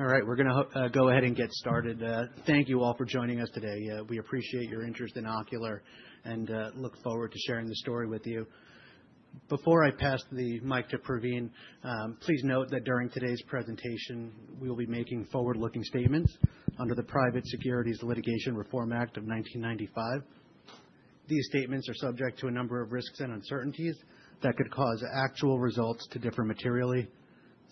All right, we're going to go ahead and get started. Thank you all for joining us today. We appreciate your interest in Ocular and look forward to sharing the story with you. Before I pass the mic to Pravin, please note that during today's presentation, we will be making forward-looking statements under the Private Securities Litigation Reform Act of 1995. These statements are subject to a number of risks and uncertainties that could cause actual results to differ materially.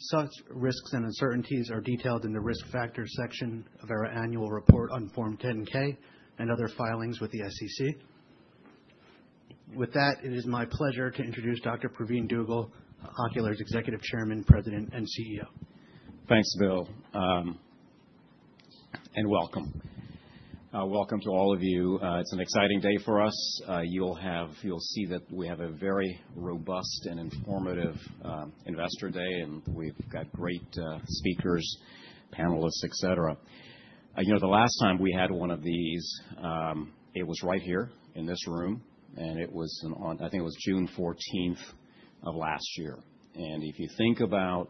Such risks and uncertainties are detailed in the risk factors section of our annual report on Form 10-K and other filings with the SEC. With that, it is my pleasure to introduce Dr. Pravin Dugel, Ocular's Executive Chairman, President, and CEO. Thanks, Bill, and welcome. Welcome to all of you. It's an exciting day for us. You'll see that we have a very robust and informative investor day, and we've got great speakers, panelists, et cetera. You know, the last time we had one of these, it was right here in this room, and it was, I think it was June 14th of last year. And if you think about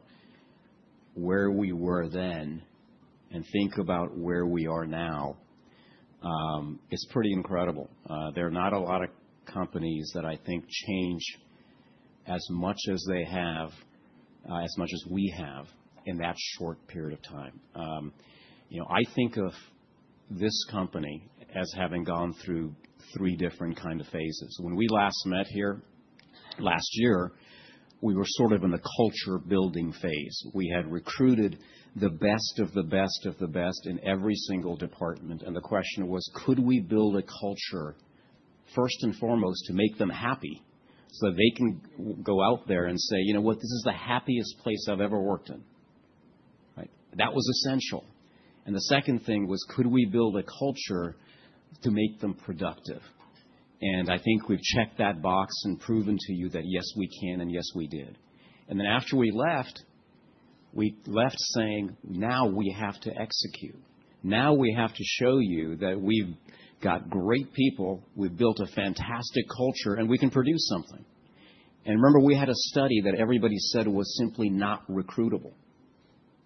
where we were then and think about where we are now, it's pretty incredible. There are not a lot of companies that I think change as much as they have, as much as we have in that short period of time. You know, I think of this company as having gone through three different kinds of phases. When we last met here last year, we were sort of in the culture-building phase. We had recruited the best of the best of the best in every single department, and the question was, could we build a culture first and foremost to make them happy so that they can go out there and say, you know what, this is the happiest place I've ever worked in? That was essential. And the second thing was, could we build a culture to make them productive? And I think we've checked that box and proven to you that yes, we can, and yes, we did. And then after we left, we left saying, now we have to execute. Now we have to show you that we've got great people, we've built a fantastic culture, and we can produce something. And remember, we had a study that everybody said was simply not recruitable,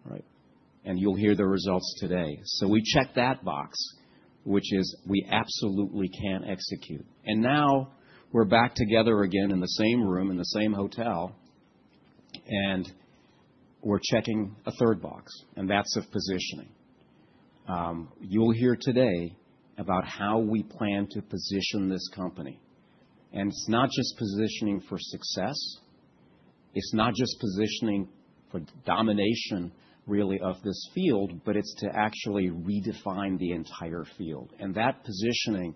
right? And you'll hear the results today. So we checked that box, which is we absolutely can execute. And now we're back together again in the same room, in the same hotel, and we're checking a third box, and that's of positioning. You'll hear today about how we plan to position this company. And it's not just positioning for success, it's not just positioning for domination, really, of this field, but it's to actually redefine the entire field. And that positioning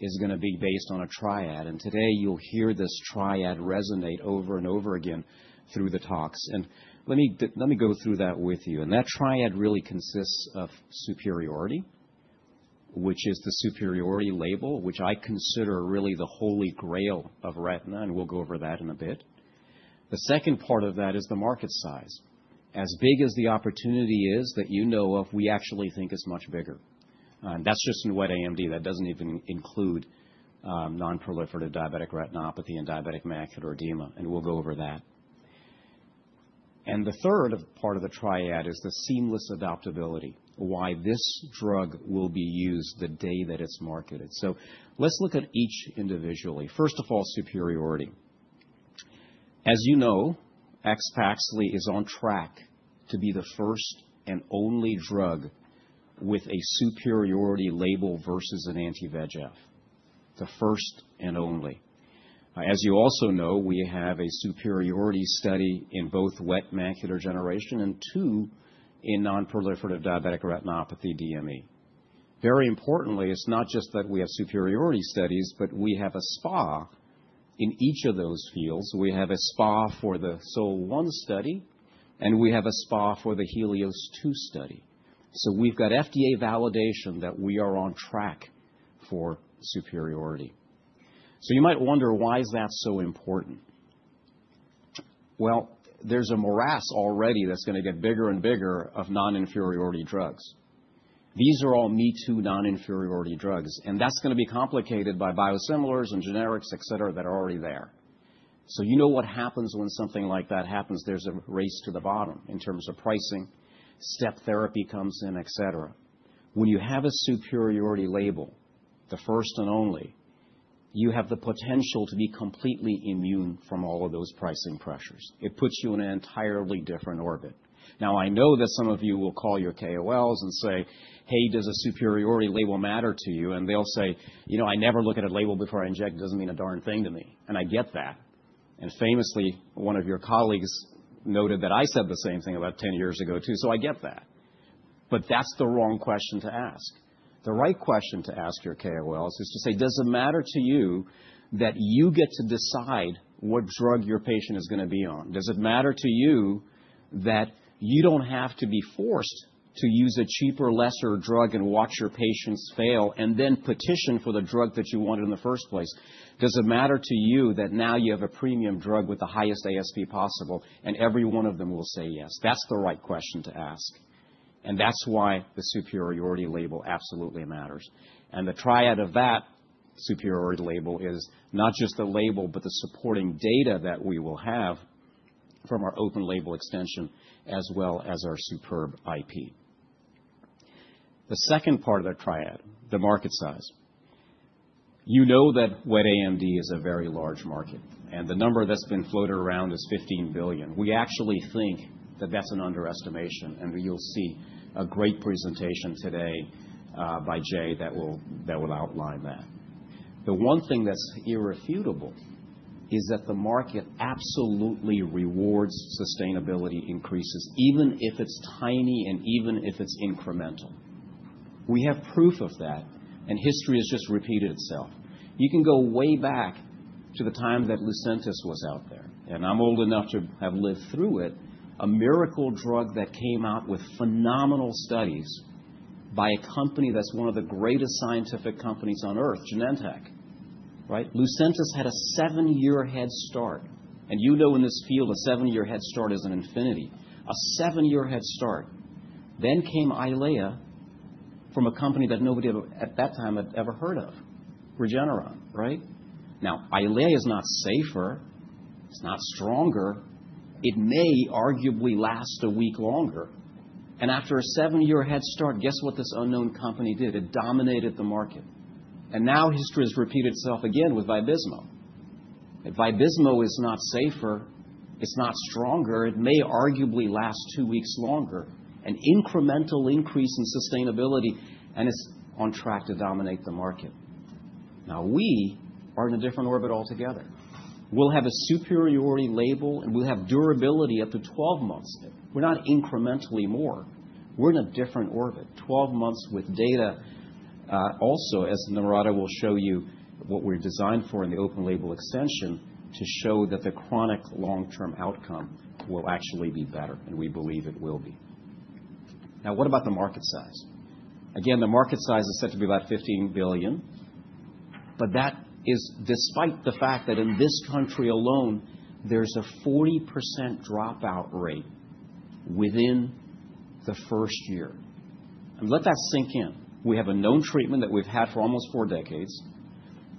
is going to be based on a triad. And today you'll hear this triad resonate over and over again through the talks. And let me go through that with you. And that triad really consists of superiority, which is the superiority label, which I consider really the holy grail of retina, and we'll go over that in a bit. The second part of that is the market size. As big as the opportunity is that you know of, we actually think it's much bigger, and that's just in wet AMD. That doesn't even include non-proliferative diabetic retinopathy and diabetic macular edema, and we'll go over that. The third part of the triad is the seamless adaptability, why this drug will be used the day that it's marketed. Let's look at each individually. First of all, superiority. As you know, AXPAXLI is on track to be the first and only drug with a superiority label versus an anti-VEGF, the first and only. As you also know, we have a superiority study in both wet macular degeneration and two in non-proliferative diabetic retinopathy, DME. Very importantly, it's not just that we have superiority studies, but we have a SPA in each of those fields. We have an SPA for the SOL-1 study, and we have an SPA for the HELIOS-2 study. So we've got FDA validation that we are on track for superiority. So you might wonder why is that so important. Well, there's a morass already that's going to get bigger and bigger of non-inferiority drugs. These are all me-too non-inferiority drugs, and that's going to be complicated by biosimilars and generics, et cetera, that are already there. So you know what happens when something like that happens, there's a race to the bottom in terms of pricing, step therapy comes in, et cetera. When you have a superiority label, the first and only, you have the potential to be completely immune from all of those pricing pressures. It puts you in an entirely different orbit. Now, I know that some of you will call your KOLs and say, hey, does a superiority label matter to you? And they'll say, you know, I never look at a label before I inject. It doesn't mean a darn thing to me. And I get that. And famously, one of your colleagues noted that I said the same thing about 10 years ago too, so I get that. But that's the wrong question to ask. The right question to ask your KOLs is to say, does it matter to you that you get to decide what drug your patient is going to be on? Does it matter to you that you don't have to be forced to use a cheaper, lesser drug and watch your patients fail and then petition for the drug that you wanted in the first place? Does it matter to you that now you have a premium drug with the highest ASP possible and every one of them will say yes? That's the right question to ask. And that's why the superiority label absolutely matters. And the triad of that superiority label is not just the label, but the supporting data that we will have from our open label extension as well as our superb IP. The second part of the triad, the market size. You know that wet AMD is a very large market, and the number that's been floated around is $15 billion. We actually think that that's an underestimation, and you'll see a great presentation today by Jay that will outline that. The one thing that's irrefutable is that the market absolutely rewards sustained increases, even if it's tiny and even if it's incremental. We have proof of that, and history has just repeated itself. You can go way back to the time that LUCENTIS was out there, and I'm old enough to have lived through it, a miracle drug that came out with phenomenal studies by a company that's one of the greatest scientific companies on earth, Genentech, right? LUCENTIS had a seven-year head start, and you know in this field a seven-year head start is an infinity. A seven-year head start. Then came EYLEA from a company that nobody at that time had ever heard of, Regeneron, right? Now, EYLEA is not safer, it's not stronger, it may arguably last a week longer. And after a seven-year head start, guess what this unknown company did? It dominated the market. And now history has repeated itself again with VABYSMO. VABYSMO is not safer, it's not stronger, it may arguably last two weeks longer, an incremental increase in sustainability, and it's on track to dominate the market. Now, we are in a different orbit altogether. We'll have a superiority label, and we'll have durability up to 12 months. We're not incrementally more. We're in a different orbit, 12 months with data also, as Nadia will show you what we're designed for in the open label extension to show that the chronic long-term outcome will actually be better, and we believe it will be. Now, what about the market size? Again, the market size is set to be about $15 billion, but that is despite the fact that in this country alone, there's a 40% dropout rate within the first year. And let that sink in. We have a known treatment that we've had for almost four decades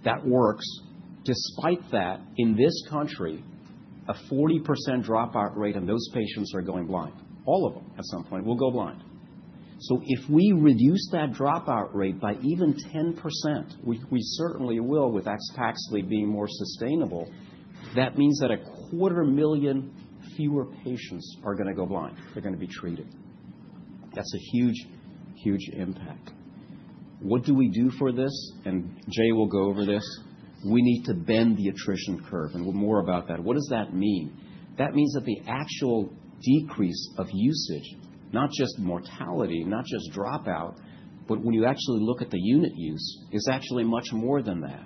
that works. Despite that, in this country, a 40% dropout rate and those patients are going blind. All of them at some point will go blind. So if we reduce that dropout rate by even 10%, which we certainly will with AXPAXLI being more sustainable, that means that a quarter million fewer patients are going to go blind. They're going to be treated. That's a huge, huge impact. What do we do for this? And Jay will go over this. We need to bend the attrition curve, and we'll hear more about that. What does that mean? That means that the actual decrease of usage, not just mortality, not just dropout, but when you actually look at the unit use, is actually much more than that.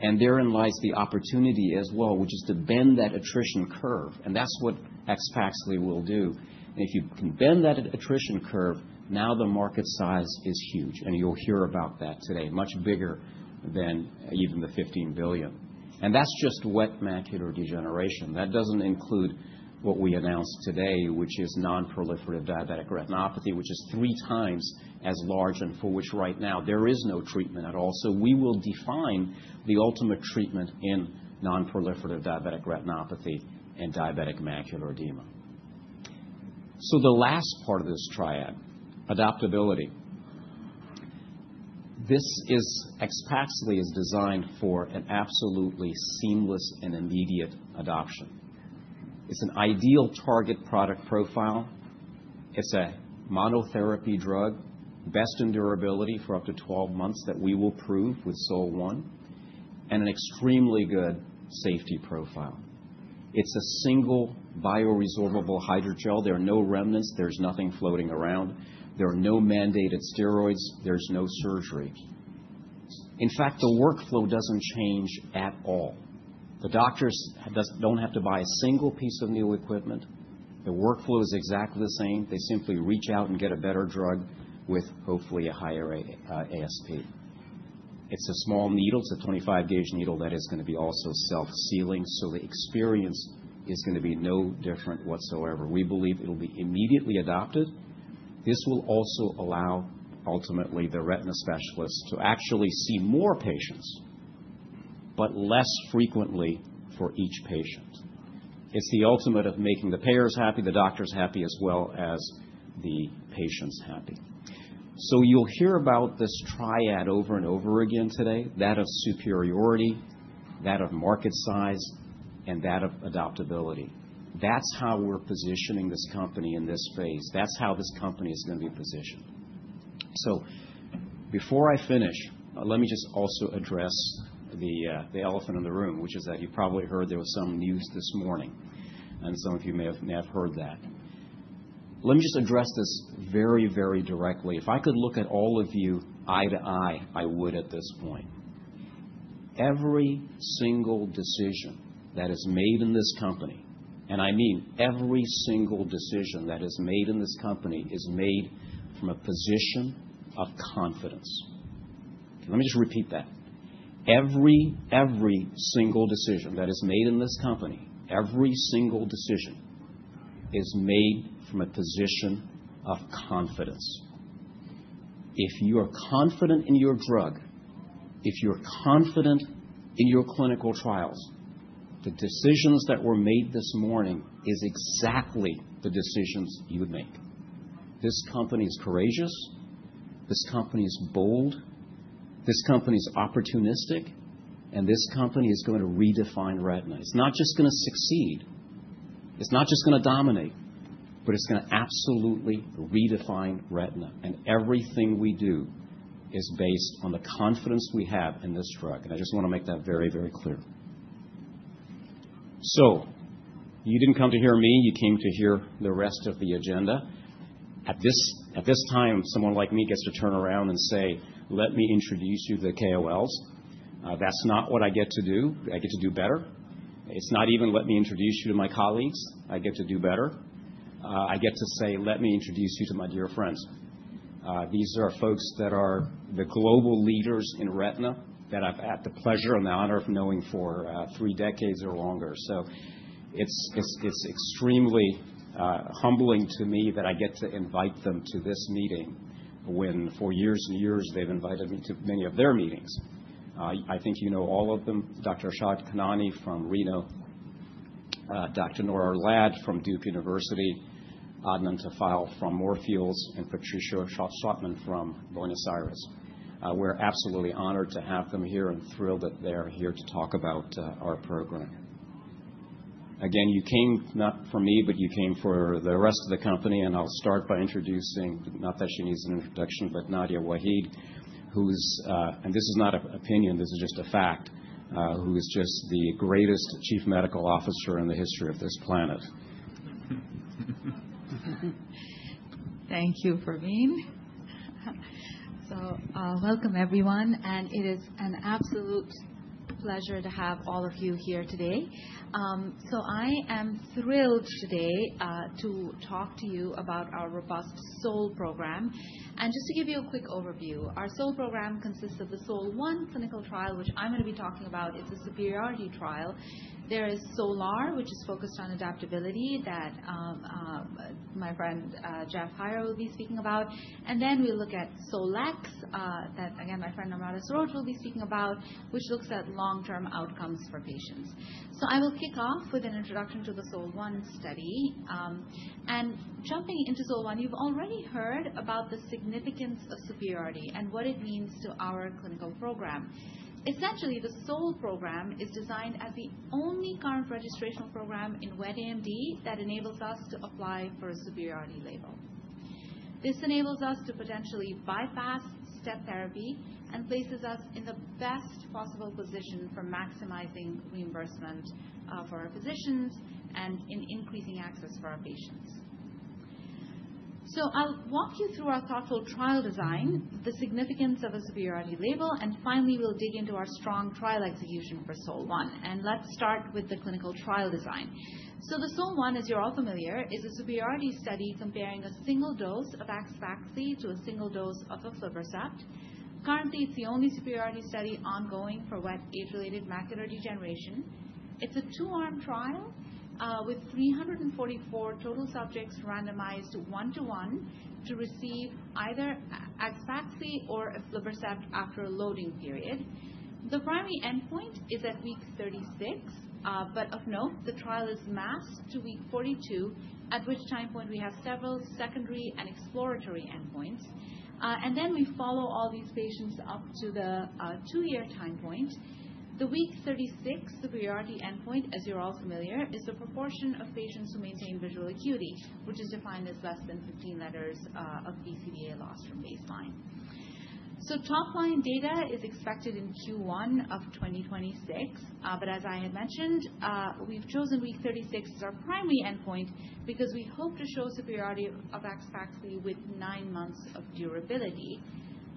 And therein lies the opportunity as well, which is to bend that attrition curve. And that's what AXPAXLI will do. If you can bend that attrition curve, now the market size is huge, and you'll hear about that today, much bigger than even the $15 billion. That's just wet macular degeneration. That doesn't include what we announced today, which is non-proliferative diabetic retinopathy, which is three times as large and for which right now there is no treatment at all. We will define the ultimate treatment in non-proliferative diabetic retinopathy and diabetic macular edema. The last part of this triad, adaptability. This, AXPAXLI, is designed for an absolutely seamless and immediate adoption. It's an ideal target product profile. It's a monotherapy drug, best in durability for up to 12 months that we will prove with SOL-1, and an extremely good safety profile. It's a single bioresorbable hydrogel. There are no remnants, there's nothing floating around, there are no mandated steroids, there's no surgery. In fact, the workflow doesn't change at all. The doctors don't have to buy a single piece of new equipment. The workflow is exactly the same. They simply reach out and get a better drug with hopefully a higher ASP. It's a small needle. It's a 25-gauge needle that is going to be also self-sealing, so the experience is going to be no different whatsoever. We believe it'll be immediately adopted. This will also allow ultimately the retina specialists to actually see more patients, but less frequently for each patient. It's the ultimate of making the payers happy, the doctors happy, as well as the patients happy. So you'll hear about this triad over and over again today, that of superiority, that of market size, and that of adaptability. That's how we're positioning this company in this phase. That's how this company is going to be positioned. Before I finish, let me just also address the elephant in the room, which is that you probably heard there was some news this morning, and some of you may have heard that. Let me just address this very, very directly. If I could look at all of you eye to eye, I would at this point. Every single decision that is made in this company, and I mean every single decision that is made in this company, is made from a position of confidence. Let me just repeat that. Every, every single decision that is made in this company, every single decision is made from a position of confidence. If you are confident in your drug, if you're confident in your clinical trials, the decisions that were made this morning are exactly the decisions you would make. This company is courageous, this company is bold, this company is opportunistic, and this company is going to redefine retina. It's not just going to succeed, it's not just going to dominate, but it's going to absolutely redefine retina. And everything we do is based on the confidence we have in this drug. And I just want to make that very, very clear. So you didn't come to hear me, you came to hear the rest of the agenda. At this time, someone like me gets to turn around and say, let me introduce you to the KOLs. That's not what I get to do. I get to do better. It's not even let me introduce you to my colleagues. I get to do better. I get to say, let me introduce you to my dear friends. These are folks that are the global leaders in retina that I've had the pleasure and the honor of knowing for three decades or longer. So it's extremely humbling to me that I get to invite them to this meeting when for years and years they've invited me to many of their meetings. I think you know all of them, Dr. Arshad Khanani from Reno, Dr. Nora Lad from Duke University, Adnan Tufail from Moorfields, and Patricio Schlottmann from Buenos Aires. We're absolutely honored to have them here and thrilled that they're here to talk about our program. Again, you came not for me, but you came for the rest of the company, and I'll start by introducing, not that she needs an introduction, but Nadia Waheed, who's, and this is not an opinion, this is just a fact, who is just the greatest Chief Medical Officer in the history of this planet. Thank you, Pravin. So welcome, everyone. And it is an absolute pleasure to have all of you here today. So I am thrilled today to talk to you about our robust SOL program. And just to give you a quick overview, our SOL program consists of the SOL-1 clinical trial, which I'm going to be talking about. It's a superiority trial. There is SOL-R, which is focused on adaptability that my friend Jeff Heier will be speaking about. And then we look at SOL-X that, again, my friend Namrata Saroj will be speaking about, which looks at long-term outcomes for patients. So I will kick off with an introduction to the SOL-1 study. And jumping into SOL-1, you've already heard about the significance of superiority and what it means to our clinical program. Essentially, the SOL program is designed as the only current registration program in wet AMD that enables us to apply for a superiority label. This enables us to potentially bypass step therapy and places us in the best possible position for maximizing reimbursement for our physicians and in increasing access for our patients. So I'll walk you through our thoughtful trial design, the significance of a superiority label, and finally, we'll dig into our strong trial execution for SOL-1. And let's start with the clinical trial design. The SOL-1, as you're all familiar, is a superiority study comparing a single dose of AXPAXLI to a single dose of aflibercept. Currently, it's the only superiority study ongoing for wet age-related macular degeneration. It's a two-arm trial with 344 total subjects randomized one-to-one to receive either AXPAXLI or aflibercept after a loading period. The primary endpoint is at week 36, but of note, the trial is masked to week 42, at which time point we have several secondary and exploratory endpoints. We then follow all these patients up to the two-year time point. The week 36 superiority endpoint, as you're all familiar, is the proportion of patients who maintain visual acuity, which is defined as less than 15 letters of BCVA loss from baseline. So top-line data is expected in Q1 of 2026, but as I had mentioned, we've chosen week 36 as our primary endpoint because we hope to show superiority of AXPAXLI with nine months of durability.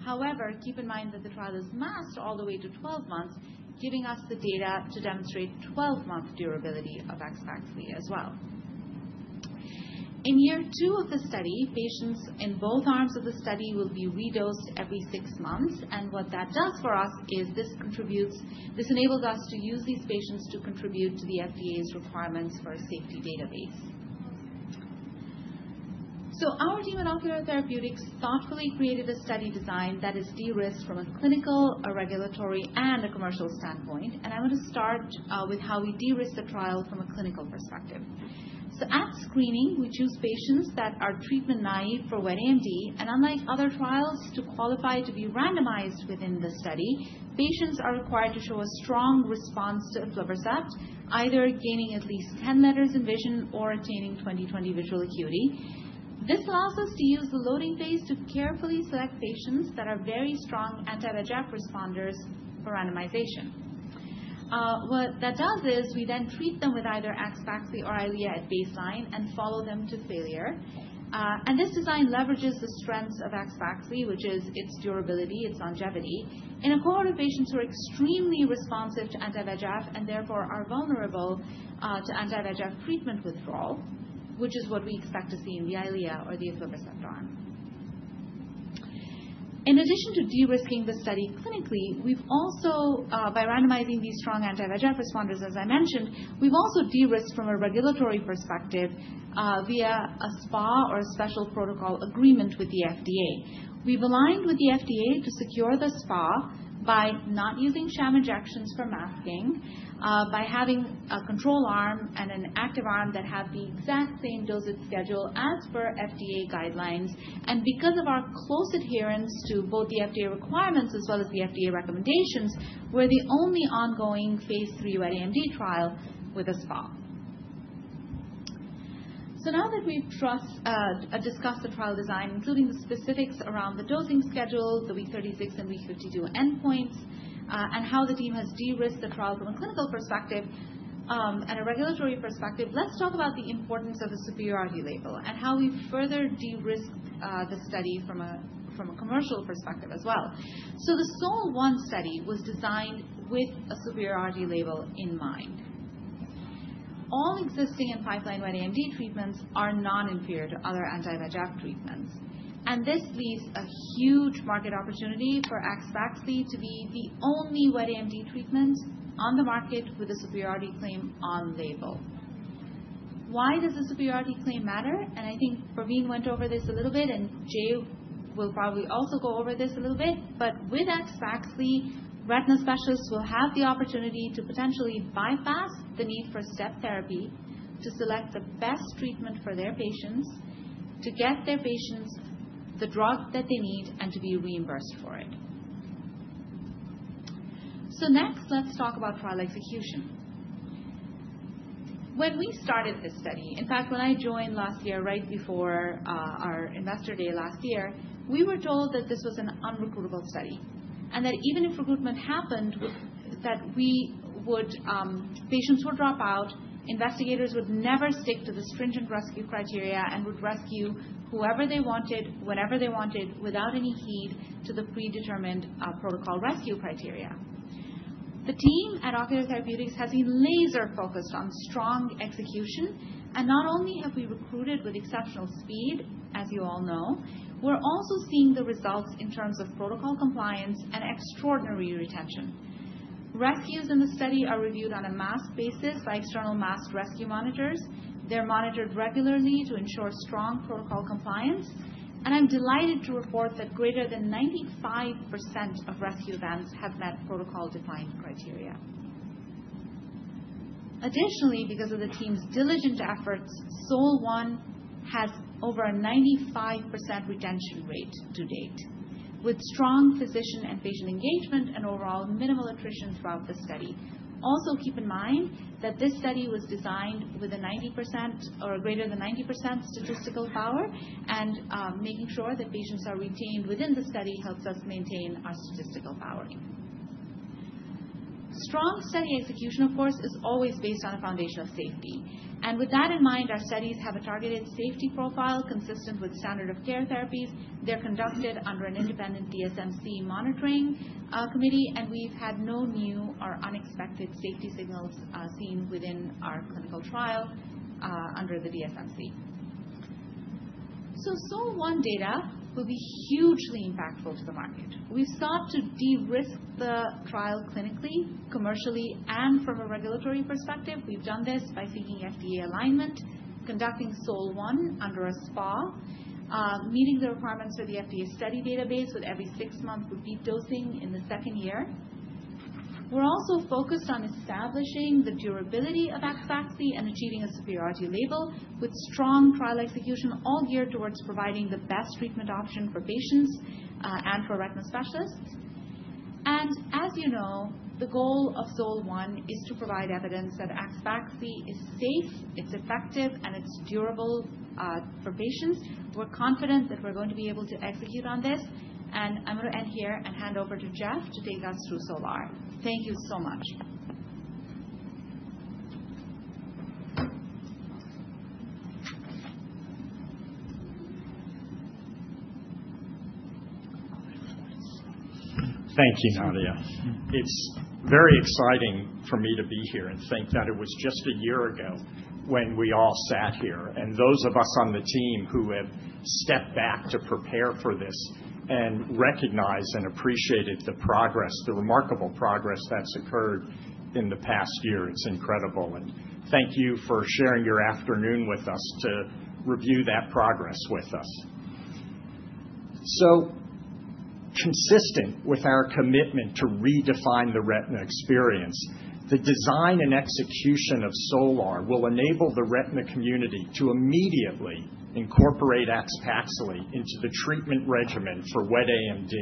However, keep in mind that the trial is masked all the way to 12 months, giving us the data to demonstrate 12-month durability of AXPAXLI as well. In year two of the study, patients in both arms of the study will be redosed every six months. And what that does for us is this enables us to use these patients to contribute to the FDA's requirements for a safety database. So our team at Ocular Therapeutix thoughtfully created a study design that is de-risked from a clinical, a regulatory, and a commercial standpoint. And I want to start with how we de-risk the trial from a clinical perspective. So at screening, we choose patients that are treatment naive for wet AMD. And unlike other trials to qualify to be randomized within the study, patients are required to show a strong response to aflibercept, either gaining at least 10 letters in vision or attaining 20/20 visual acuity. This allows us to use the loading phase to carefully select patients that are very strong anti-VEGF responders for randomization. What that does is we then treat them with either AXPAXLI or EYLEA at baseline and follow them to failure. And this design leverages the strengths of AXPAXLI, which is its durability, its longevity, in a cohort of patients who are extremely responsive to anti-VEGF and therefore are vulnerable to anti-VEGF treatment withdrawal, which is what we expect to see in the EYLEA or the aflibercept arm. In addition to de-risking the study clinically, we've also, by randomizing these strong anti-VEGF responders, as I mentioned, we've also de-risked from a regulatory perspective via a SPA or a special protocol agreement with the FDA. We've aligned with the FDA to secure the SPA by not using sham injections for masking, by having a control arm and an active arm that have the exact same dosage schedule as per FDA guidelines. And because of our close adherence to both the FDA requirements as well as the FDA recommendations, we're the only ongoing phase 3 wet AMD trial with a SPA. Now that we've discussed the trial design, including the specifics around the dosing schedule, the week 36 and week 52 endpoints, and how the team has de-risked the trial from a clinical perspective and a regulatory perspective, let's talk about the importance of a superiority label and how we've further de-risked the study from a commercial perspective as well. The SOL-1 study was designed with a superiority label in mind. All existing and in-pipeline Wet AMD treatments are non-inferior to other anti-VEGF treatments. This leaves a huge market opportunity for AXPAXLI to be the only Wet AMD treatment on the market with a superiority claim on label. Why does a superiority claim matter? I think Pravin went over this a little bit, and Jay will probably also go over this a little bit. But with AXPAXLI, retina specialists will have the opportunity to potentially bypass the need for step therapy to select the best treatment for their patients, to get their patients the drug that they need, and to be reimbursed for it. So next, let's talk about trial execution. When we started this study, in fact, when I joined last year, right before our investor day last year, we were told that this was an unrecruitable study and that even if recruitment happened, that patients would drop out, investigators would never stick to the stringent rescue criteria, and would rescue whoever they wanted, whenever they wanted, without any heed to the predetermined protocol rescue criteria. The team at Ocular Therapeutix has been laser-focused on strong execution. And not only have we recruited with exceptional speed, as you all know, we're also seeing the results in terms of protocol compliance and extraordinary retention. Rescues in the study are reviewed on a masked basis by external masked rescue monitors. They're monitored regularly to ensure strong protocol compliance. And I'm delighted to report that greater than 95% of rescue events have met protocol-defined criteria. Additionally, because of the team's diligent efforts, SOL-1 has over a 95% retention rate to date, with strong physician and patient engagement and overall minimal attrition throughout the study. Also, keep in mind that this study was designed with a 90% or greater than 90% statistical power, and making sure that patients are retained within the study helps us maintain our statistical power. Strong study execution, of course, is always based on a foundation of safety. And with that in mind, our studies have a targeted safety profile consistent with standard of care therapies. They're conducted under an independent DSMC monitoring committee, and we've had no new or unexpected safety signals seen within our clinical trial under the DSMC, so SOL-1 data will be hugely impactful to the market. We've sought to de-risk the trial clinically, commercially, and from a regulatory perspective. We've done this by seeking FDA alignment, conducting SOL-1 under a SPA, meeting the requirements for the FDA study database with every six-month repeat dosing in the second year. We're also focused on establishing the durability of AXPAXLI and achieving a superiority label with strong trial execution all geared towards providing the best treatment option for patients and for retina specialists, and as you know, the goal of SOL-1 is to provide evidence that AXPAXLI is safe, it's effective, and it's durable for patients. We're confident that we're going to be able to execute on this. And I'm going to end here and hand over to Jeff to take us through SOL-R. Thank you so much. Thank you, Nadia. It's very exciting for me to be here and think that it was just a year ago when we all sat here. And those of us on the team who have stepped back to prepare for this and recognized and appreciated the progress, the remarkable progress that's occurred in the past year, it's incredible. And thank you for sharing your afternoon with us to review that progress with us. So consistent with our commitment to redefine the retina experience, the design and execution of SOL-R will enable the retina community to immediately incorporate AXPAXLI into the treatment regimen for wet AMD,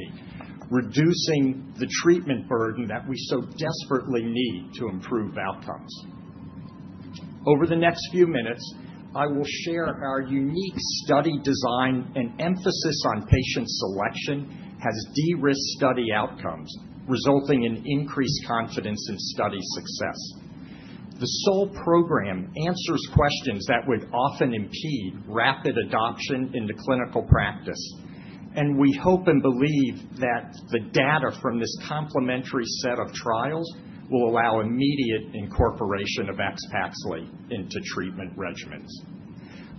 reducing the treatment burden that we so desperately need to improve outcomes. Over the next few minutes, I will share our unique study design and emphasis on patient selection has de-risked study outcomes, resulting in increased confidence in study success. The SOL program answers questions that would often impede rapid adoption in clinical practice, and we hope and believe that the data from this complementary set of trials will allow immediate incorporation of AXPAXLI into treatment regimens.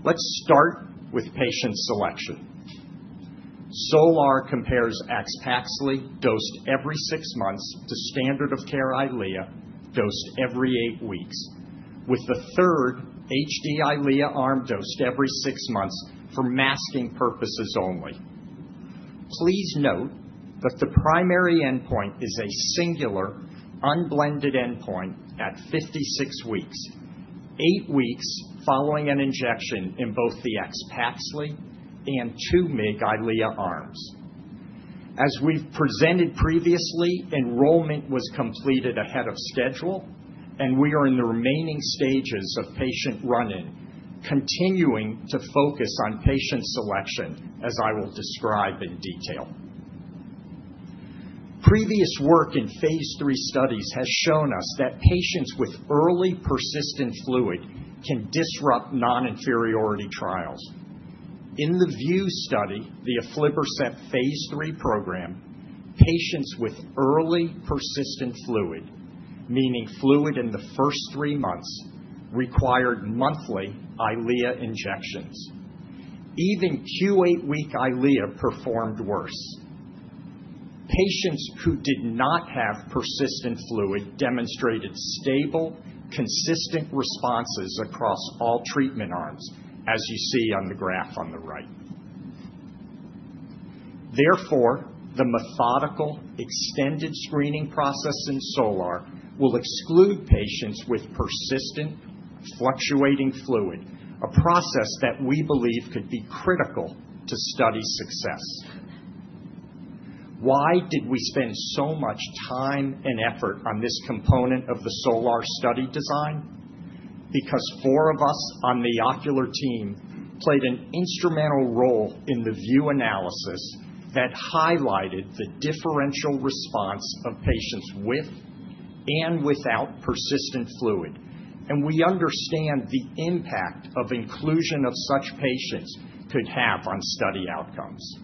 Let's start with patient selection. SOL-R compares AXPAXLI dosed every six months to standard of care EYLEA dosed every eight weeks, with the third EYLEA HD arm dosed every six months for masking purposes only. Please note that the primary endpoint is a singular unblended endpoint at 56 weeks, eight weeks following an injection in both the AXPAXLI and 2 mg EYLEA arms. As we've presented previously, enrollment was completed ahead of schedule, and we are in the remaining stages of patient run-in, continuing to focus on patient selection as I will describe in detail. Previous work in phase 3 studies has shown us that patients with early persistent fluid can disrupt non-inferiority trials. In the VUE study, the aflibercept phase 3 program, patients with early persistent fluid, meaning fluid in the first three months, required monthly EYLEA injections. Even Q8 week EYLEA performed worse. Patients who did not have persistent fluid demonstrated stable, consistent responses across all treatment arms, as you see on the graph on the right. Therefore, the methodical extended screening process in SOL-R will exclude patients with persistent fluctuating fluid, a process that we believe could be critical to study success. Why did we spend so much time and effort on this component of the SOL-R study design? Because four of us on the Ocular team played an instrumental role in the VUE analysis that highlighted the differential response of patients with and without persistent fluid. And we understand the impact of inclusion of such patients could have on study outcomes.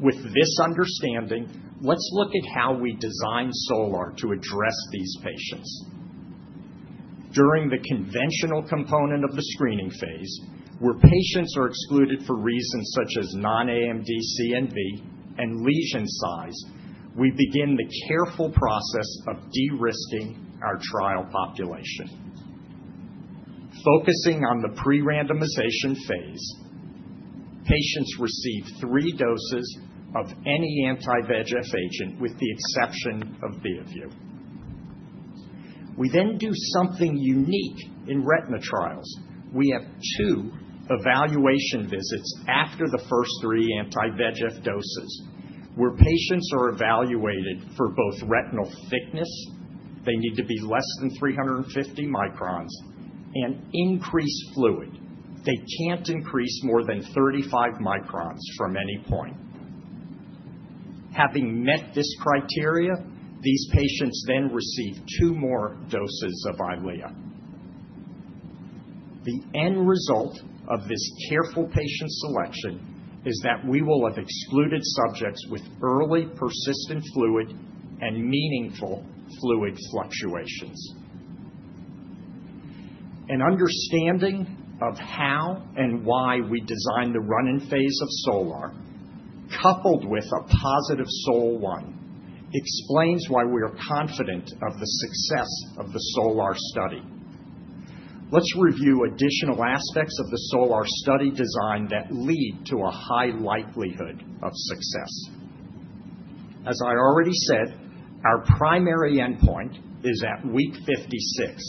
With this understanding, let's look at how we design SOL-R to address these patients. During the conventional component of the screening phase, where patients are excluded for reasons such as non-AMD CNV and lesion size, we begin the careful process of de-risking our trial population. Focusing on the pre-randomization phase, patients receive three doses of any anti-VEGF agent with the exception of VABYSMO. We then do something unique in retina trials. We have two evaluation visits after the first three anti-VEGF doses where patients are evaluated for both retinal thickness, they need to be less than 350 microns, and increased fluid. They can't increase more than 35 microns from any point. Having met this criteria, these patients then receive two more doses of EYLEA. The end result of this careful patient selection is that we will have excluded subjects with early persistent fluid and meaningful fluid fluctuations. An understanding of how and why we designed the run-in phase of SOL-R, coupled with a positive SOL-1, explains why we are confident of the success of the SOL-R study. Let's review additional aspects of the SOL-R study design that lead to a high likelihood of success. As I already said, our primary endpoint is at week 56.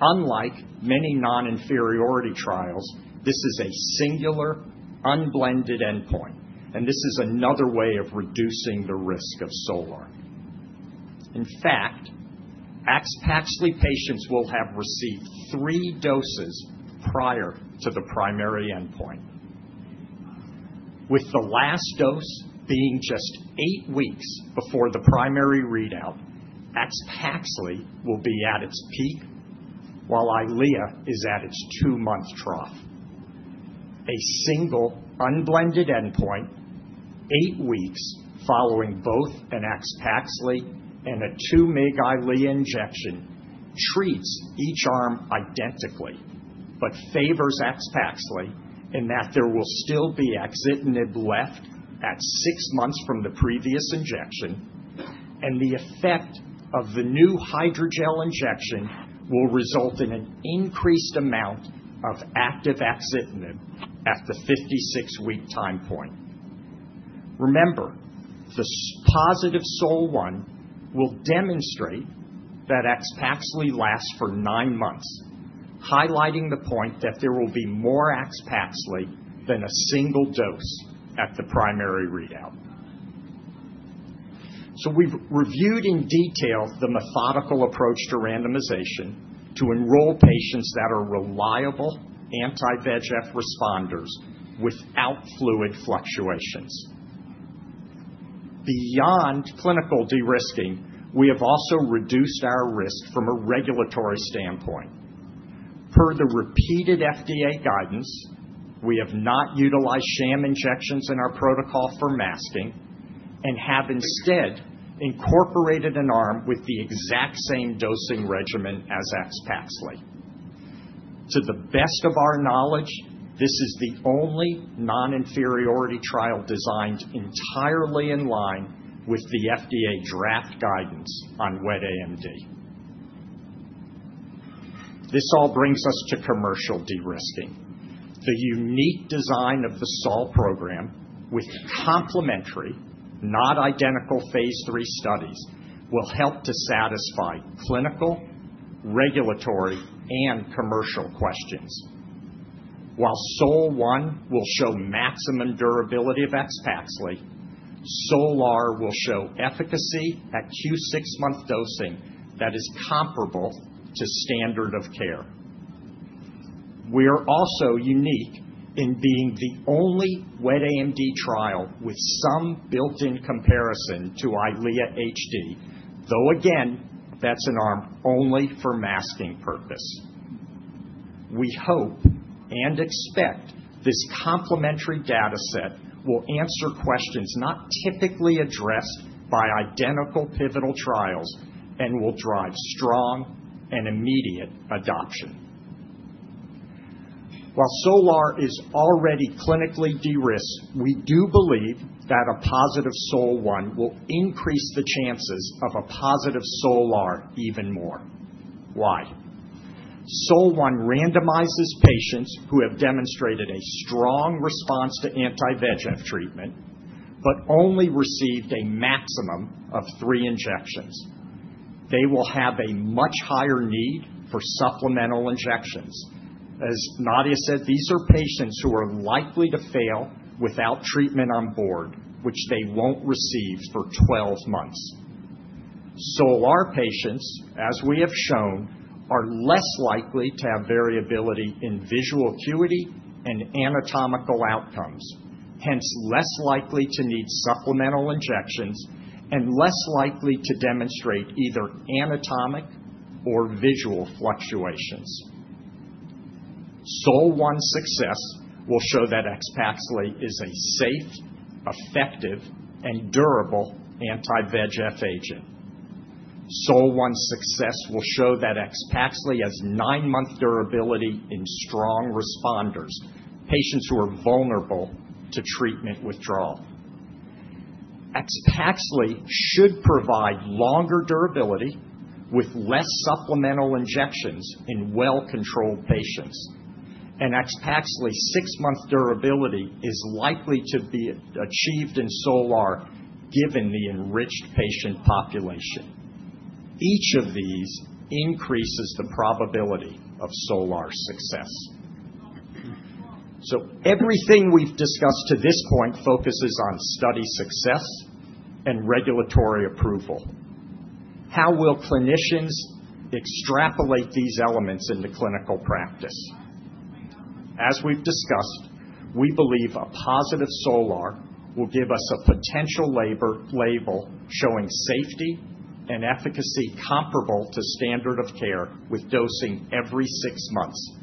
Unlike many non-inferiority trials, this is a singular unblinded endpoint, and this is another way of reducing the risk of SOL-R. In fact, AXPAXLI patients will have received three doses prior to the primary endpoint. With the last dose being just eight weeks before the primary readout, AXPAXLI will be at its peak while EYLEA is at its two-month trough. A single unblinded endpoint, eight weeks following both an AXPAXLI and a 2 mg EYLEA injection, treats each arm identically but favors AXPAXLI in that there will still be axitinib left at six months from the previous injection, and the effect of the new hydrogel injection will result in an increased amount of active axitinib at the 56-week time point. Remember, the positive SOL-1 will demonstrate that AXPAXLI lasts for nine months, highlighting the point that there will be more AXPAXLI than a single dose at the primary readout. So we've reviewed in detail the methodical approach to randomization to enroll patients that are reliable anti-VEGF responders without fluid fluctuations. Beyond clinical de-risking, we have also reduced our risk from a regulatory standpoint. Per the repeated FDA guidance, we have not utilized sham injections in our protocol for masking and have instead incorporated an arm with the exact same dosing regimen as AXPAXLI. To the best of our knowledge, this is the only non-inferiority trial designed entirely in line with the FDA draft guidance on wet AMD. This all brings us to commercial de-risking. The unique design of the SOL program with complementary, not identical phase 3 studies will help to satisfy clinical, regulatory, and commercial questions. While SOL-1 will show maximum durability of AXPAXLI, SOL-R will show efficacy at Q6 month dosing that is comparable to standard of care. We are also unique in being the only wet AMD trial with some built-in comparison to EYLEA HD, though again, that's an arm only for masking purpose. We hope and expect this complementary dataset will answer questions not typically addressed by identical pivotal trials and will drive strong and immediate adoption. While SOL-R is already clinically de-risked, we do believe that a positive SOL-1 will increase the chances of a positive SOL-R even more. Why? SOL-1 randomizes patients who have demonstrated a strong response to anti-VEGF treatment but only received a maximum of three injections. They will have a much higher need for supplemental injections. As Nadia said, these are patients who are likely to fail without treatment on board, which they won't receive for 12 months. SOL-R patients, as we have shown, are less likely to have variability in visual acuity and anatomical outcomes, hence less likely to need supplemental injections and less likely to demonstrate either anatomic or visual fluctuations. SOL-1 success will show that AXPAXLI is a safe, effective, and durable anti-VEGF agent. SOL-1 success will show that AXPAXLI has nine-month durability in strong responders, patients who are vulnerable to treatment withdrawal. AXPAXLI should provide longer durability with less supplemental injections in well-controlled patients, and AXPAXLI's six-month durability is likely to be achieved in SOL-R given the enriched patient population. Each of these increases the probability of SOL-R success, so everything we've discussed to this point focuses on study success and regulatory approval. How will clinicians extrapolate these elements into clinical practice? As we've discussed, we believe a positive SOL-R will give us a potential label showing safety and efficacy comparable to standard of care with dosing every six months,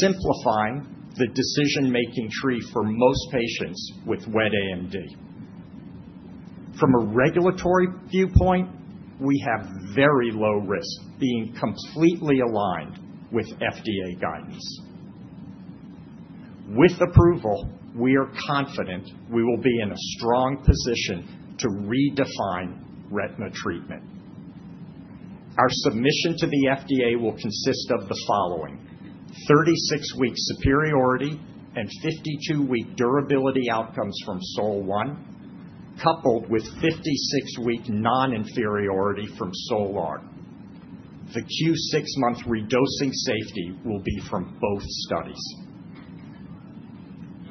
simplifying the decision-making tree for most patients with wet AMD. From a regulatory viewpoint, we have very low risk, being completely aligned with FDA guidance. With approval, we are confident we will be in a strong position to redefine retina treatment. Our submission to the FDA will consist of the following: 36-week superiority and 52-week durability outcomes from SOL-1, coupled with 56-week non-inferiority from SOL-R. The Q6 month redosing safety will be from both studies.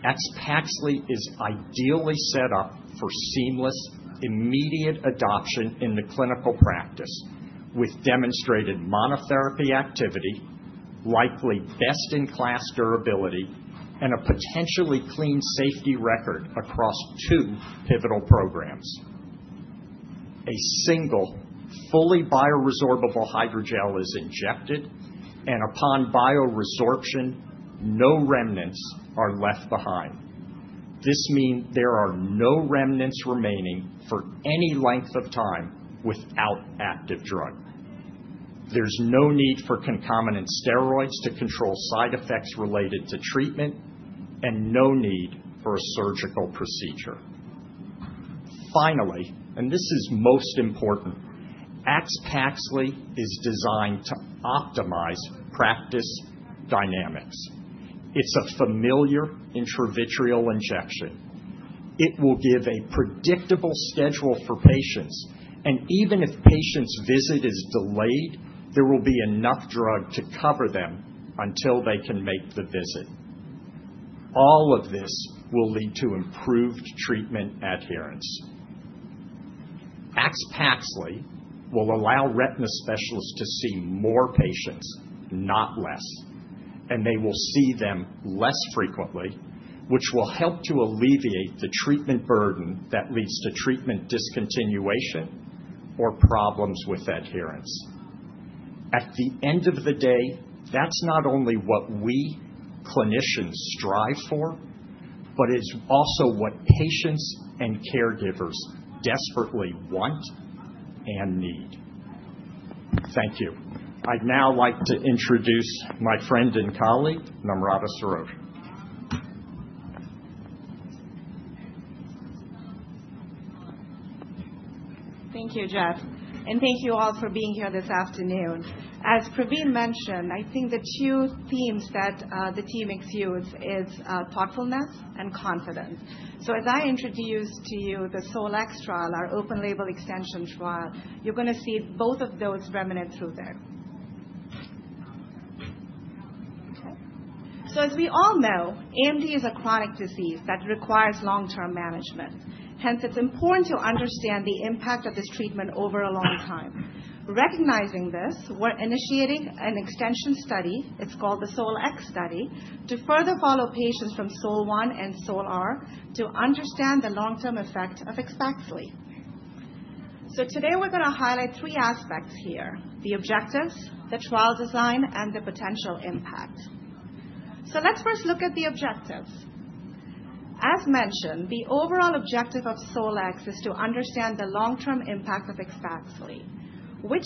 AXPAXLI is ideally set up for seamless, immediate adoption in the clinical practice with demonstrated monotherapy activity, likely best-in-class durability, and a potentially clean safety record across two pivotal programs. A single fully bioresorbable hydrogel is injected, and upon bioresorption, no remnants are left behind. This means there are no remnants remaining for any length of time without active drug. There's no need for concomitant steroids to control side effects related to treatment, and no need for a surgical procedure. Finally, and this is most important, AXPAXLI is designed to optimize practice dynamics. It's a familiar intravitreal injection. It will give a predictable schedule for patients, and even if patients' visit is delayed, there will be enough drug to cover them until they can make the visit. All of this will lead to improved treatment adherence. AXPAXLI will allow retina specialists to see more patients, not less, and they will see them less frequently, which will help to alleviate the treatment burden that leads to treatment discontinuation or problems with adherence. At the end of the day, that's not only what we clinicians strive for, but it's also what patients and caregivers desperately want and need. Thank you. I'd now like to introduce my friend and colleague, Namrata Saroj. Thank you, Jeff, and thank you all for being here this afternoon. As Praveen mentioned, I think the two themes that the team exudes are thoughtfulness and confidence. So as I introduce to you the SOL-X trial, our open-label extension trial, you're going to see both of those reminders throughout there. So as we all know, AMD is a chronic disease that requires long-term management. Hence, it's important to understand the impact of this treatment over a long time. Recognizing this, we're initiating an extension study, it's called the SOL-X study to further follow patients from SOL-1 and SOL-R to understand the long-term effect of AXPAXLI. So today, we're going to highlight three aspects here: the objectives, the trial design, and the potential impact. So let's first look at the objectives. As mentioned, the overall objective of SOL-X is to understand the long-term impact of AXPAXLI, which,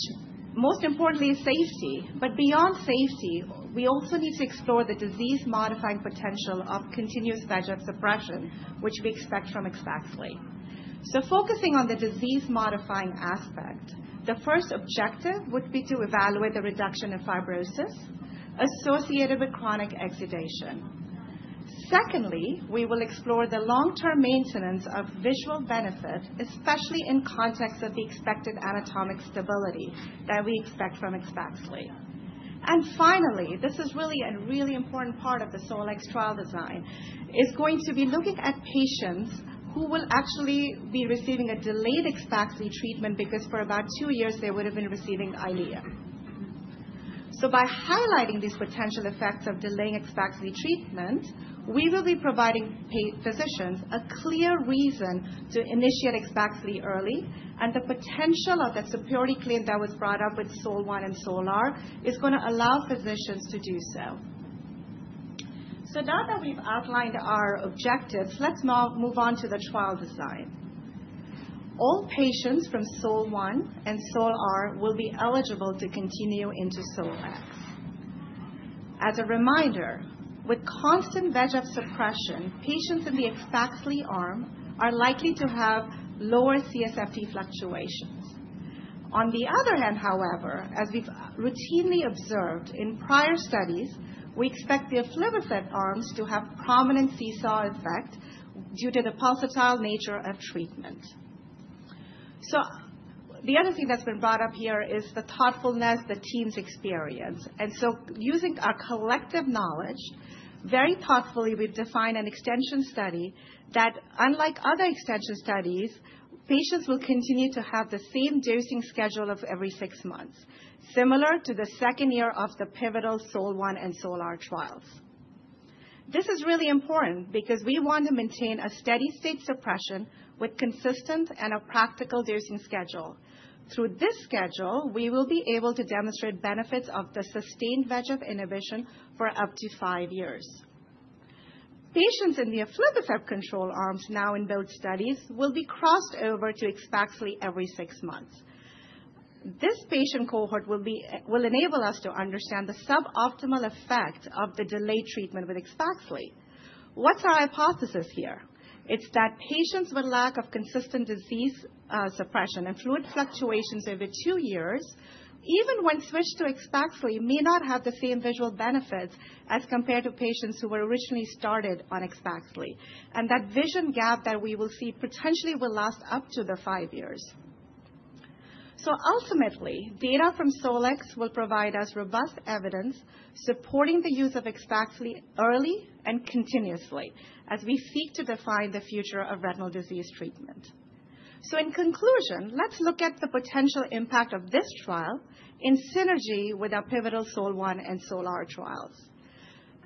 most importantly, is safety. But beyond safety, we also need to explore the disease-modifying potential of continuous VEGF suppression, which we expect from AXPAXLI. Focusing on the disease-modifying aspect, the first objective would be to evaluate the reduction of fibrosis associated with chronic exudation. Secondly, we will explore the long-term maintenance of visual benefit, especially in context of the expected anatomic stability that we expect from AXPAXLI. Finally, this is really an important part of the SOL-X trial design. It's going to be looking at patients who will actually be receiving a delayed AXPAXLI treatment because for about two years they would have been receiving EYLEA. By highlighting these potential effects of delaying AXPAXLI treatment, we will be providing physicians a clear reason to initiate AXPAXLI early, and the potential of that superiority claim that was brought up with SOL-1 and SOL-R is going to allow physicians to do so. Now that we've outlined our objectives, let's move on to the trial design. All patients from SOL-1 and SOL-R will be eligible to continue into SOL-X. As a reminder, with constant VEGF suppression, patients in the AXPAXLI arm are likely to have lower CST fluctuations. On the other hand, however, as we've routinely observed in prior studies, we expect the aflibercept arms to have prominent seesaw effect due to the pulsatile nature of treatment. The other thing that's been brought up here is the thoughtfulness the team's experience. Using our collective knowledge, very thoughtfully, we've defined an extension study that, unlike other extension studies, patients will continue to have the same dosing schedule of every six months, similar to the second year of the pivotal SOL-1 and SOL-R trials. This is really important because we want to maintain a steady-state suppression with consistent and a practical dosing schedule. Through this schedule, we will be able to demonstrate benefits of the sustained VEGF inhibition for up to five years. Patients in the aflibercept control arms now in both studies will be crossed over to AXPAXLI every six months. This patient cohort will enable us to understand the suboptimal effect of the delayed treatment with AXPAXLI. What's our hypothesis here? It's that patients with lack of consistent disease suppression and fluid fluctuations over two years, even when switched to AXPAXLI, may not have the same visual benefits as compared to patients who were originally started on AXPAXLI, and that vision gap that we will see potentially will last up to the five years. So ultimately, data from SOL-X will provide us robust evidence supporting the use of AXPAXLI early and continuously as we seek to define the future of retinal disease treatment. In conclusion, let's look at the potential impact of this trial in synergy with our pivotal SOL-1 and SOL-R trials.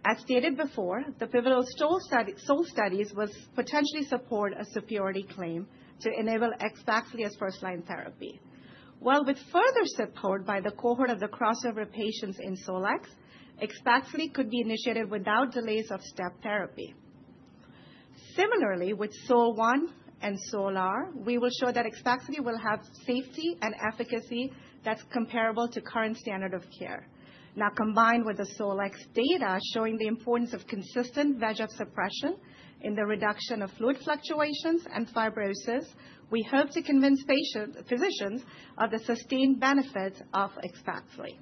As stated before, the pivotal SOL studies will potentially support a superiority claim to enable AXPAXLI as first-line therapy. With further support by the cohort of the crossover patients in SOL-X, AXPAXLI could be initiated without delays of step therapy. Similarly, with SOL-1 and SOL-R, we will show that AXPAXLI will have safety and efficacy that's comparable to current standard of care. Now, combined with the SOL-X data showing the importance of consistent VEGF suppression in the reduction of fluid fluctuations and fibrosis, we hope to convince patient physicians of the sustained benefits of AXPAXLI.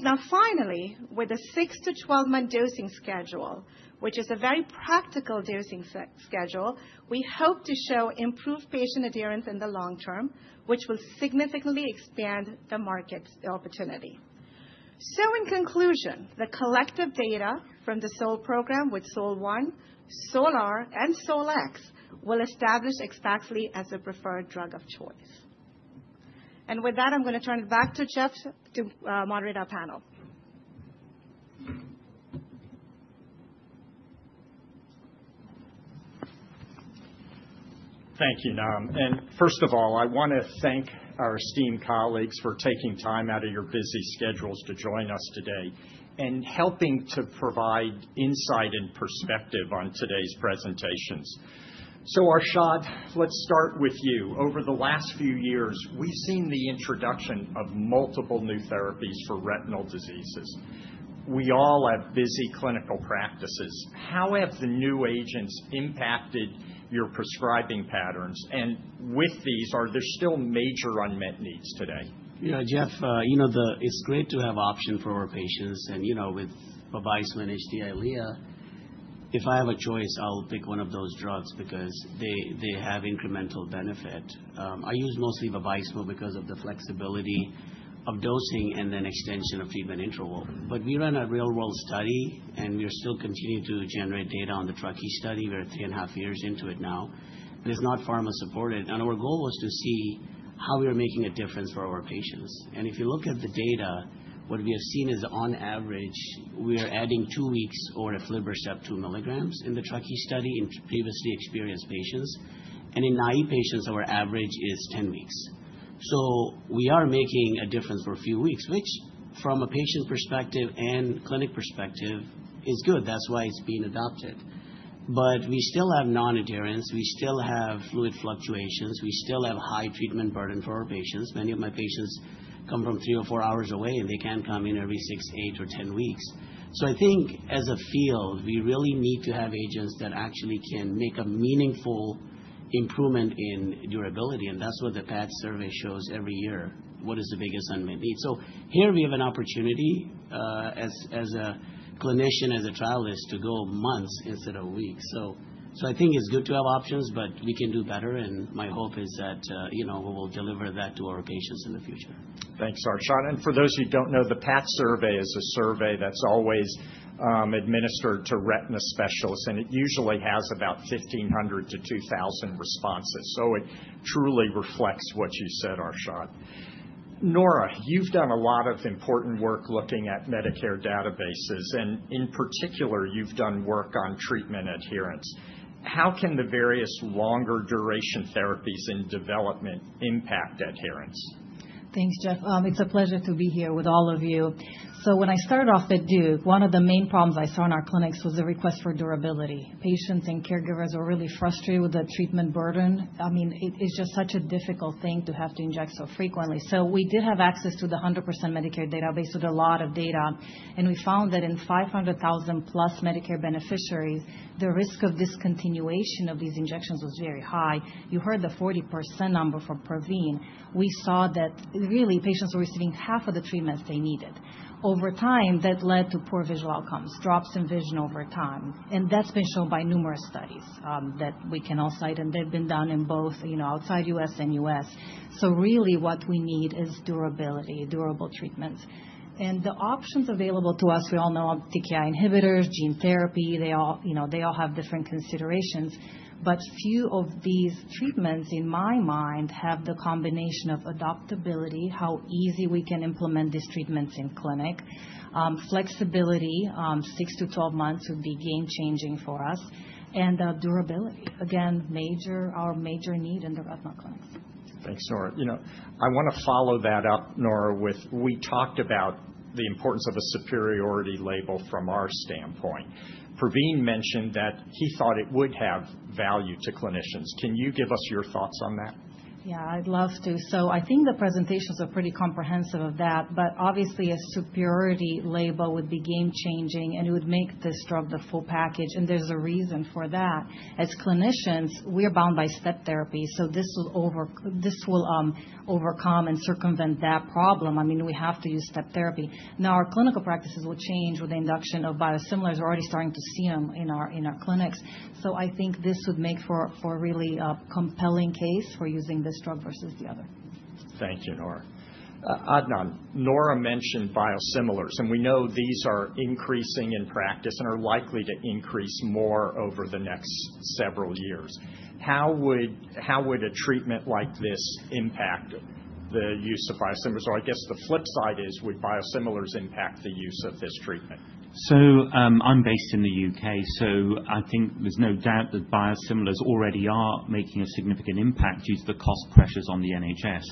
Now, finally, with a six to 12-month dosing schedule, which is a very practical dosing schedule, we hope to show improved patient adherence in the long term, which will significantly expand the market opportunity. So in conclusion, the collective data from the SOL program with SOL-1, SOL-R, and SOL-X will establish AXPAXLI as the preferred drug of choice. And with that, I'm going to turn it back to Jeff to moderate our panel. Thank you, Nam. And first of all, I want to thank our esteemed colleagues for taking time out of your busy schedules to join us today and helping to provide insight and perspective on today's presentations. So Arshad, let's start with you. Over the last few years, we've seen the introduction of multiple new therapies for retinal diseases. We all have busy clinical practices. How have the new agents impacted your prescribing patterns? And with these, are there still major unmet needs today? Yeah, Jeff, you know it's great to have options for our patients. And with VABYSMO and EYLEA HD, if I have a choice, I'll pick one of those drugs because they have incremental benefit. I use mostly VABYSMO because of the flexibility of dosing and then extension of treatment interval. But we run a real-world study, and we are still continuing to generate data on the TRUCKEE study. We're three and a half years into it now. It's not pharma-supported. And our goal was to see how we are making a difference for our patients. And if you look at the data, what we have seen is, on average, we are adding two weeks over aflibercept 2 milligrams in the TRUCKEE study in previously experienced patients. And in naive patients, our average is 10 weeks. So we are making a difference for a few weeks, which, from a patient perspective and clinic perspective, is good. That's why it's being adopted. But we still have non-adherence. We still have fluid fluctuations. We still have high treatment burden for our patients. Many of my patients come from three or four hours away, and they can come in every six, eight, or ten weeks. So I think, as a field, we really need to have agents that actually can make a meaningful improvement in durability. And that's what the PATH survey shows every year: what is the biggest unmet need? So here, we have an opportunity, as a clinician, as a trialist, to go months instead of weeks. So I think it's good to have options, but we can do better. And my hope is that we will deliver that to our patients in the future. Thanks, Arshad. And for those who don't know, the PATH survey is a survey that's always administered to retina specialists, and it usually has about 1,500 to 2,000 responses. So it truly reflects what you said, Arshad. Nora, you've done a lot of important work looking at Medicare databases. And in particular, you've done work on treatment adherence. How can the various longer-duration therapies in development impact adherence? Thanks, Jeff. It's a pleasure to be here with all of you. So when I started off at Duke, one of the main problems I saw in our clinics was the request for durability. Patients and caregivers were really frustrated with the treatment burden. I mean, it's just such a difficult thing to have to inject so frequently. So we did have access to the 100% Medicare database with a lot of data. And we found that in 500,000-plus Medicare beneficiaries, the risk of discontinuation of these injections was very high. You heard the 40% number from Pravin. We saw that, really, patients were receiving half of the treatments they needed. Over time, that led to poor visual outcomes, drops in vision over time. And that's been shown by numerous studies that we can all cite. And they've been done in both outside U.S. and U.S. So really, what we need is durability, durable treatments. And the options available to us, we all know TKI inhibitors, gene therapy, they all have different considerations. But few of these treatments, in my mind, have the combination of adoptability, how easy we can implement these treatments in clinic, flexibility, six to 12 months would be game-changing for us, and durability. Again, our major need in the retinal clinics. Thanks, Nora. I want to follow that up, Nora, with we talked about the importance of a superiority label from our standpoint. Pravin mentioned that he thought it would have value to clinicians. Can you give us your thoughts on that? Yeah, I'd love to, so I think the presentations are pretty comprehensive of that, but obviously, a superiority label would be game-changing, and it would make this drug the full package, and there's a reason for that. As clinicians, we are bound by step therapy, so this will overcome and circumvent that problem. I mean, we have to use step therapy. Now, our clinical practices will change with the induction of biosimilars. We're already starting to see them in our clinics, so I think this would make for a really compelling case for using this drug versus the other. Thank you, Nora. Adnan, Nora mentioned biosimilars. We know these are increasing in practice and are likely to increase more over the next several years. How would a treatment like this impact the use of biosimilars? Or I guess the flip side is, would biosimilars impact the use of this treatment? So I'm based in the UK. So I think there's no doubt that biosimilars already are making a significant impact due to the cost pressures on the NHS.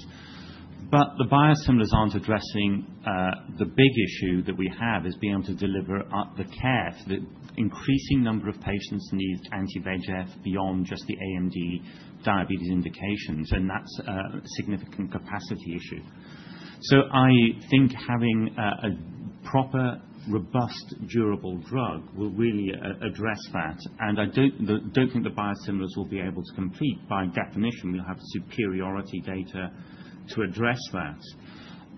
But the biosimilars aren't addressing the big issue that we have, which is being able to deliver the care that increasing number of patients need anti-VEGF beyond just the AMD diabetes indications. And that's a significant capacity issue. So I think having a proper, robust, durable drug will really address that. And I don't think the biosimilars will be able to compete. By definition, we'll have superiority data to address that.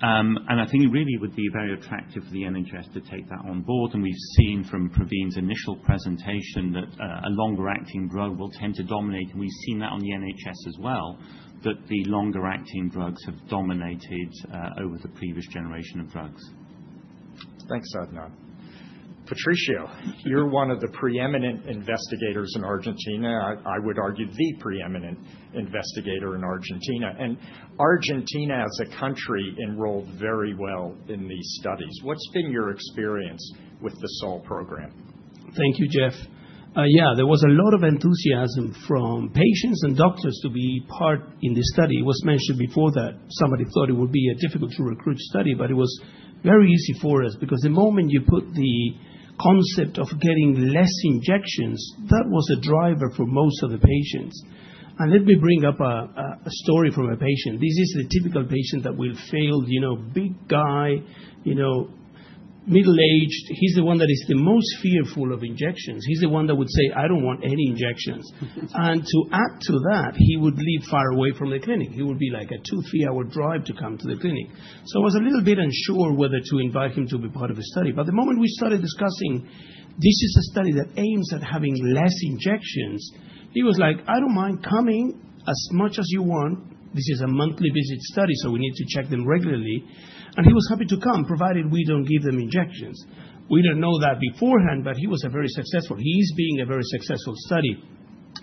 And I think it really would be very attractive for the NHS to take that on board. And we've seen from Pravin's initial presentation that a longer-acting drug will tend to dominate. We've seen that on the NHS as well, that the longer-acting drugs have dominated over the previous generation of drugs. Thanks, Adnan. Patricio, you're one of the preeminent investigators in Argentina, I would argue the preeminent investigator in Argentina. And Argentina as a country enrolled very well in these studies. What's been your experience with the SOL program? Thank you, Jeff. Yeah, there was a lot of enthusiasm from patients and doctors to be part in this study. It was mentioned before that somebody thought it would be a difficult-to-recruit study, but it was very easy for us because the moment you put the concept of getting less injections, that was a driver for most of the patients, and let me bring up a story from a patient. This is the typical patient that will fail, big guy, middle-aged. He's the one that is the most fearful of injections. He's the one that would say, "I don't want any injections." And to add to that, he would live far away from the clinic. It would be like a two, three-hour drive to come to the clinic, so I was a little bit unsure whether to invite him to be part of the study. But the moment we started discussing, "This is a study that aims at having less injections," he was like, "I don't mind coming as much as you want. This is a monthly visit study, so we need to check them regularly." And he was happy to come, provided we don't give them injections. We didn't know that beforehand, but he was very successful. He is being a very successful study,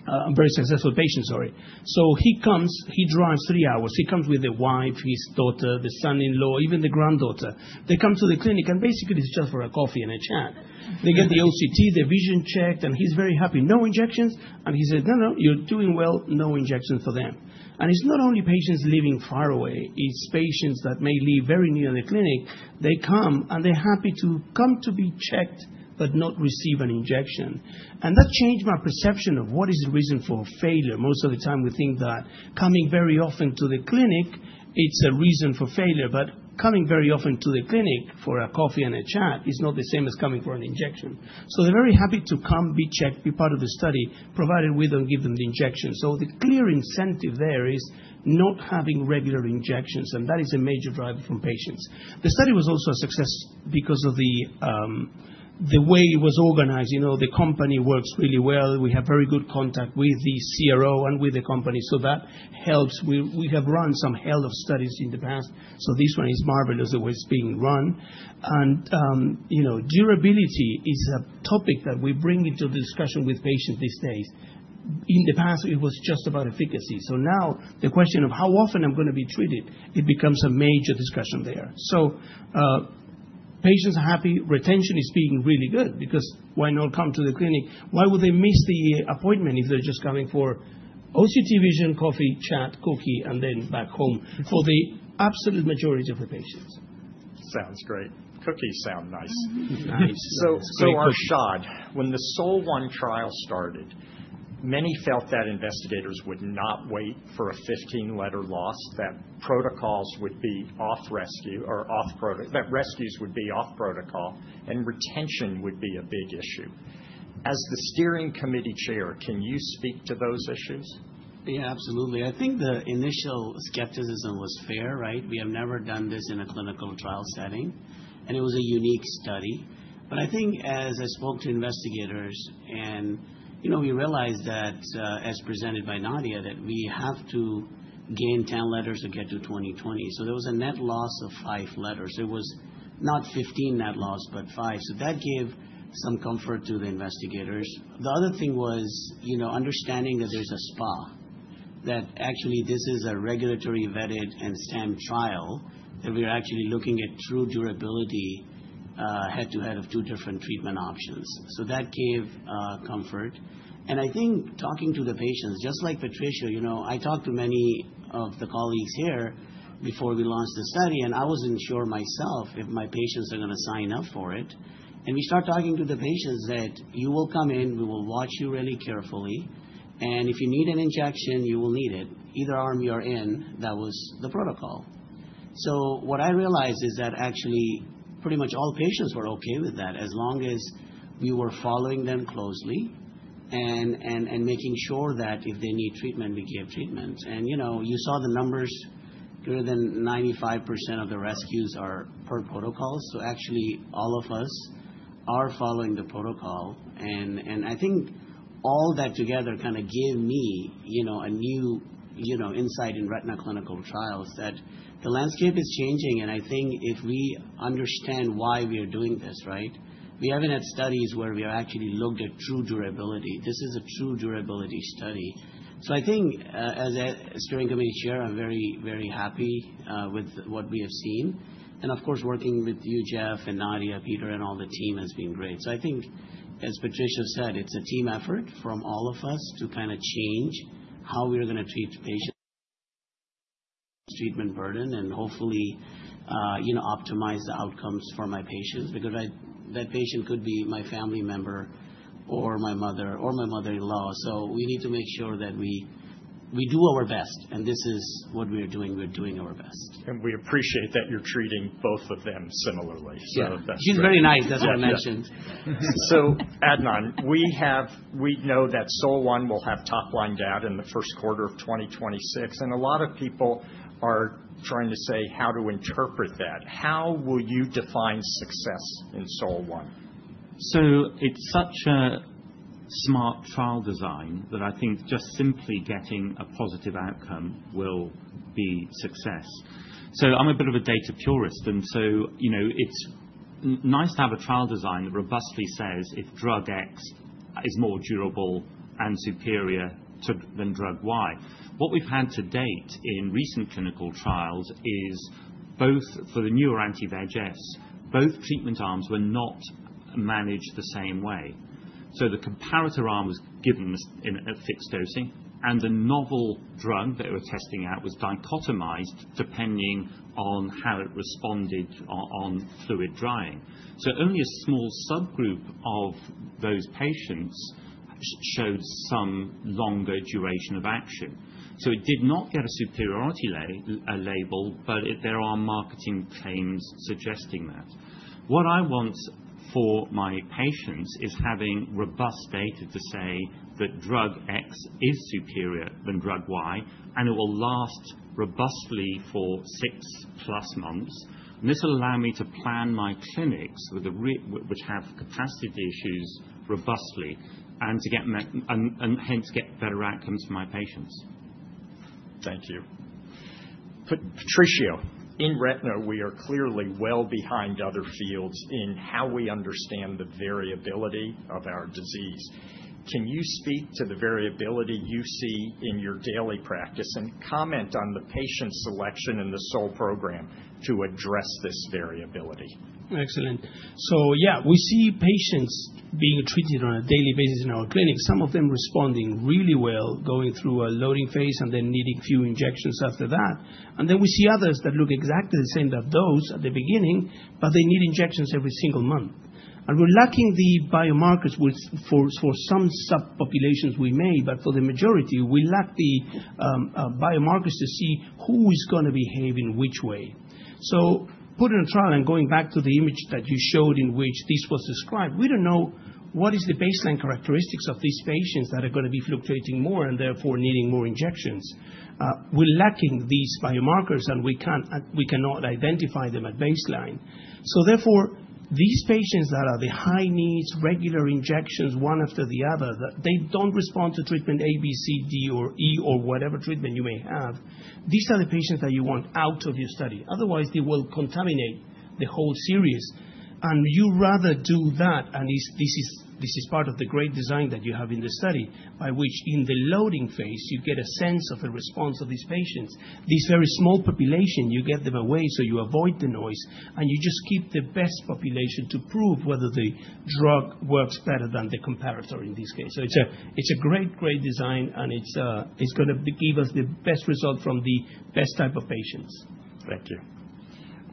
a very successful patient, sorry. So he comes, he drives three hours. He comes with the wife, his daughter, the son-in-law, even the granddaughter. They come to the clinic, and basically, it's just for a coffee and a chat. They get the OCT, their vision checked, and he's very happy. No injections. And he said, "No, no, you're doing well. No injection for them." And it's not only patients living far away. It's patients that may live very near the clinic. They come, and they're happy to come to be checked but not receive an injection. And that changed my perception of what is the reason for failure. Most of the time, we think that coming very often to the clinic, it's a reason for failure. But coming very often to the clinic for a coffee and a chat is not the same as coming for an injection. So they're very happy to come, be checked, be part of the study, provided we don't give them the injection. So the clear incentive there is not having regular injections. And that is a major driver for patients. The study was also a success because of the way it was organized. The company works really well. We have very good contact with the CRO and with the company. So that helps. We have run some HELIOS studies in the past. So this one is marvelous that it's being run. And durability is a topic that we bring into the discussion with patients these days. In the past, it was just about efficacy. So now, the question of how often I'm going to be treated, it becomes a major discussion there. So patients are happy. Retention is being really good because why not come to the clinic? Why would they miss the appointment if they're just coming for OCT, vision, coffee, chat, cookie, and then back home? For the absolute majority of the patients. Sounds great. Cookies sound nice. So Arshad, when the SOL-1 trial started, many felt that investigators would not wait for a 15-letter loss, that protocols would be off-rescue or off that rescues would be off protocol, and retention would be a big issue. As the steering committee chair, can you speak to those issues? Yeah, absolutely. I think the initial skepticism was fair, right? We have never done this in a clinical trial setting, and it was a unique study. But I think, as I spoke to investigators, and we realized that, as presented by Nadia, that we have to gain 10 letters to get to 2020. So there was a net loss of five letters. It was not 15 net loss, but five. So that gave some comfort to the investigators. The other thing was understanding that there's an SPA, that actually this is a regulatory-vetted and stamped trial, that we are actually looking at true durability head-to-head of two different treatment options. So that gave comfort. And I think talking to the patients, just like Patricio, I talked to many of the colleagues here before we launched the study. I wasn't sure myself if my patients are going to sign up for it. We started talking to the patients that you will come in. We will watch you really carefully. If you need an injection, you will need it. Either arm you are in, that was the protocol. What I realized is that actually pretty much all patients were okay with that, as long as we were following them closely and making sure that if they need treatment, we gave treatment. You saw the numbers. Greater than 95% of the rescues are per protocols. Actually, all of us are following the protocol. I think all that together kind of gave me a new insight in retinal clinical trials that the landscape is changing. And I think if we understand why we are doing this, right, we haven't had studies where we have actually looked at true durability. This is a true durability study. So I think, as a steering committee chair, I'm very, very happy with what we have seen. And of course, working with you, Jeff, and Nadia, Peter, and all the team has been great. So I think, as Patricio said, it's a team effort from all of us to kind of change how we are going to treat patients, treatment burden, and hopefully optimize the outcomes for my patients because that patient could be my family member or my mother or my mother-in-law. So we need to make sure that we do our best. And this is what we are doing. We're doing our best. We appreciate that you're treating both of them similarly. That's great. She's very nice. That's what I mentioned. So Adnan, we know that SOL-1 will have top-line data in the first quarter of 2026. And a lot of people are trying to say how to interpret that. How will you define success in SOL-1? It's such a smart trial design that I think just simply getting a positive outcome will be success. I'm a bit of a data purist. It's nice to have a trial design that robustly says if drug X is more durable and superior than drug Y. What we've had to date in recent clinical trials is both for the newer anti-VEGFs, both treatment arms were not managed the same way. The comparator arm was given at fixed dosing. The novel drug that we were testing out was dichotomized depending on how it responded on fluid drying. Only a small subgroup of those patients showed some longer duration of action. It did not get a superiority label, but there are marketing claims suggesting that. What I want for my patients is having robust data to say that drug X is superior than drug Y, and it will last robustly for six-plus months, and this will allow me to plan my clinics which have capacity issues robustly and hence get better outcomes for my patients. Thank you. Patricio, in retina, we are clearly well behind other fields in how we understand the variability of our disease. Can you speak to the variability you see in your daily practice and comment on the patient selection in the SOL program to address this variability? Excellent. So yeah, we see patients being treated on a daily basis in our clinic, some of them responding really well, going through a loading phase and then needing few injections after that. And then we see others that look exactly the same that those at the beginning, but they need injections every single month. And we're lacking the biomarkers for some subpopulations we may, but for the majority, we lack the biomarkers to see who is going to behave in which way. So putting a trial and going back to the image that you showed in which this was described, we don't know what is the baseline characteristics of these patients that are going to be fluctuating more and therefore needing more injections. We're lacking these biomarkers, and we cannot identify them at baseline. So therefore, these patients that are the high needs, regular injections one after the other, they don't respond to treatment A, B, C, D, or E, or whatever treatment you may have. These are the patients that you want out of your study. Otherwise, they will contaminate the whole series. And you rather do that. And this is part of the great design that you have in the study, by which in the loading phase, you get a sense of the response of these patients. These very small population, you get them away so you avoid the noise. And you just keep the best population to prove whether the drug works better than the comparator in this case. So it's a great, great design, and it's going to give us the best result from the best type of patients. Thank you.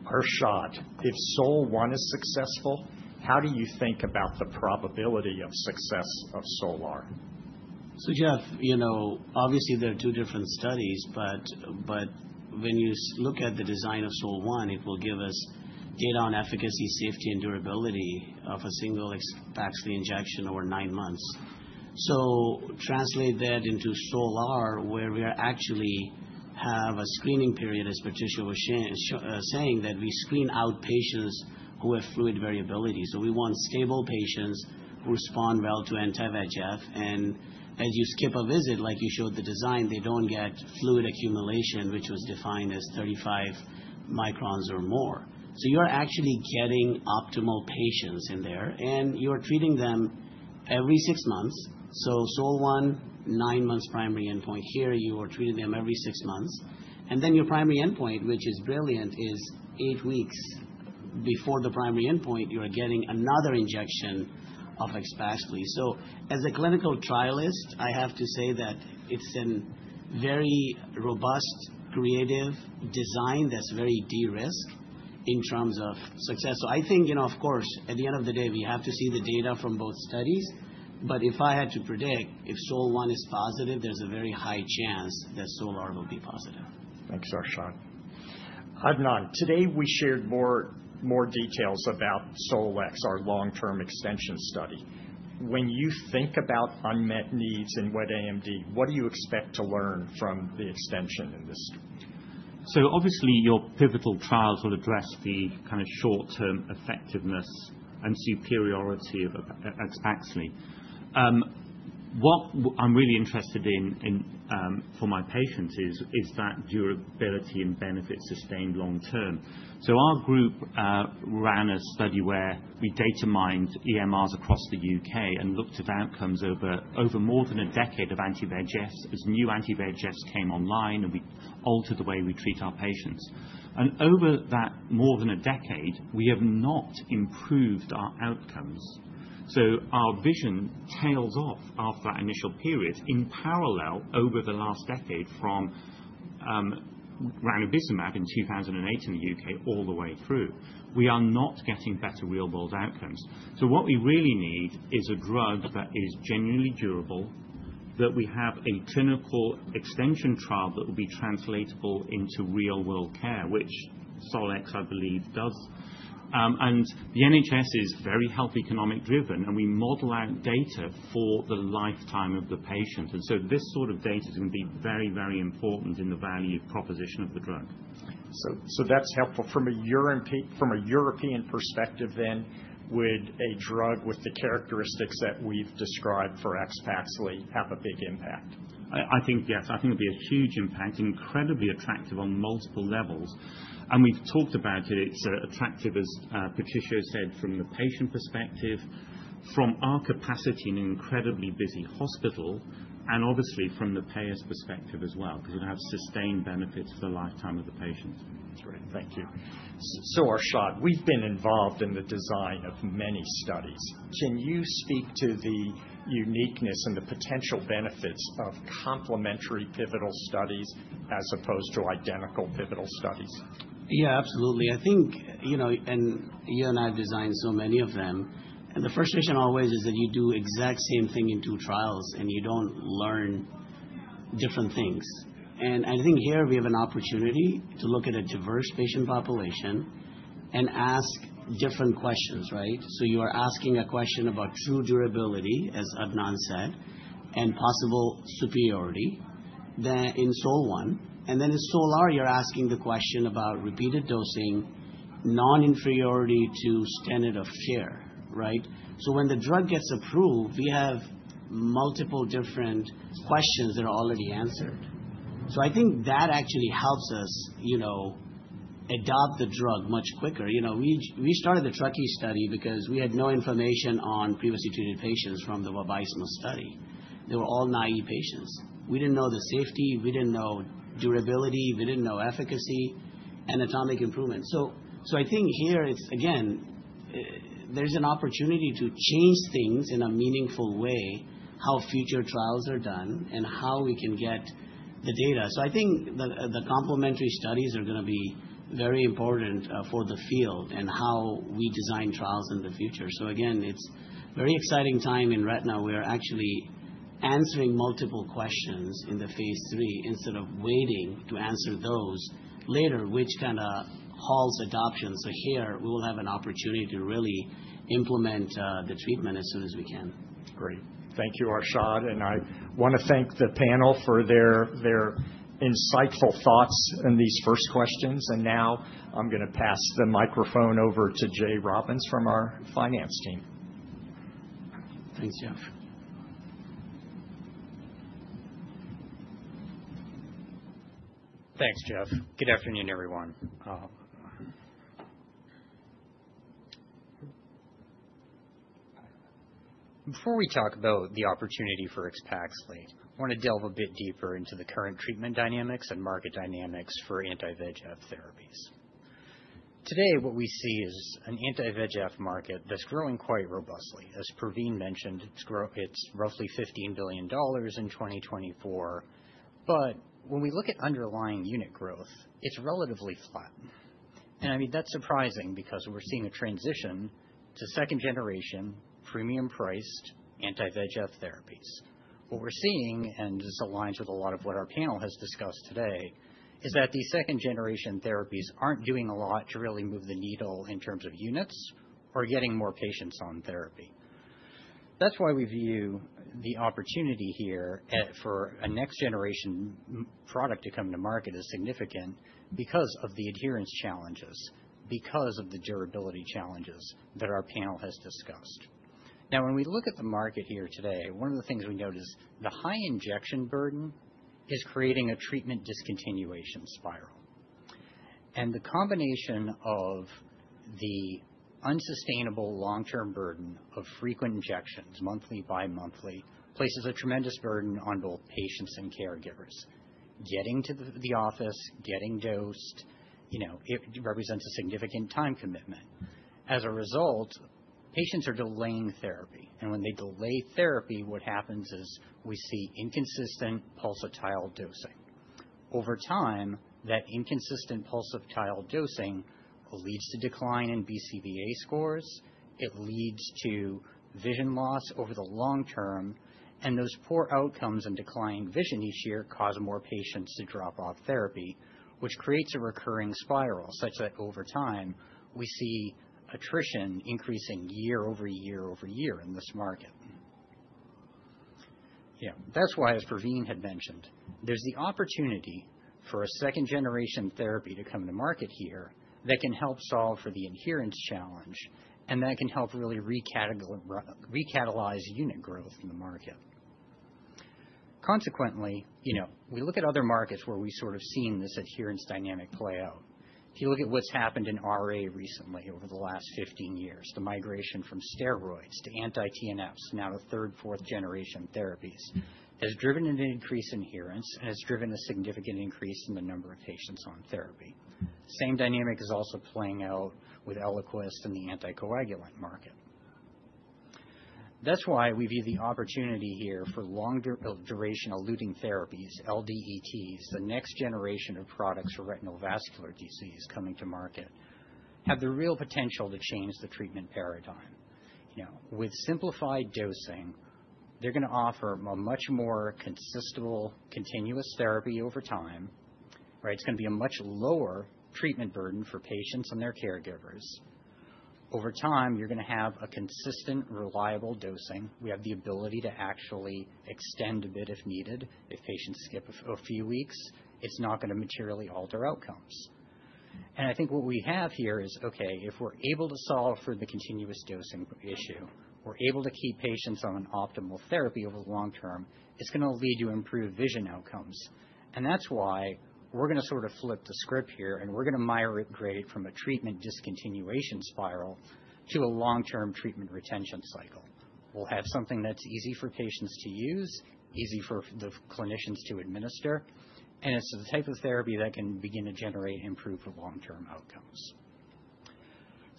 Arshad, if SOL-1 is successful, how do you think about the probability of success of SOL-R? So Jeff, obviously, there are two different studies. But when you look at the design of SOL-1, it will give us data on efficacy, safety, and durability of a single AXPAXLI injection over nine months. So translate that into SOL-R, where we actually have a screening period, as Patricio was saying, that we screen out patients who have fluid variability. So we want stable patients who respond well to anti-VEGF. And as you skip a visit, like you showed the design, they don't get fluid accumulation, which was defined as 35 microns or more. So you are actually getting optimal patients in there. And you are treating them every six months. So SOL-1, nine months primary endpoint here. You are treating them every six months. And then your primary endpoint, which is brilliant, is eight weeks before the primary endpoint, you are getting another injection of AXPAXLI. As a clinical trialist, I have to say that it's a very robust, creative design that's very de-risked in terms of success. I think, of course, at the end of the day, we have to see the data from both studies, but if I had to predict, if SOL-1 is positive, there's a very high chance that SOL-R will be positive. Thanks, Arshad. Adnan, today we shared more details about SOL-X, our long-term extension study. When you think about unmet needs in wet AMD, what do you expect to learn from the extension in this? So obviously, your pivotal trials will address the kind of short-term effectiveness and superiority of AXPAXLI. What I'm really interested in for my patients is that durability and benefit sustained long-term. So our group ran a study where we data mined EMRs across the U.K. and looked at outcomes over more than a decade of anti-VEGFs as new anti-VEGFs came online, and we altered the way we treat our patients. And over that more than a decade, we have not improved our outcomes. So our vision tails off after that initial period in parallel over the last decade from ranibizumab in 2008 in the U.K. all the way through. We are not getting better real-world outcomes. So what we really need is a drug that is genuinely durable, that we have a clinical extension trial that will be translatable into real-world care, which SOL-X, I believe, does. And the NHS is very health economics driven, and we model out data for the lifetime of the patient. And so this sort of data is going to be very, very important in the value proposition of the drug. So that's helpful. From a European perspective, then, would a drug with the characteristics that we've described for AXPAXLI have a big impact? I think yes. I think it would be a huge impact, incredibly attractive on multiple levels. And we've talked about it. It's attractive, as Patricio said, from the patient perspective, from our capacity in an incredibly busy hospital, and obviously from the payer's perspective as well, because we have sustained benefits for the lifetime of the patient. That's great. Thank you. So Arshad, we've been involved in the design of many studies. Can you speak to the uniqueness and the potential benefits of complementary pivotal studies as opposed to identical pivotal studies? Yeah, absolutely. I think, and you and I have designed so many of them. And the frustration always is that you do the exact same thing in two trials, and you don't learn different things. And I think here we have an opportunity to look at a diverse patient population and ask different questions, right? So you are asking a question about true durability, as Adnan said, and possible superiority in SOL-1. And then in SOL-R, you're asking the question about repeated dosing, non-inferiority to standard of care, right? So when the drug gets approved, we have multiple different questions that are already answered. So I think that actually helps us adopt the drug much quicker. We started the TRUCKEE study because we had no information on previously treated patients from the VABYSMO study. They were all naive patients. We didn't know the safety. We didn't know durability. We didn't know efficacy, anatomic improvement. So I think here, again, there's an opportunity to change things in a meaningful way, how future trials are done, and how we can get the data. So I think the complementary studies are going to be very important for the field and how we design trials in the future. So again, it's a very exciting time in retina. We are actually answering multiple questions in the phase 3 instead of waiting to answer those later, which kind of halts adoption. So here, we will have an opportunity to really implement the treatment as soon as we can. Great. Thank you, Arshad. And I want to thank the panel for their insightful thoughts in these first questions. And now I'm going to pass the microphone over to Jay Robins from our finance team. Thanks, Jeff. Thanks, Jeff. Good afternoon, everyone. Before we talk about the opportunity for AXPAXLI, I want to delve a bit deeper into the current treatment dynamics and market dynamics for anti-VEGF therapies. Today, what we see is an anti-VEGF market that's growing quite robustly. As Pravin mentioned, it's roughly $15 billion in 2024. But when we look at underlying unit growth, it's relatively flat. And I mean, that's surprising because we're seeing a transition to second-generation premium-priced anti-VEGF therapies. What we're seeing, and this aligns with a lot of what our panel has discussed today, is that these second-generation therapies aren't doing a lot to really move the needle in terms of units or getting more patients on therapy. That's why we view the opportunity here for a next-generation product to come to market as significant because of the adherence challenges, because of the durability challenges that our panel has discussed. Now, when we look at the market here today, one of the things we notice is the high injection burden is creating a treatment discontinuation spiral. The combination of the unsustainable long-term burden of frequent injections, monthly, bi-monthly, places a tremendous burden on both patients and caregivers. Getting to the office, getting dosed, it represents a significant time commitment. As a result, patients are delaying therapy. When they delay therapy, what happens is we see inconsistent pulsatile dosing. Over time, that inconsistent pulsatile dosing leads to decline in BCVA scores. It leads to vision loss over the long term. Those poor outcomes and declining vision each year cause more patients to drop off therapy, which creates a recurring spiral such that over time, we see attrition increasing year over year over year in this market. That's why, as Pravin had mentioned, there's the opportunity for a second-generation therapy to come to market here that can help solve for the adherence challenge, and that can help really recatalyze unit growth in the market. Consequently, we look at other markets where we've sort of seen this adherence dynamic play out. If you look at what's happened in RA recently over the last 15 years, the migration from steroids to anti-TNFs, now third, fourth-generation therapies, has driven an increase in adherence and has driven a significant increase in the number of patients on therapy. Same dynamic is also playing out with ELIQUIS and the anticoagulant market. That's why we view the opportunity here for long-duration eluting therapies, LDETs, the next generation of products for retinal vascular disease coming to market, have the real potential to change the treatment paradigm. With simplified dosing, they're going to offer a much more consistent continuous therapy over time. It's going to be a much lower treatment burden for patients and their caregivers. Over time, you're going to have a consistent, reliable dosing. We have the ability to actually extend a bit if needed. If patients skip a few weeks, it's not going to materially alter outcomes. And I think what we have here is, okay, if we're able to solve for the continuous dosing issue, we're able to keep patients on an optimal therapy over the long term, it's going to lead to improved vision outcomes. And that's why we're going to sort of flip the script here, and we're going to migrate from a treatment discontinuation spiral to a long-term treatment retention cycle. We'll have something that's easy for patients to use, easy for the clinicians to administer. It's the type of therapy that can begin to generate improved long-term outcomes.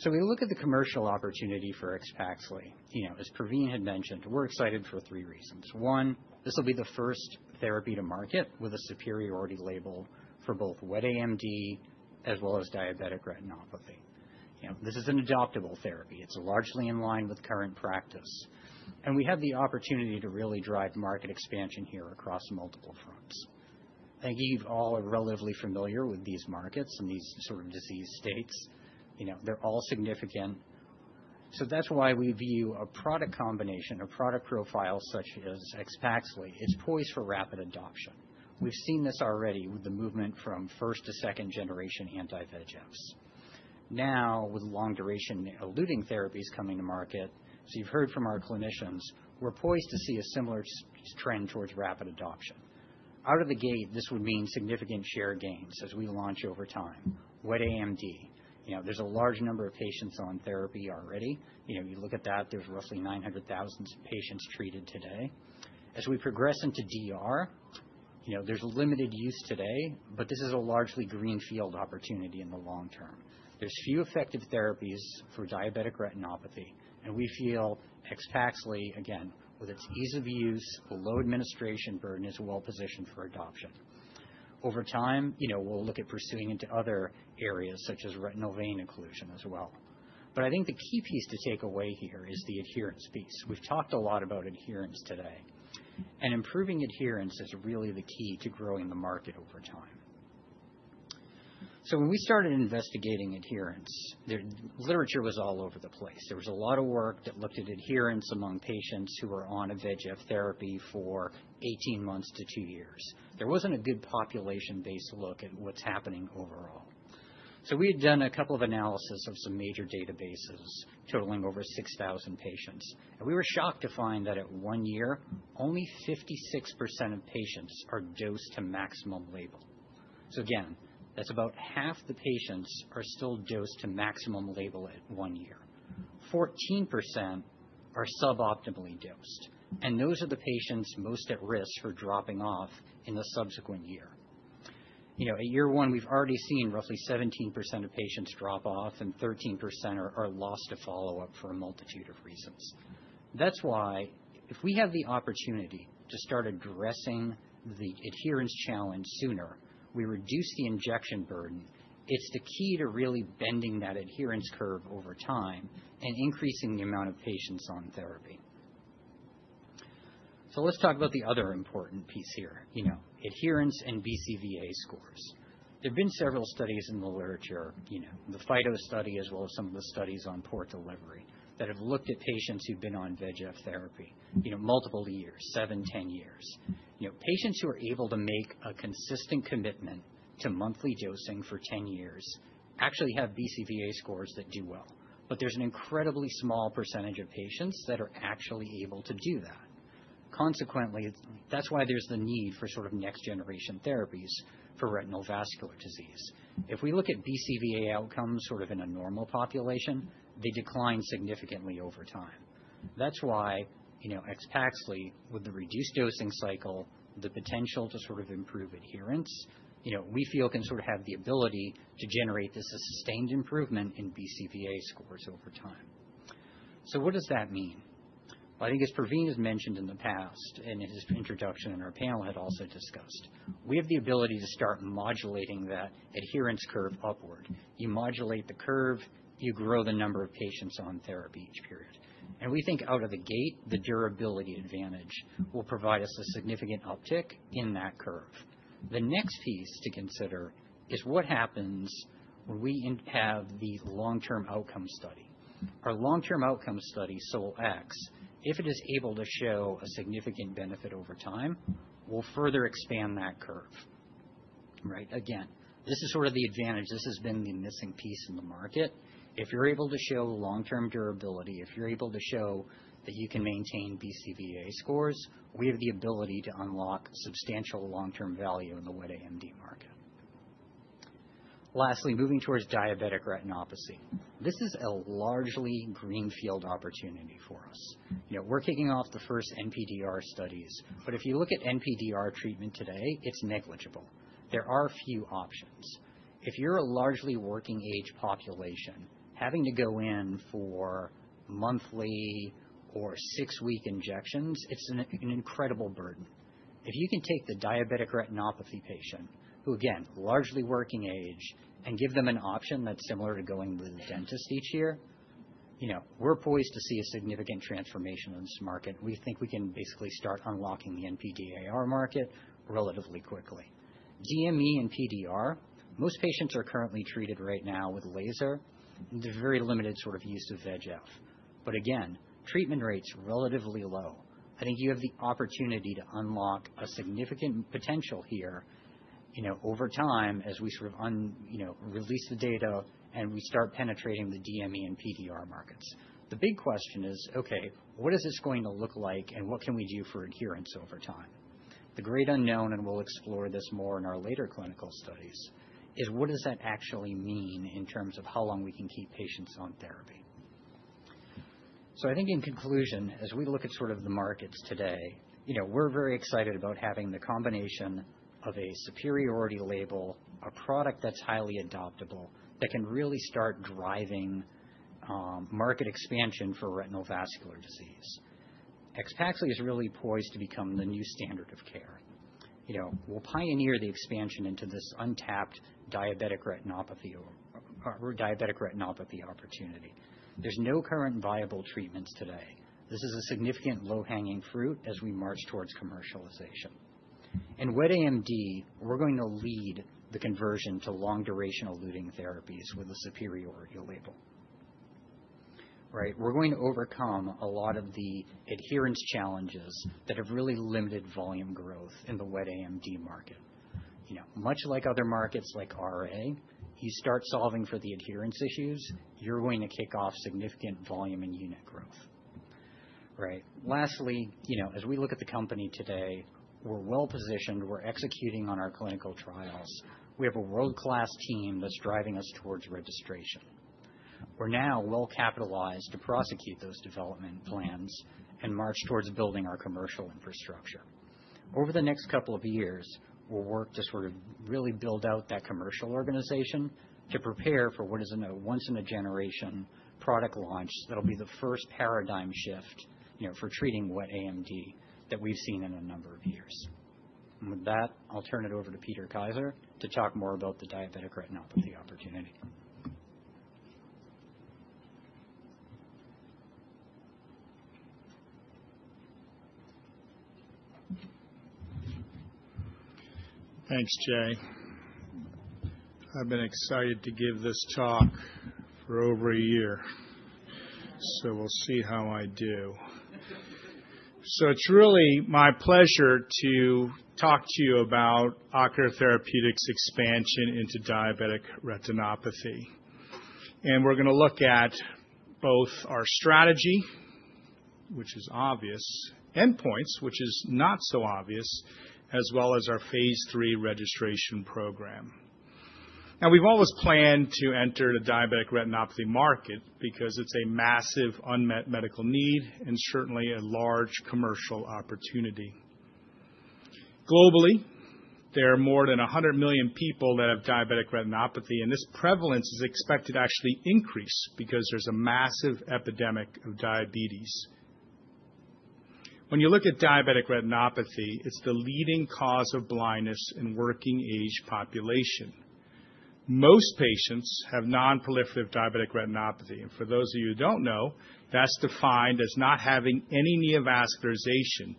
We look at the commercial opportunity for AXPAXLI. As Pravin had mentioned, we're excited for three reasons. One, this will be the first therapy to market with a superiority label for both wet AMD as well as diabetic retinopathy. This is an adoptable therapy. It's largely in line with current practice. We have the opportunity to really drive market expansion here across multiple fronts. I think you all are relatively familiar with these markets and these sort of disease states. They're all significant. That's why we view a product combination, a product profile such as AXPAXLI. It's poised for rapid adoption. We've seen this already with the movement from first to second-generation anti-VEGFs. Now, with long-duration eluting therapies coming to market, as you've heard from our clinicians, we're poised to see a similar trend towards rapid adoption. Out of the gate, this would mean significant share gains as we launch over time. Wet AMD, there's a large number of patients on therapy already. You look at that, there's roughly 900,000 patients treated today. As we progress into DR, there's limited use today, but this is a largely greenfield opportunity in the long term. There's few effective therapies for diabetic retinopathy, and we feel AXPAXLI, again, with its ease of use, low administration burden, is well-positioned for adoption. Over time, we'll look at pursuing into other areas such as retinal vein occlusion as well, but I think the key piece to take away here is the adherence piece. We've talked a lot about adherence today. Improving adherence is really the key to growing the market over time. When we started investigating adherence, the literature was all over the place. There was a lot of work that looked at adherence among patients who were on a VEGF therapy for 18 months to two years. There wasn't a good population-based look at what's happening overall. We had done a couple of analyses of some major databases totaling over 6,000 patients. We were shocked to find that at one year, only 56% of patients are dosed to maximum label. So again, that's about half the patients are still dosed to maximum label at one year. 14% are suboptimally dosed. Those are the patients most at risk for dropping off in the subsequent year. At year one, we've already seen roughly 17% of patients drop off, and 13% are lost to follow-up for a multitude of reasons. That's why, if we have the opportunity to start addressing the adherence challenge sooner, we reduce the injection burden. It's the key to really bending that adherence curve over time and increasing the amount of patients on therapy. So let's talk about the other important piece here, adherence and BCVA scores. There have been several studies in the literature, the FIDO study as well as some of the studies on port delivery that have looked at patients who've been on VEGF therapy multiple years, seven, 10 years. Patients who are able to make a consistent commitment to monthly dosing for 10 years actually have BCVA scores that do well. But there's an incredibly small percentage of patients that are actually able to do that. Consequently, that's why there's the need for sort of next-generation therapies for retinal vascular disease. If we look at BCVA outcomes sort of in a normal population, they decline significantly over time. That's why AXPAXLI, with the reduced dosing cycle, the potential to sort of improve adherence, we feel can sort of have the ability to generate this sustained improvement in BCVA scores over time. What does that mean? I think as Pravin has mentioned in the past, and his introduction and our panel had also discussed, we have the ability to start modulating that adherence curve upward. You modulate the curve, you grow the number of patients on therapy each period. And we think out of the gate, the durability advantage will provide us a significant uptick in that curve. The next piece to consider is what happens when we have the long-term outcome study. Our long-term outcome study, SOL-X, if it is able to show a significant benefit over time, will further expand that curve. Again, this is sort of the advantage. This has been the missing piece in the market. If you're able to show long-term durability, if you're able to show that you can maintain BCVA scores, we have the ability to unlock substantial long-term value in the wet AMD market. Lastly, moving towards diabetic retinopathy. This is a largely greenfield opportunity for us. We're kicking off the first NPDR studies. But if you look at NPDR treatment today, it's negligible. There are few options. If you're a largely working-age population having to go in for monthly or six-week injections, it's an incredible burden. If you can take the diabetic retinopathy patient, who again, largely working age, and give them an option that's similar to going to the dentist each year, we're poised to see a significant transformation in this market. We think we can basically start unlocking the NPDR market relatively quickly. DME and PDR, most patients are currently treated right now with laser. There's very limited sort of use of VEGF. But again, treatment rates relatively low. I think you have the opportunity to unlock a significant potential here over time as we sort of release the data and we start penetrating the DME and PDR markets. The big question is, okay, what is this going to look like and what can we do for adherence over time? The great unknown, and we'll explore this more in our later clinical studies, is what does that actually mean in terms of how long we can keep patients on therapy? So I think in conclusion, as we look at sort of the markets today, we're very excited about having the combination of a superiority label, a product that's highly adoptable, that can really start driving market expansion for retinal vascular disease. AXPAXLI is really poised to become the new standard of care. We'll pioneer the expansion into this untapped diabetic retinopathy opportunity. There's no current viable treatments today. This is a significant low-hanging fruit as we march towards commercialization. In wet AMD, we're going to lead the conversion to long-duration eluting therapies with a superiority label. We're going to overcome a lot of the adherence challenges that have really limited volume growth in the wet AMD market. Much like other markets like RA, you start solving for the adherence issues, you're going to kick off significant volume and unit growth. Lastly, as we look at the company today, we're well-positioned. We're executing on our clinical trials. We have a world-class team that's driving us towards registration. We're now well-capitalized to prosecute those development plans and march towards building our commercial infrastructure. Over the next couple of years, we'll work to sort of really build out that commercial organization to prepare for what is a once-in-a-generation product launch that'll be the first paradigm shift for treating wet AMD that we've seen in a number of years. And with that, I'll turn it over to Peter Kaiser to talk more about the diabetic retinopathy opportunity. Thanks, Jay. I've been excited to give this talk for over a year. So we'll see how I do. So it's really my pleasure to talk to you about Ocular Therapeutix's expansion into diabetic retinopathy. And we're going to look at both our strategy, which is obvious, endpoints, which is not so obvious, as well as our phase 3 registration program. Now, we've always planned to enter the diabetic retinopathy market because it's a massive unmet medical need and certainly a large commercial opportunity. Globally, there are more than 100 million people that have diabetic retinopathy. And this prevalence is expected to actually increase because there's a massive epidemic of diabetes. When you look at diabetic retinopathy, it's the leading cause of blindness in working-age population. Most patients have non-proliferative diabetic retinopathy. And for those of you who don't know, that's defined as not having any neovascularization.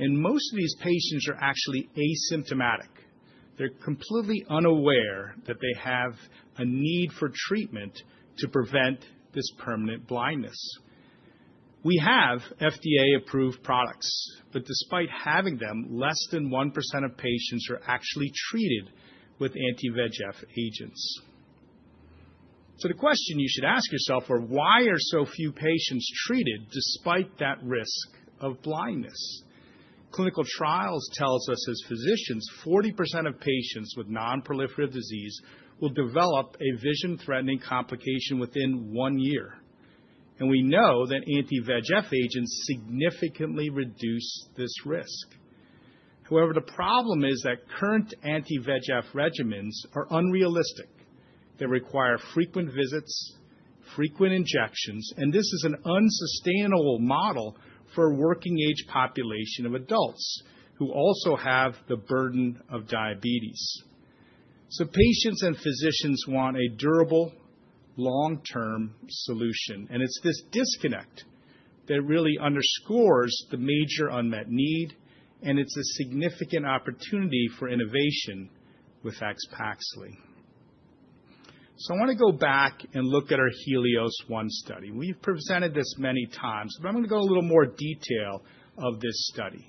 Most of these patients are actually asymptomatic. They're completely unaware that they have a need for treatment to prevent this permanent blindness. We have FDA-approved products. Despite having them, less than 1% of patients are actually treated with anti-VEGF agents. The question you should ask yourself is, why are so few patients treated despite that risk of blindness? Clinical trials tell us as physicians, 40% of patients with non-proliferative disease will develop a vision-threatening complication within one year. We know that anti-VEGF agents significantly reduce this risk. However, the problem is that current anti-VEGF regimens are unrealistic. They require frequent visits, frequent injections. This is an unsustainable model for a working-age population of adults who also have the burden of diabetes. Patients and physicians want a durable, long-term solution. It's this disconnect that really underscores the major unmet need. It's a significant opportunity for innovation with AXPAXLI. I want to go back and look at our HELIOS-1 study. We've presented this many times. I'm going to go into a little more detail of this study.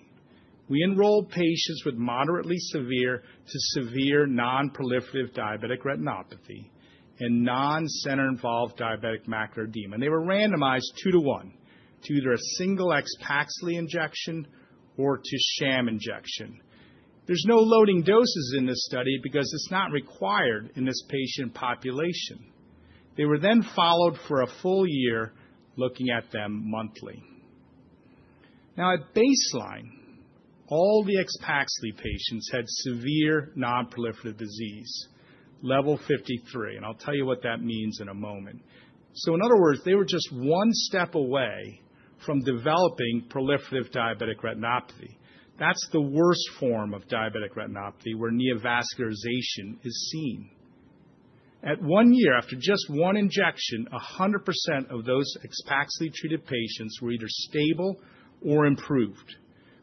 We enrolled patients with moderately severe to severe non-proliferative diabetic retinopathy and non-center-involved diabetic macular edema. They were randomized two to one to either a single AXPAXLI injection or to sham injection. There's no loading doses in this study because it's not required in this patient population. They were then followed for a full year looking at them monthly. Now, at baseline, all the AXPAXLI patients had severe non-proliferative disease, level 53. I'll tell you what that means in a moment. In other words, they were just one step away from developing proliferative diabetic retinopathy. That's the worst form of diabetic retinopathy where neovascularization is seen. At one year, after just one injection, 100% of those AXPAXLI-treated patients were either stable or improved,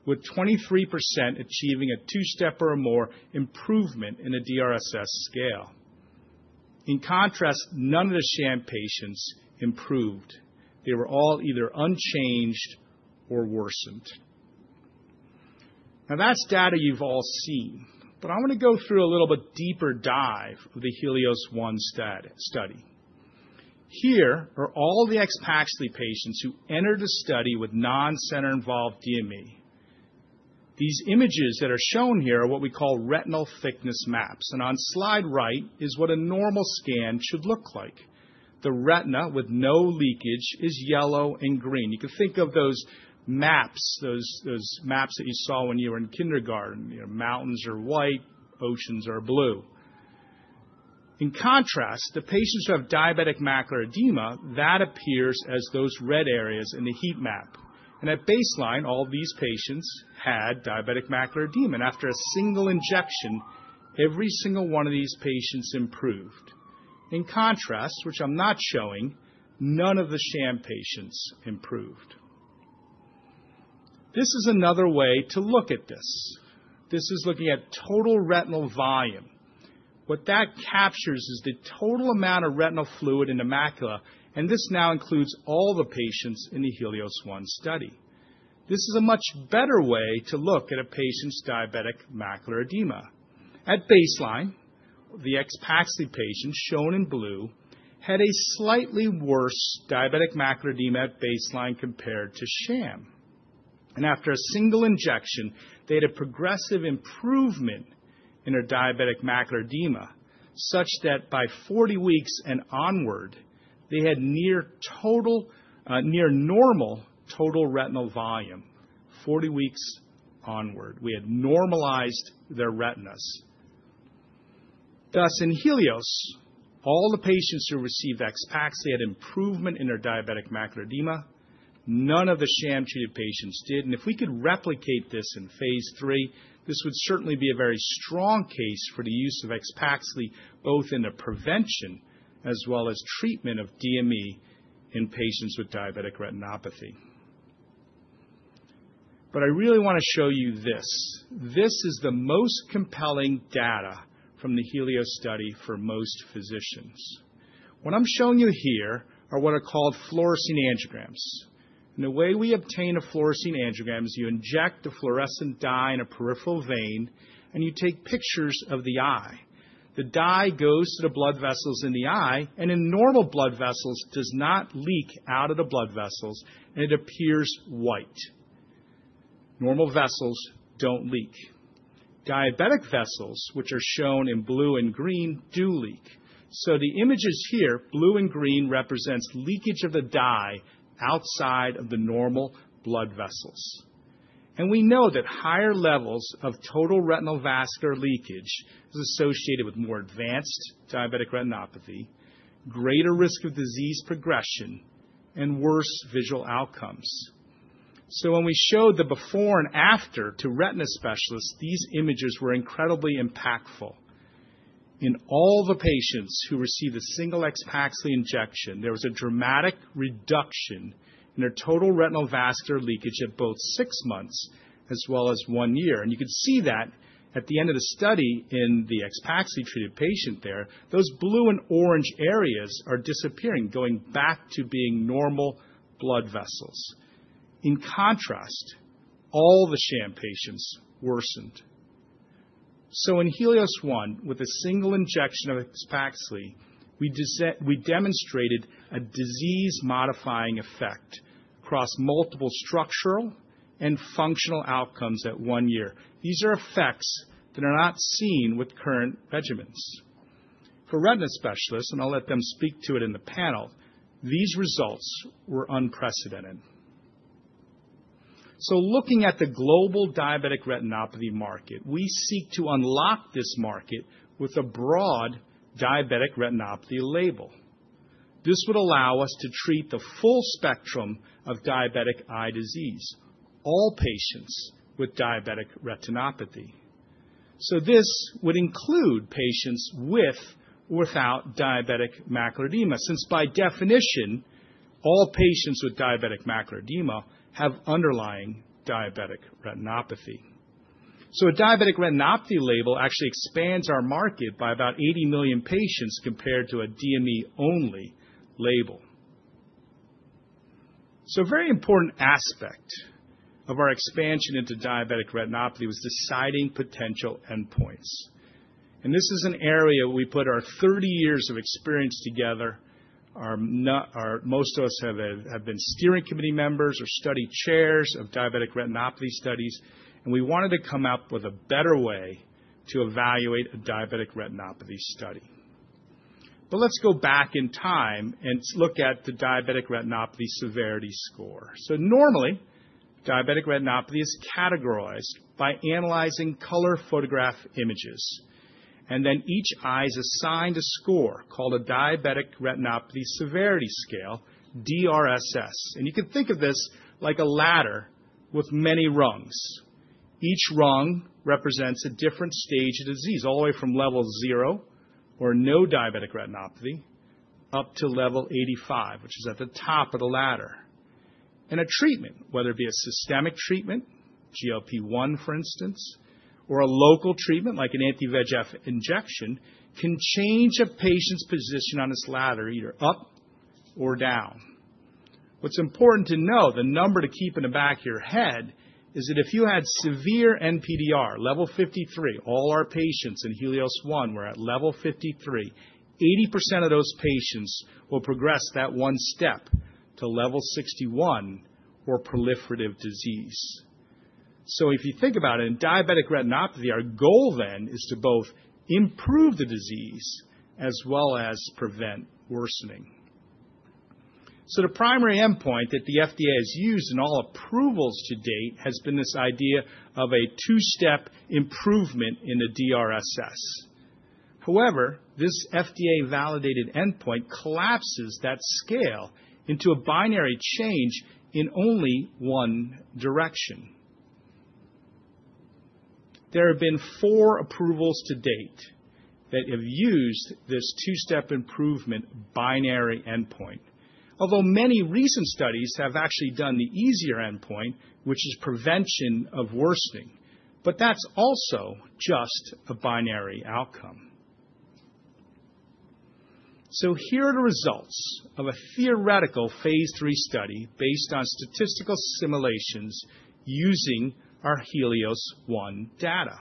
with 23% achieving a two-step or more improvement in a DRSS scale. In contrast, none of the sham patients improved. They were all either unchanged or worsened. Now, that's data you've all seen. But I want to go through a little bit deeper dive of the HELIOS-1 study. Here are all the AXPAXLI patients who entered the study with non-center-involved DME. These images that are shown here are what we call retinal thickness maps. And on slide right is what a normal scan should look like. The retina with no leakage is yellow and green. You can think of those maps that you saw when you were in kindergarten. Mountains are white, oceans are blue. In contrast, the patients who have diabetic macular edema that appears as those red areas in the heat map. And at baseline, all these patients had diabetic macular edema. And after a single injection, every single one of these patients improved. In contrast, which I'm not showing, none of the sham patients improved. This is another way to look at this. This is looking at total retinal volume. What that captures is the total amount of retinal fluid in the macula. And this now includes all the patients in the HELIOS-1 study. This is a much better way to look at a patient's diabetic macular edema. At baseline, the AXPAXLI patients shown in blue had a slightly worse diabetic macular edema at baseline compared to sham. After a single injection, they had a progressive improvement in their diabetic macular edema such that by 40 weeks and onward, they had near normal total retinal volume, 40 weeks onward. We had normalized their retinas. Thus, in HELIOS, all the patients who received AXPAXLI had improvement in their diabetic macular edema. None of the sham-treated patients did. And if we could replicate this in phase three, this would certainly be a very strong case for the use of AXPAXLI, both in the prevention as well as treatment of DME in patients with diabetic retinopathy. But I really want to show you this. This is the most compelling data from the HELIOS study for most physicians. What I'm showing you here are what are called fluorescein angiograms. The way we obtain a fluorescein angiogram is you inject a fluorescent dye in a peripheral vein, and you take pictures of the eye. The dye goes to the blood vessels in the eye. In normal blood vessels, it does not leak out of the blood vessels. It appears white. Normal vessels don't leak. Diabetic vessels, which are shown in blue and green, do leak. The images here, blue and green, represent leakage of the dye outside of the normal blood vessels. We know that higher levels of total retinal vascular leakage are associated with more advanced diabetic retinopathy, greater risk of disease progression, and worse visual outcomes. When we showed the before and after to retina specialists, these images were incredibly impactful. In all the patients who received a single AXPAXLI injection, there was a dramatic reduction in their total retinal vascular leakage at both six months as well as one year. And you can see that at the end of the study in the AXPAXLI-treated patient there, those blue and orange areas are disappearing, going back to being normal blood vessels. In contrast, all the sham patients worsened. So in HELIOS-1, with a single injection of AXPAXLI, we demonstrated a disease-modifying effect across multiple structural and functional outcomes at one year. These are effects that are not seen with current regimens. For retina specialists, and I'll let them speak to it in the panel, these results were unprecedented. So looking at the global diabetic retinopathy market, we seek to unlock this market with a broad diabetic retinopathy label. This would allow us to treat the full spectrum of diabetic eye disease, all patients with diabetic retinopathy, so this would include patients with or without diabetic macular edema, since by definition, all patients with diabetic macular edema have underlying diabetic retinopathy, so a diabetic retinopathy label actually expands our market by about 80 million patients compared to a DME-only label, so a very important aspect of our expansion into diabetic retinopathy was deciding potential endpoints, and this is an area where we put our 30 years of experience together. Most of us have been steering committee members or study chairs of diabetic retinopathy studies, and we wanted to come up with a better way to evaluate a diabetic retinopathy study, but let's go back in time and look at the diabetic retinopathy severity score, so normally, diabetic retinopathy is categorized by analyzing color photograph images. Then each eye is assigned a score called a Diabetic Retinopathy Severity Scale, DRSS. You can think of this like a ladder with many rungs. Each rung represents a different stage of disease, all the way from level 0, or no diabetic retinopathy, up to level 85, which is at the top of the ladder. A treatment, whether it be a systemic treatment, GLP-1, for instance, or a local treatment like an anti-VEGF injection, can change a patient's position on this ladder, either up or down. What's important to know, the number to keep in the back of your head, is that if you had severe NPDR, level 53, all our patients in HELIOS-1 were at level 53. 80% of those patients will progress that one step to level 61 or proliferative disease. So if you think about it, in diabetic retinopathy, our goal then is to both improve the disease as well as prevent worsening. So the primary endpoint that the FDA has used in all approvals to date has been this idea of a two-step improvement in the DRSS. However, this FDA-validated endpoint collapses that scale into a binary change in only one direction. There have been four approvals to date that have used this two-step improvement binary endpoint, although many recent studies have actually done the easier endpoint, which is prevention of worsening. But that's also just a binary outcome. So here are the results of a theoretical phase three study based on statistical simulations using our HELIOS-1 data.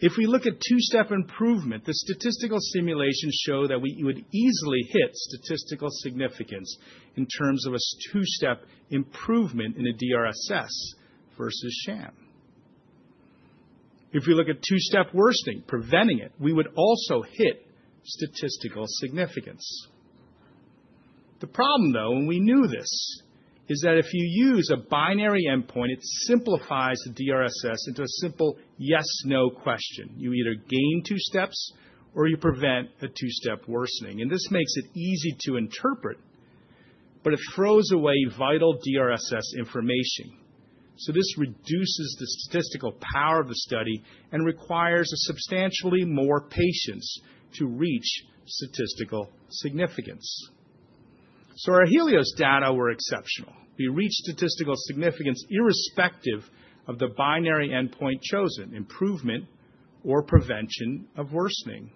If we look at two-step improvement, the statistical simulations show that we would easily hit statistical significance in terms of a two-step improvement in a DRSS versus sham. If we look at two-step worsening, preventing it, we would also hit statistical significance. The problem, though, and we knew this, is that if you use a binary endpoint, it simplifies the DRSS into a simple yes/no question. You either gain two steps, or you prevent the two-step worsening, and this makes it easy to interpret, but it throws away vital DRSS information, so this reduces the statistical power of the study and requires substantially more patients to reach statistical significance, so our HELIOS data were exceptional. We reached statistical significance irrespective of the binary endpoint chosen, improvement or prevention of worsening,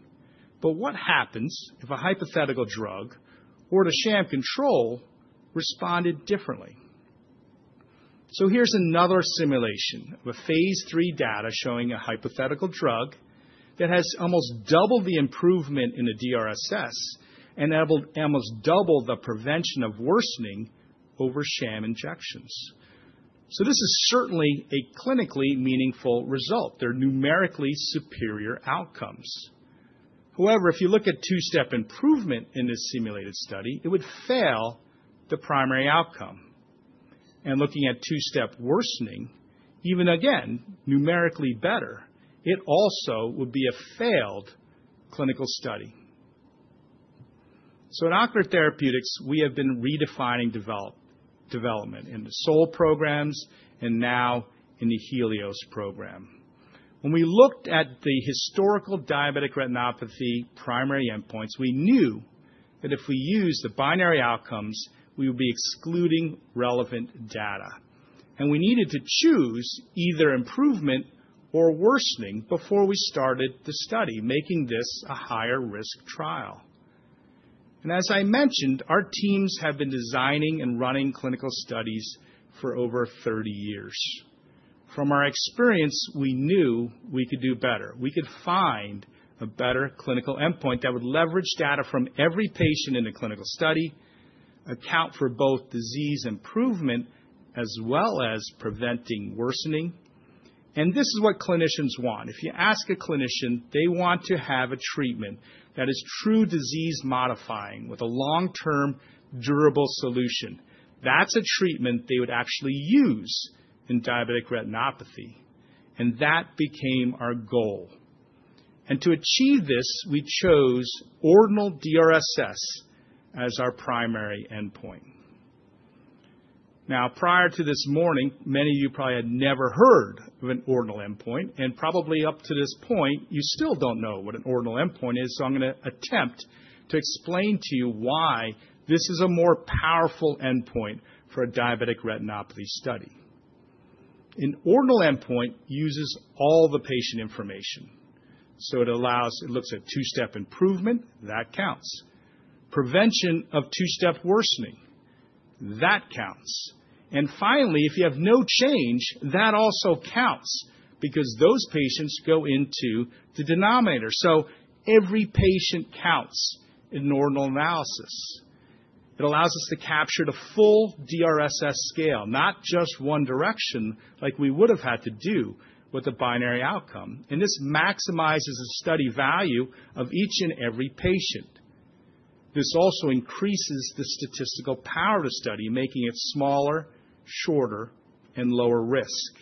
but what happens if a hypothetical drug or the sham control responded differently, so here's another simulation of a phase three data showing a hypothetical drug that has almost doubled the improvement in the DRSS and almost doubled the prevention of worsening over sham injections. This is certainly a clinically meaningful result. They're numerically superior outcomes. However, if you look at two-step improvement in this simulated study, it would fail the primary outcome, and looking at two-step worsening, even again, numerically better, it also would be a failed clinical study, so at Ocular Therapeutix, we have been redefining development in the SOL programs and now in the HELIOS program. When we looked at the historical diabetic retinopathy primary endpoints, we knew that if we used the binary outcomes, we would be excluding relevant data, and we needed to choose either improvement or worsening before we started the study, making this a higher-risk trial, and as I mentioned, our teams have been designing and running clinical studies for over 30 years. From our experience, we knew we could do better. We could find a better clinical endpoint that would leverage data from every patient in the clinical study, account for both disease improvement as well as preventing worsening, and this is what clinicians want. If you ask a clinician, they want to have a treatment that is true disease-modifying with a long-term, durable solution. That's a treatment they would actually use in diabetic retinopathy, and that became our goal, and to achieve this, we chose ordinal DRSS as our primary endpoint. Now, prior to this morning, many of you probably had never heard of an ordinal endpoint, and probably up to this point, you still don't know what an ordinal endpoint is. So I'm going to attempt to explain to you why this is a more powerful endpoint for a diabetic retinopathy study. An ordinal endpoint uses all the patient information. So it looks at two-step improvement. That counts. Prevention of two-step worsening. That counts. And finally, if you have no change, that also counts because those patients go into the denominator. So every patient counts in ordinal analysis. It allows us to capture the full DRSS scale, not just one direction like we would have had to do with the binary outcome. And this maximizes the study value of each and every patient. This also increases the statistical power of the study, making it smaller, shorter, and lower risk.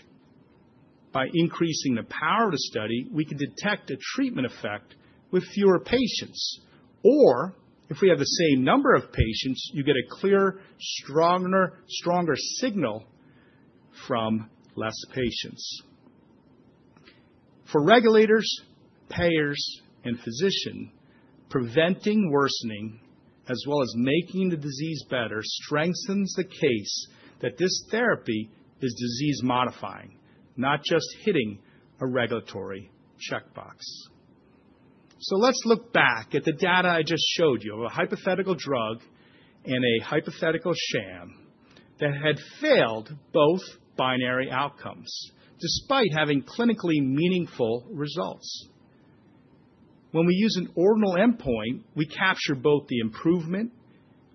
By increasing the power of the study, we can detect a treatment effect with fewer patients. Or if we have the same number of patients, you get a clearer, stronger signal from less patients. For regulators, payers, and physicians, preventing worsening as well as making the disease better strengthens the case that this therapy is disease-modifying, not just hitting a regulatory checkbox. So let's look back at the data I just showed you of a hypothetical drug and a hypothetical sham that had failed both binary outcomes despite having clinically meaningful results. When we use an ordinal endpoint, we capture both the improvement,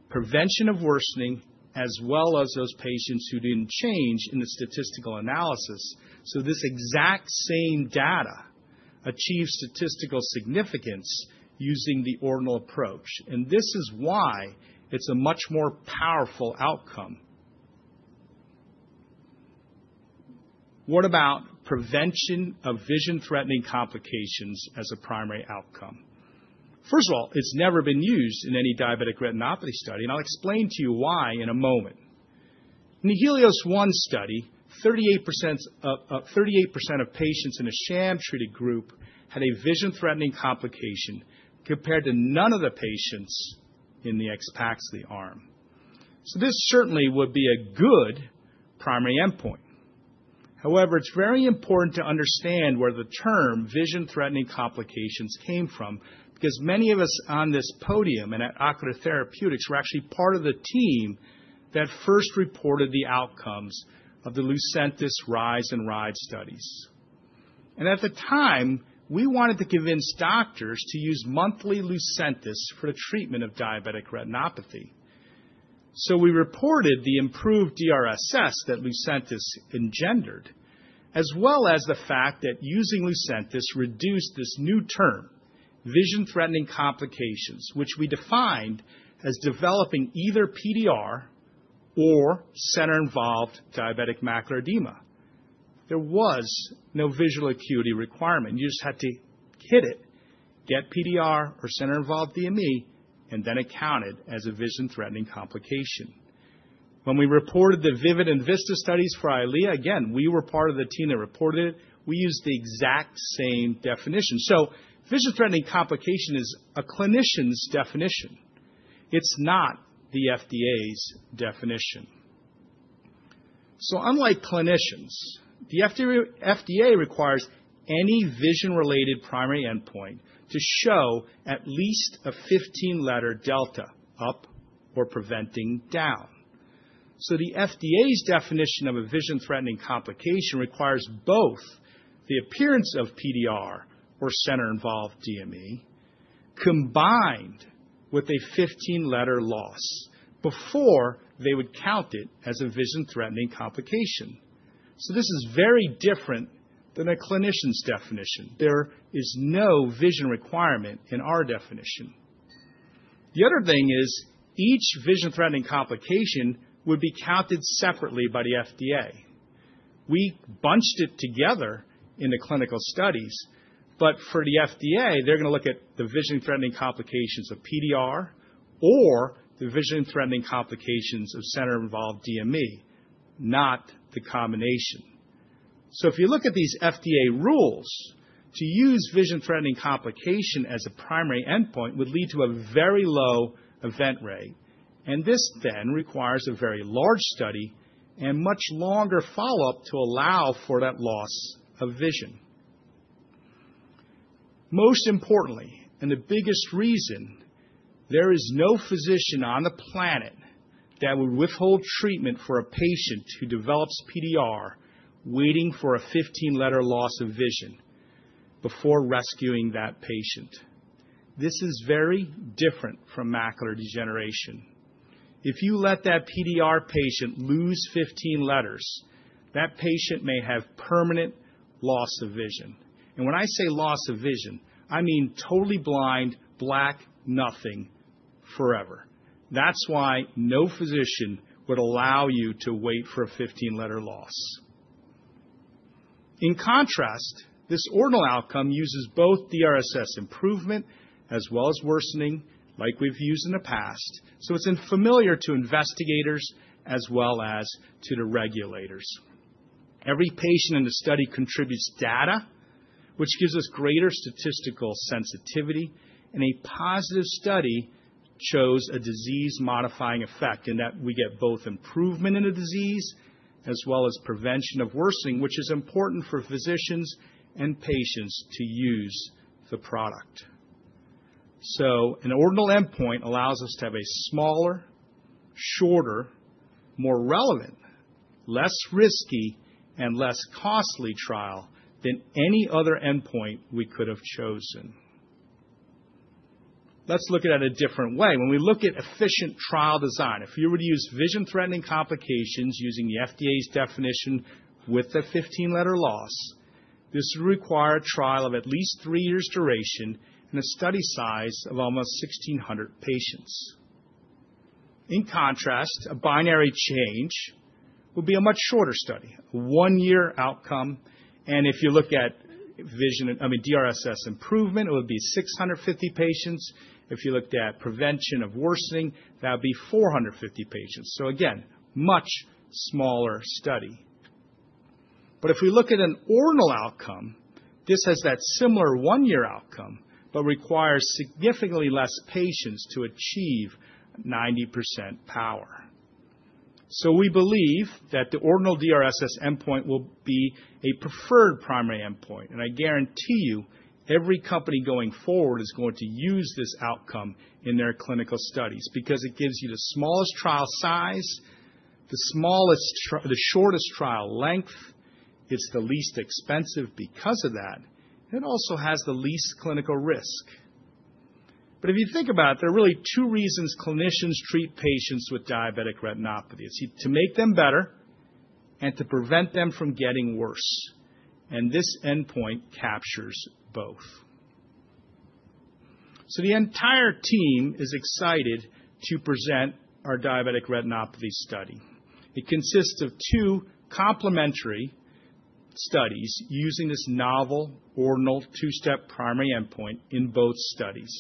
prevention of worsening, as well as those patients who didn't change in the statistical analysis. So this exact same data achieves statistical significance using the ordinal approach. And this is why it's a much more powerful outcome. What about prevention of vision-threatening complications as a primary outcome? First of all, it's never been used in any diabetic retinopathy study. And I'll explain to you why in a moment. In the HELIOS-1 study, 38% of patients in a sham-treated group had a vision-threatening complication compared to none of the patients in the AXPAXLI arm. So this certainly would be a good primary endpoint. However, it's very important to understand where the term vision-threatening complications came from because many of us on this podium and at Ocular Therapeutix were actually part of the team that first reported the outcomes of the LUCENTIS RISE and RIDE studies, and at the time, we wanted to convince doctors to use monthly LUCENTIS for the treatment of diabetic retinopathy, so we reported the improved DRSS that LUCENTIS engendered, as well as the fact that using LUCENTIS reduced this new term, vision-threatening complications, which we defined as developing either PDR or center-involved diabetic macular edema. There was no visual acuity requirement. You just had to hit it, get PDR or center-involved DME, and then it counted as a vision-threatening complication. When we reported the VIVID and VISTA studies for EYLEA, again, we were part of the team that reported it. We used the exact same definition. Vision-threatening complication is a clinician's definition. It's not the FDA's definition. Unlike clinicians, the FDA requires any vision-related primary endpoint to show at least a 15-letter delta up or preventing down. The FDA's definition of a vision-threatening complication requires both the appearance of PDR or center-involved DME combined with a 15-letter loss before they would count it as a vision-threatening complication. This is very different than a clinician's definition. There is no vision requirement in our definition. The other thing is each vision-threatening complication would be counted separately by the FDA. We bunched it together in the clinical studies. But for the FDA, they're going to look at the vision-threatening complications of PDR or the vision-threatening complications of center-involved DME, not the combination. So if you look at these FDA rules, to use vision-threatening complication as a primary endpoint would lead to a very low event rate. And this then requires a very large study and much longer follow-up to allow for that loss of vision. Most importantly, and the biggest reason, there is no physician on the planet that would withhold treatment for a patient who develops PDR waiting for a 15-letter loss of vision before rescuing that patient. This is very different from macular degeneration. If you let that PDR patient lose 15 letters, that patient may have permanent loss of vision. And when I say loss of vision, I mean totally blind, black, nothing forever. That's why no physician would allow you to wait for a 15-letter loss. In contrast, this ordinal outcome uses both DRSS improvement as well as worsening like we've used in the past. So it's familiar to investigators as well as to the regulators. Every patient in the study contributes data, which gives us greater statistical sensitivity. And a positive study shows a disease-modifying effect in that we get both improvement in the disease as well as prevention of worsening, which is important for physicians and patients to use the product. So an ordinal endpoint allows us to have a smaller, shorter, more relevant, less risky, and less costly trial than any other endpoint we could have chosen. Let's look at it a different way. When we look at efficient trial design, if you were to use vision-threatening complications using the FDA's definition with the 15-letter loss, this would require a trial of at least three years' duration and a study size of almost 1,600 patients. In contrast, a binary change would be a much shorter study, a one-year outcome. If you look at vision, I mean, DRSS improvement, it would be 650 patients. If you looked at prevention of worsening, that would be 450 patients. Again, much smaller study. If we look at an ordinal outcome, this has that similar one-year outcome but requires significantly less patients to achieve 90% power. We believe that the ordinal DRSS endpoint will be a preferred primary endpoint. I guarantee you every company going forward is going to use this outcome in their clinical studies because it gives you the smallest trial size, the shortest trial length. It's the least expensive because of that. It also has the least clinical risk. If you think about it, there are really two reasons clinicians treat patients with diabetic retinopathy. It's to make them better and to prevent them from getting worse. This endpoint captures both. So the entire team is excited to present our diabetic retinopathy study. It consists of two complementary studies using this novel ordinal two-step primary endpoint in both studies.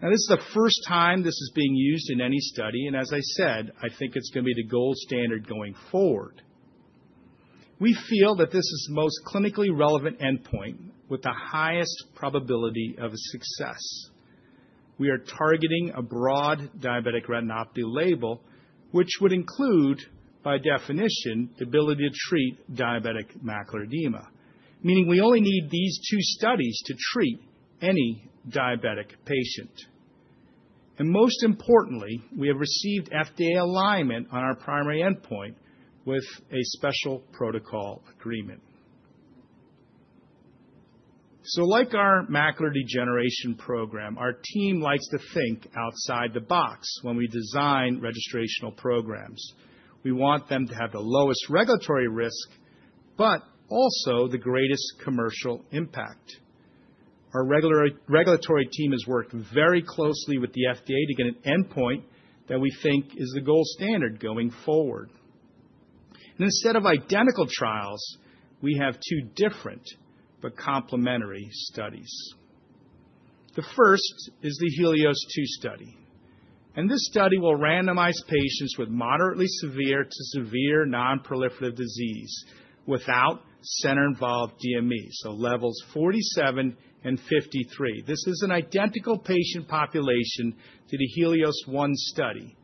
Now, this is the first time this is being used in any study. And as I said, I think it's going to be the gold standard going forward. We feel that this is the most clinically relevant endpoint with the highest probability of success. We are targeting a broad diabetic retinopathy label, which would include, by definition, the ability to treat diabetic macular edema, meaning we only need these two studies to treat any diabetic patient. And most importantly, we have received FDA alignment on our primary endpoint with a Special Protocol Agreement. So like our macular degeneration program, our team likes to think outside the box when we design registrational programs. We want them to have the lowest regulatory risk but also the greatest commercial impact. Our regulatory team has worked very closely with the FDA to get an endpoint that we think is the gold standard going forward, and instead of identical trials, we have two different but complementary studies. The first is the HELIOS-2 study, and this study will randomize patients with moderately severe to severe non-proliferative disease without center-involved DME, so levels 47 and 53. This is an identical patient population to the HELIOS-1 study,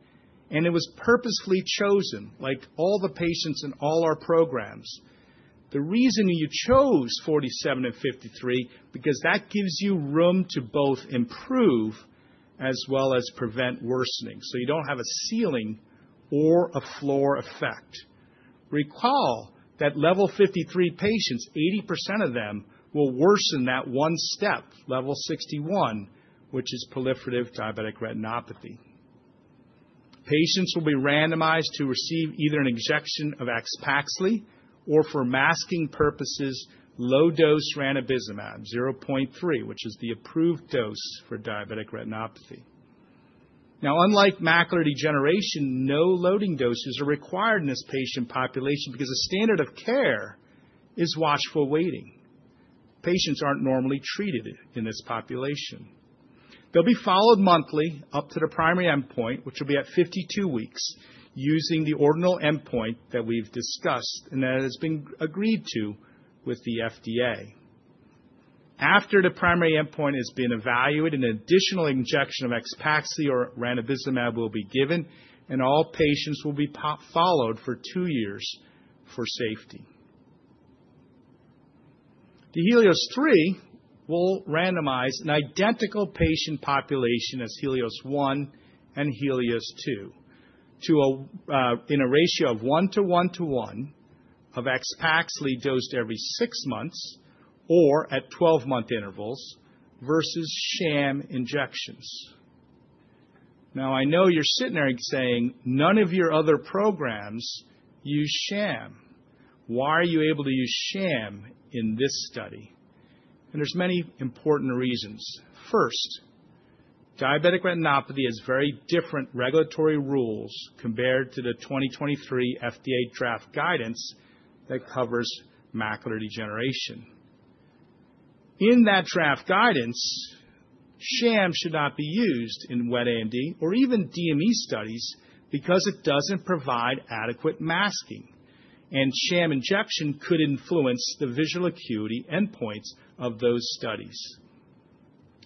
and it was purposefully chosen like all the patients in all our programs. The reason you chose 47 and 53 is because that gives you room to both improve as well as prevent worsening, so you don't have a ceiling or a floor effect. Recall that level 53 patients, 80% of them, will worsen that one step, level 61, which is proliferative diabetic retinopathy. Patients will be randomized to receive either an injection of AXPAXLI or, for masking purposes, low-dose ranibizumab 0.3, which is the approved dose for diabetic retinopathy. Now, unlike macular degeneration, no loading doses are required in this patient population because the standard of care is watchful waiting. Patients aren't normally treated in this population. They'll be followed monthly up to the primary endpoint, which will be at 52 weeks using the ordinal endpoint that we've discussed and that has been agreed to with the FDA. After the primary endpoint has been evaluated, an additional injection of AXPAXLI or ranibizumab will be given, and all patients will be followed for two years for safety. The HELIOS-3 will randomize an identical patient population as HELIOS-1 and HELIOS-2 in a ratio of 1 to 1 to 1 of AXPAXLI dosed every six months or at 12-month intervals versus sham injections. Now, I know you're sitting there saying, "None of your other programs use sham. Why are you able to use sham in this study?" And there's many important reasons. First, diabetic retinopathy has very different regulatory rules compared to the 2023 FDA draft guidance that covers macular degeneration. In that draft guidance, sham should not be used in wet AMD or even DME studies because it doesn't provide adequate masking. And sham injection could influence the visual acuity endpoints of those studies.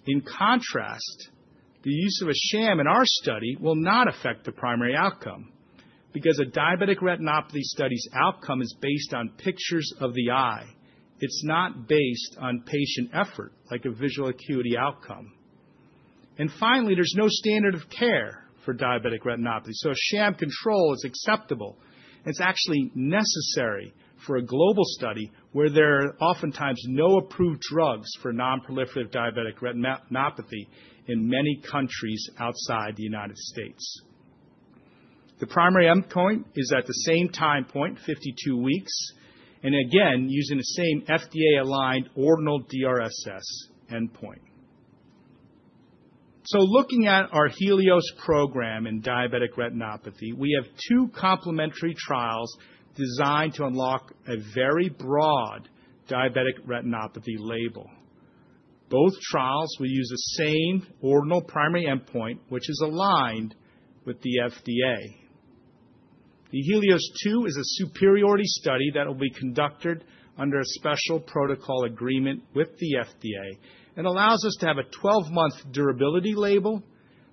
In contrast, the use of a sham in our study will not affect the primary outcome because a diabetic retinopathy study's outcome is based on pictures of the eye. It's not based on patient effort like a visual acuity outcome and finally, there's no standard of care for diabetic retinopathy, so sham control is acceptable. It's actually necessary for a global study where there are oftentimes no approved drugs for non-proliferative diabetic retinopathy in many countries outside the United States. The primary endpoint is at the same time point, 52 weeks, and again, using the same FDA-aligned ordinal DRSS endpoint, so looking at our HELIOS program in diabetic retinopathy, we have two complementary trials designed to unlock a very broad diabetic retinopathy label. Both trials will use the same ordinal primary endpoint, which is aligned with the FDA. The HELIOS-2 is a superiority study that will be conducted under a special protocol agreement with the FDA and allows us to have a 12-month durability label,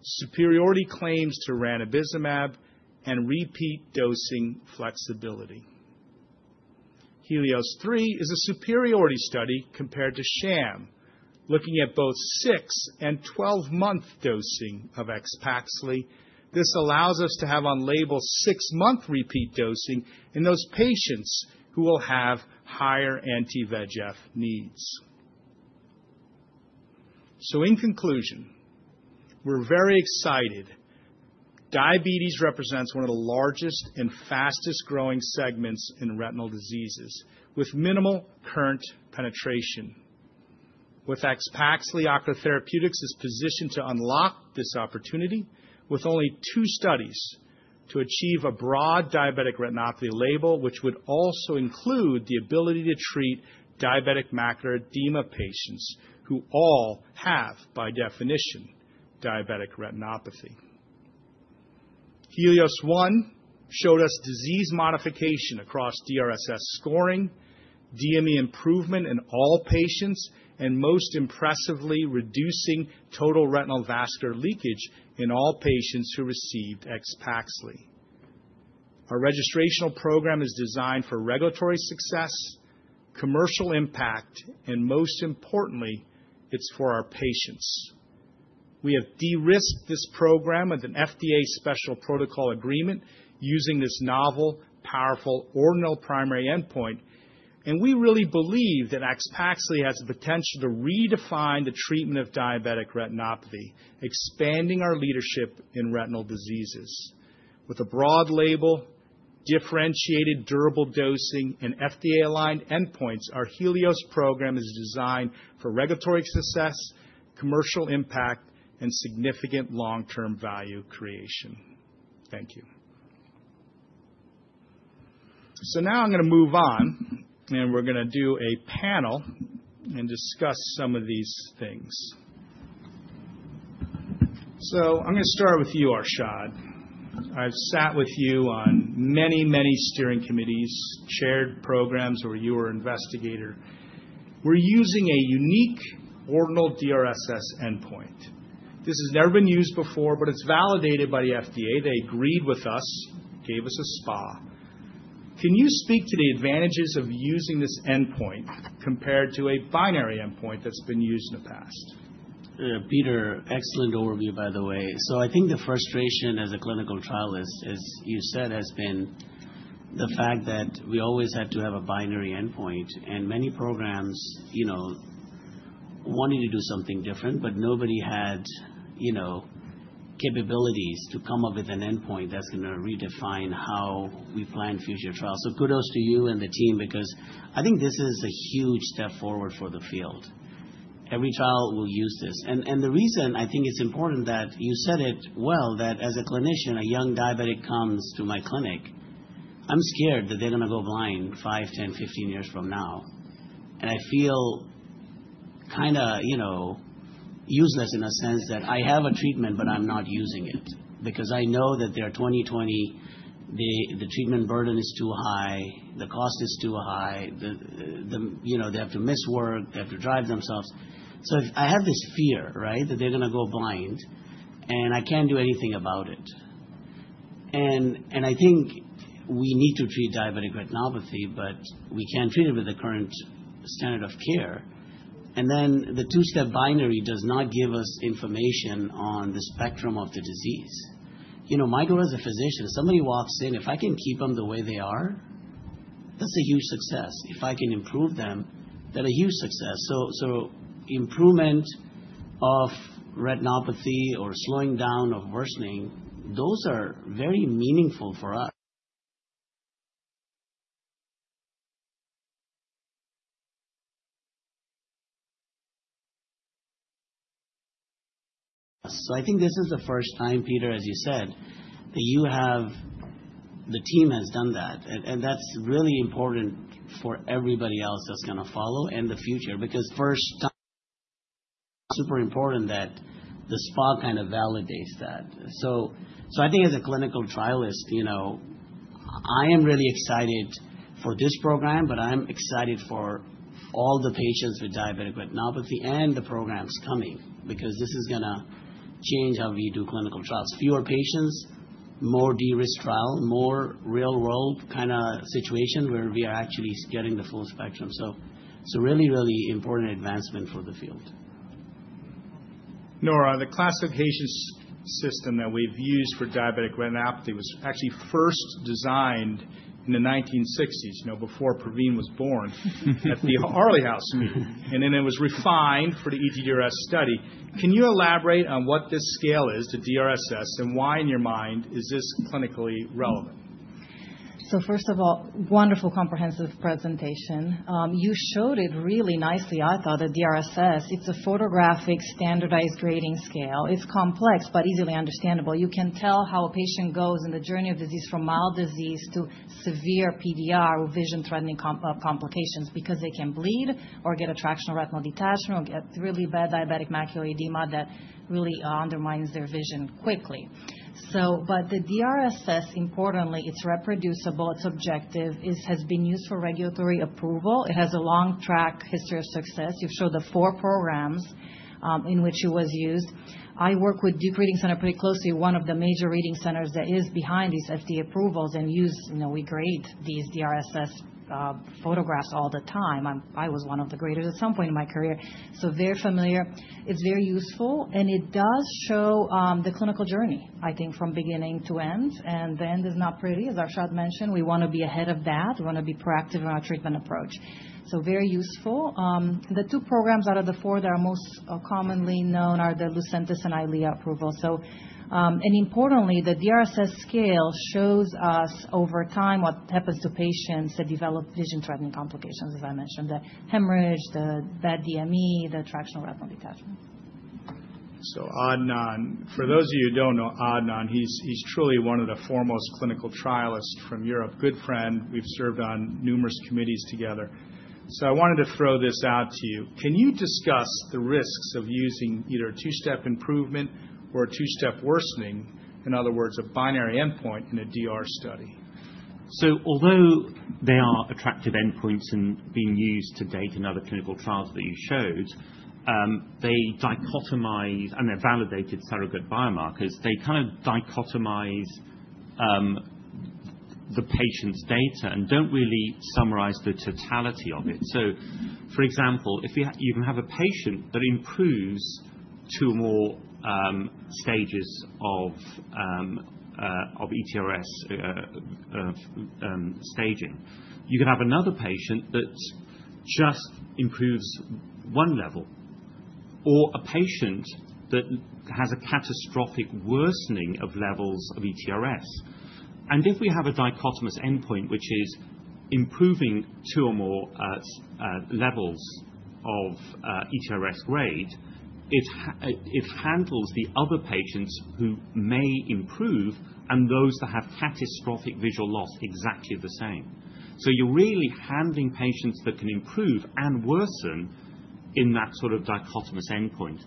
superiority claims to ranibizumab, and repeat dosing flexibility. HELIOS-3 is a superiority study compared to sham, looking at both six and 12-month dosing of AXPAXLI. This allows us to have on label six-month repeat dosing in those patients who will have higher anti-VEGF needs. So in conclusion, we're very excited. Diabetes represents one of the largest and fastest-growing segments in retinal diseases with minimal current penetration. With AXPAXLI, Ocular Therapeutix is positioned to unlock this opportunity with only two studies to achieve a broad diabetic retinopathy label, which would also include the ability to treat diabetic macular edema patients who all have by definition diabetic retinopathy. HELIOS-1 showed us disease modification across DRSS scoring, DME improvement in all patients, and most impressively, reducing total retinal vascular leakage in all patients who received AXPAXLI. Our registrational program is designed for regulatory success, commercial impact, and most importantly, it's for our patients. We have de-risked this program with an FDA special protocol agreement using this novel, powerful ordinal primary endpoint. We really believe that AXPAXLI has the potential to redefine the treatment of diabetic retinopathy, expanding our leadership in retinal diseases. With a broad label, differentiated durable dosing, and FDA-aligned endpoints, our HELIOS program is designed for regulatory success, commercial impact, and significant long-term value creation. Thank you. Now I'm going to move on, and we're going to do a panel and discuss some of these things. I'm going to start with you, Arshad. I've sat with you on many, many steering committees, chaired programs, or you were an investigator. We're using a unique ordinal DRSS endpoint. This has never been used before, but it's validated by the FDA. They agreed with us, gave us a SPA. Can you speak to the advantages of using this endpoint compared to a binary endpoint that's been used in the past? Peter, excellent overview, by the way. So I think the frustration as a clinical trialist, as you said, has been the fact that we always had to have a binary endpoint. And many programs wanted to do something different, but nobody had capabilities to come up with an endpoint that's going to redefine how we plan future trials. So kudos to you and the team because I think this is a huge step forward for the field. Every clinician will use this. And the reason I think it's important, that you said it well, that as a clinician, a young diabetic comes to my clinic. I'm scared that they're going to go blind five, 10, 15 years from now. And I feel kind of useless in a sense that I have a treatment, but I'm not using it because I know that they're 20/20, the treatment burden is too high, the cost is too high, they have to miss work, they have to drive themselves. So I have this fear, right, that they're going to go blind, and I can't do anything about it. And I think we need to treat diabetic retinopathy, but we can't treat it with the current standard of care. And then the two-step binary does not give us information on the spectrum of the disease. My goal as a physician, if somebody walks in, if I can keep them the way they are, that's a huge success. If I can improve them, that's a huge success. So improvement of retinopathy or slowing down of worsening, those are very meaningful for us. I think this is the first time, Peter, as you said, that the team has done that. And that's really important for everybody else that's going to follow in the future because first time it's super important that the SPA kind of validates that. So I think as a clinical trialist, I am really excited for this program, but I'm excited for all the patients with diabetic retinopathy and the programs coming because this is going to change how we do clinical trials. Fewer patients, more de-risk trial, more real-world kind of situation where we are actually getting the full spectrum. So really, really important advancement for the field. Nora, the classification system that we've used for diabetic retinopathy was actually first designed in the 1960s, before Pravin was born at the Airlie House. And then it was refined for the ETDRS study. Can you elaborate on what this scale is to DRSS and why, in your mind, is this clinically relevant? So first of all, wonderful comprehensive presentation. You showed it really nicely, I thought, a DRSS. It's a photographic standardized grading scale. It's complex but easily understandable. You can tell how a patient goes in the journey of disease from mild disease to severe PDR with vision-threatening complications because they can bleed or get a tractional retinal detachment or get really bad diabetic macular edema that really undermines their vision quickly. But the DRSS, importantly, it's reproducible, it's objective, has been used for regulatory approval. It has a long track history of success. You've showed the four programs in which it was used. I work with Duke Reading Center pretty closely, one of the major reading centers that is behind these FDA approvals and uses. We grade these DRSS photographs all the time. I was one of the graders at some point in my career, so very familiar. It's very useful, and it does show the clinical journey, I think, from beginning to end. The end is not pretty, as Arshad mentioned. We want to be ahead of that. We want to be proactive in our treatment approach, so very useful. The two programs out of the four that are most commonly known are the LUCENTIS and EYLEA approval. Importantly, the DRSS scale shows us over time what happens to patients that develop vision-threatening complications, as I mentioned, the hemorrhage, the bad DME, the tractional retinal detachment. For those of you who don't know Adnan, he's truly one of the foremost clinical trialists from Europe, good friend. We've served on numerous committees together. I wanted to throw this out to you. Can you discuss the risks of using either a two-step improvement or a two-step worsening, in other words, a binary endpoint in a DR study? Although they are attractive endpoints and being used to date in other clinical trials that you showed, they dichotomize and they're validated surrogate biomarkers. They kind of dichotomize the patient's data and don't really summarize the totality of it. For example, if you can have a patient that improves two more stages of ETDRS staging, you can have another patient that just improves one level or a patient that has a catastrophic worsening of levels of ETDRS. If we have a dichotomous endpoint, which is improving two or more levels of ETDRS grade, it handles the other patients who may improve and those that have catastrophic visual loss exactly the same. So you're really handling patients that can improve and worsen in that sort of dichotomous endpoint.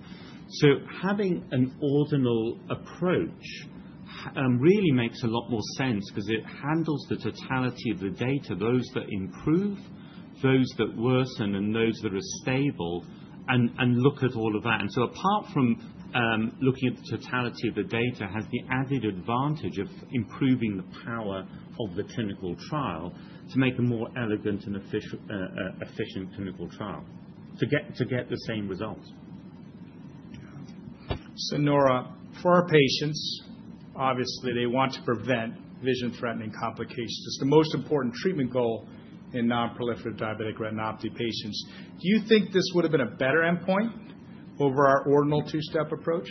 So having an ordinal approach really makes a lot more sense because it handles the totality of the data, those that improve, those that worsen, and those that are stable, and look at all of that. And so apart from looking at the totality of the data has the added advantage of improving the power of the clinical trial to make a more elegant and efficient clinical trial to get the same results. So Nora, for our patients, obviously, they want to prevent vision-threatening complications. It's the most important treatment goal in non-proliferative diabetic retinopathy patients. Do you think this would have been a better endpoint over our ordinal two-step approach?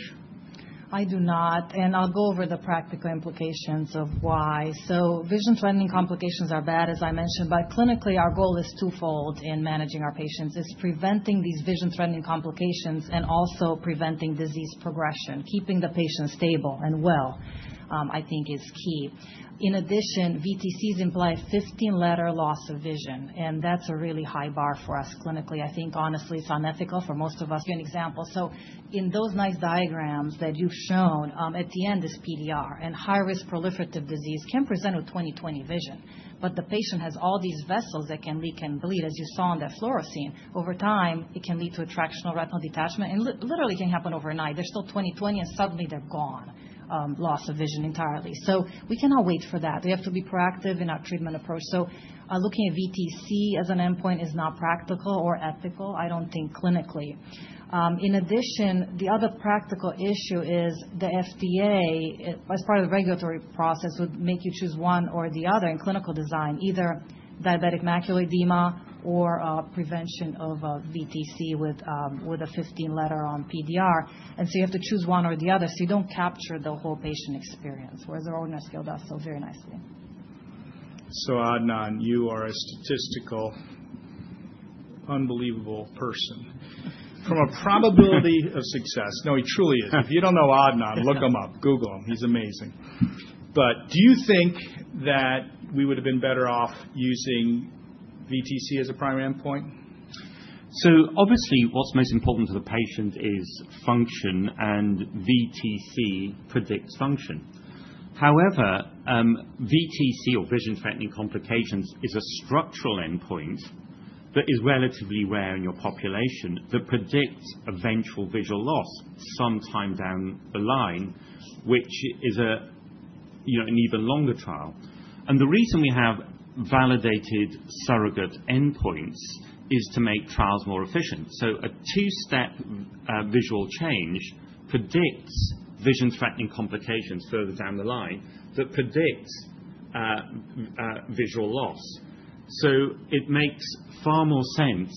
I do not. And I'll go over the practical implications of why. So vision-threatening complications are bad, as I mentioned. But clinically, our goal is twofold in managing our patients. It's preventing these vision-threatening complications and also preventing disease progression. Keeping the patient stable and well, I think, is key. In addition, VTCs imply a 15-letter loss of vision. And that's a really high bar for us clinically. I think, honestly, it's unethical for most of us. An example. So in those nice diagrams that you've shown, at the end is PDR. And high-risk proliferative disease can present with 20/20 vision. But the patient has all these vessels that can leak and bleed, as you saw on that fluorescein. Over time, it can lead to a tractional retinal detachment. And literally, it can happen overnight. They're still 20/20, and suddenly they're gone, loss of vision entirely. So we cannot wait for that. We have to be proactive in our treatment approach. So looking at VTC as an endpoint is not practical or ethical, I don't think clinically. In addition, the other practical issue is the FDA, as part of the regulatory process, would make you choose one or the other in clinical design, either diabetic macular edema or prevention of VTC with a 15-letter on PDR. And so you have to choose one or the other. So you don't capture the whole patient experience, whereas the ordinal scale does so very nicely. So Adnan, you are a statistically unbelievable person. From a probability of success, no, he truly is. If you don't know Adnan, look him up, Google him. He's amazing. But do you think that we would have been better off using VTC as a primary endpoint? So obviously, what's most important to the patient is function, and VTC predicts function. However, VTC or vision-threatening complications is a structural endpoint that is relatively rare in your population that predicts eventual visual loss some time down the line, which is an even longer trial. And the reason we have validated surrogate endpoints is to make trials more efficient. So a two-step visual change predicts vision-threatening complications further down the line that predicts visual loss. So it makes far more sense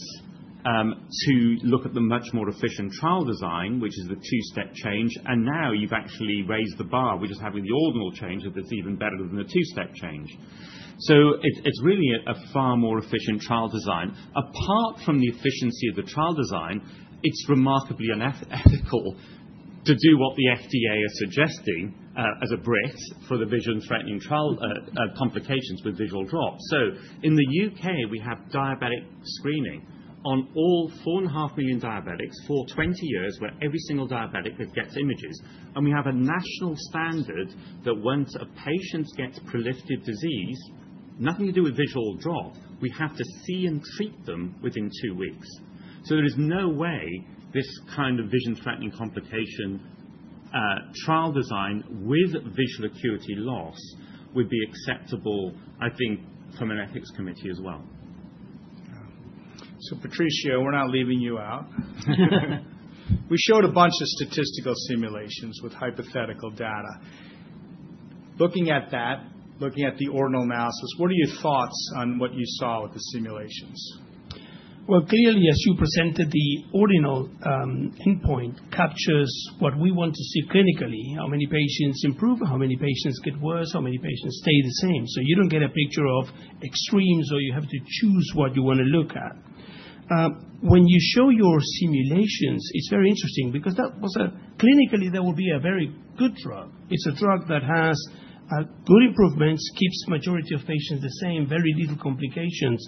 to look at the much more efficient trial design, which is the two-step change. And now you've actually raised the bar. We just have with the ordinal change that it's even better than the two-step change. So it's really a far more efficient trial design. Apart from the efficiency of the trial design, it's remarkably unethical to do what the FDA is suggesting as an endpoint for the vision-threatening complications with visual acuity drop. So in the U.K., we have diabetic screening on all 4.5 million diabetics for 20 years where every single diabetic that gets imaged. And we have a national standard that once a patient gets proliferative disease, nothing to do with visual acuity drop, we have to see and treat them within two weeks. So there is no way this kind of vision-threatening complication trial design with visual acuity loss would be acceptable, I think, from an ethics committee as well. So Patricio, we're not leaving you out. We showed a bunch of statistical simulations with hypothetical data. Looking at that, looking at the ordinal analysis, what are your thoughts on what you saw with the simulations? Clearly, as you presented, the ordinal endpoint captures what we want to see clinically, how many patients improve, how many patients get worse, how many patients stay the same. So you don't get a picture of extremes or you have to choose what you want to look at. When you show your simulations, it's very interesting because that was a clinically, that would be a very good drug. It's a drug that has good improvements, keeps the majority of patients the same, very little complications.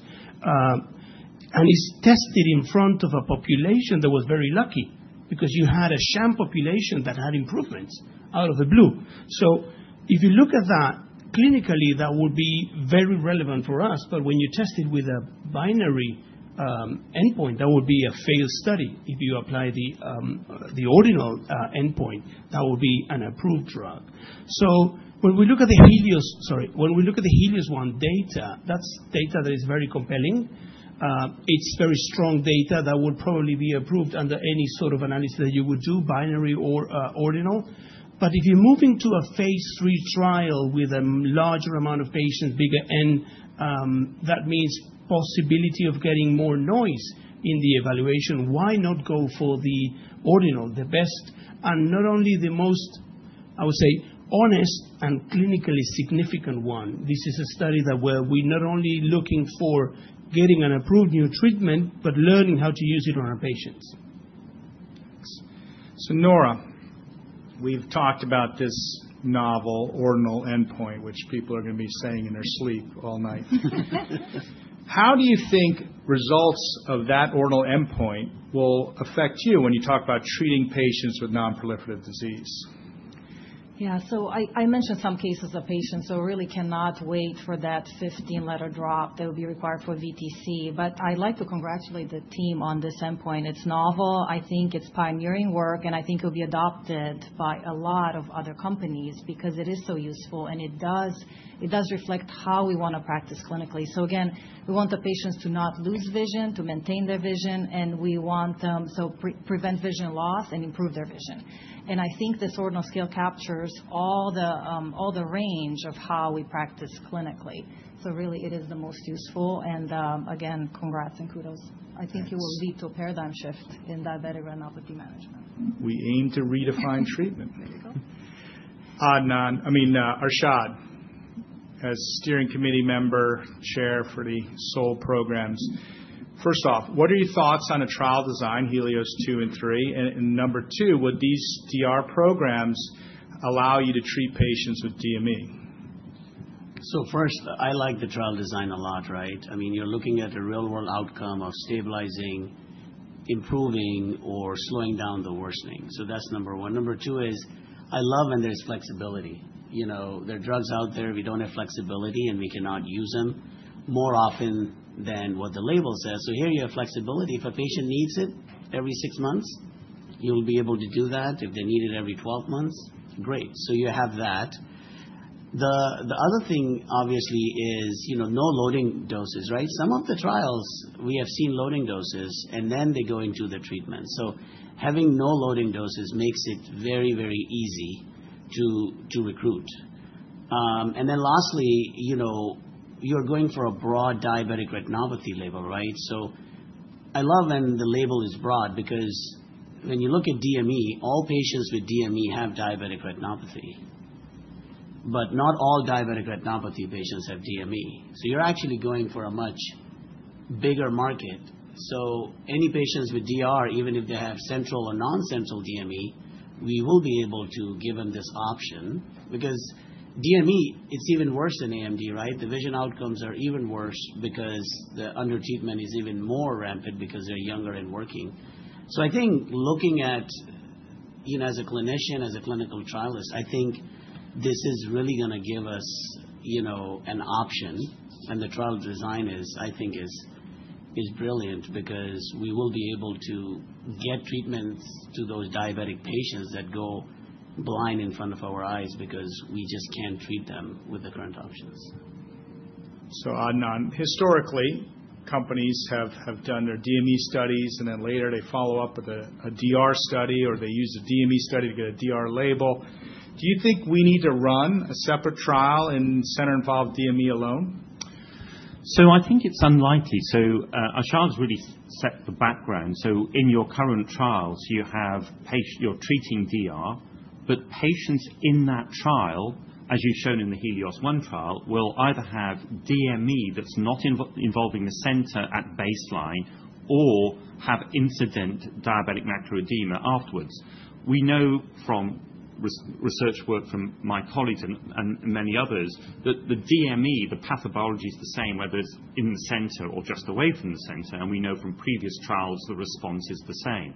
And it's tested in front of a population that was very lucky because you had a sham population that had improvements out of the blue. So if you look at that clinically, that would be very relevant for us. But when you test it with a binary endpoint, that would be a failed study. If you apply the ordinal endpoint, that would be an approved drug. So when we look at the HELIOS-1 sorry, when we look at the HELIOS-1 data, that's data that is very compelling. It's very strong data that would probably be approved under any sort of analysis that you would do, binary or ordinal. But if you're moving to a phase three trial with a larger amount of patients, bigger N, that means possibility of getting more noise in the evaluation. Why not go for the ordinal, the best, and not only the most, I would say, honest and clinically significant one? This is a study that where we're not only looking for getting an approved new treatment, but learning how to use it on our patients. So Nora, we've talked about this novel ordinal endpoint, which people are going to be saying in their sleep all night. How do you think results of that ordinal endpoint will affect you when you talk about treating patients with non-proliferative disease? Yeah. So I mentioned some cases of patients who really cannot wait for that 15-letter drop that would be required for VTC. But I'd like to congratulate the team on this endpoint. It's novel. I think it's pioneering work. And I think it will be adopted by a lot of other companies because it is so useful. And it does reflect how we want to practice clinically. So again, we want the patients to not lose vision, to maintain their vision. And we want them to prevent vision loss and improve their vision. And I think this ordinal scale captures all the range of how we practice clinically. So really, it is the most useful. And again, congrats and kudos. I think it will lead to a paradigm shift in diabetic retinopathy management. We aim to redefine treatment. There you go. Adnan, I mean, Arshad, as steering committee member, chair for the SOL programs, first off, what are your thoughts on a trial design, HELIOS-2 and HELIOS-3? And number two, would these DR programs allow you to treat patients with DME? So first, I like the trial design a lot, right? I mean, you're looking at a real-world outcome of stabilizing, improving, or slowing down the worsening. So that's number one. Number two is I love when there's flexibility. There are drugs out there. We don't have flexibility, and we cannot use them more often than what the label says. So here you have flexibility. If a patient needs it every 6 months, you'll be able to do that. If they need it every 12 months, great. So you have that. The other thing, obviously, is no loading doses, right? Some of the trials, we have seen loading doses, and then they go into the treatment. So having no loading doses makes it very, very easy to recruit. And then lastly, you're going for a broad diabetic retinopathy label, right? So I love when the label is broad because when you look at DME, all patients with DME have diabetic retinopathy. But not all diabetic retinopathy patients have DME. So you're actually going for a much bigger market. So any patients with DR, even if they have central or non-central DME, we will be able to give them this option because DME, it's even worse than AMD, right? The vision outcomes are even worse because the under-treatment is even more rampant because they're younger and working. So I think, looking at, as a clinician, as a clinical trialist, I think this is really going to give us an option. And the trial design, I think, is brilliant because we will be able to get treatments to those diabetic patients that go blind in front of our eyes because we just can't treat them with the current options. So Adnan, historically, companies have done their DME studies, and then later they follow up with a DR study or they use a DME study to get a DR label. Do you think we need to run a separate trial in center-involved DME alone? So I think it's unlikely. So Arshad has really set the background. So, in your current trials, you have patients you're treating DR, but patients in that trial, as you've shown in the HELIOS-1 trial, will either have DME that's not involving the center at baseline or have incident diabetic macular edema afterwards. We know from research work from my colleagues and many others that the DME, the pathobiology is the same, whether it's in the center or just away from the center. And we know from previous trials, the response is the same.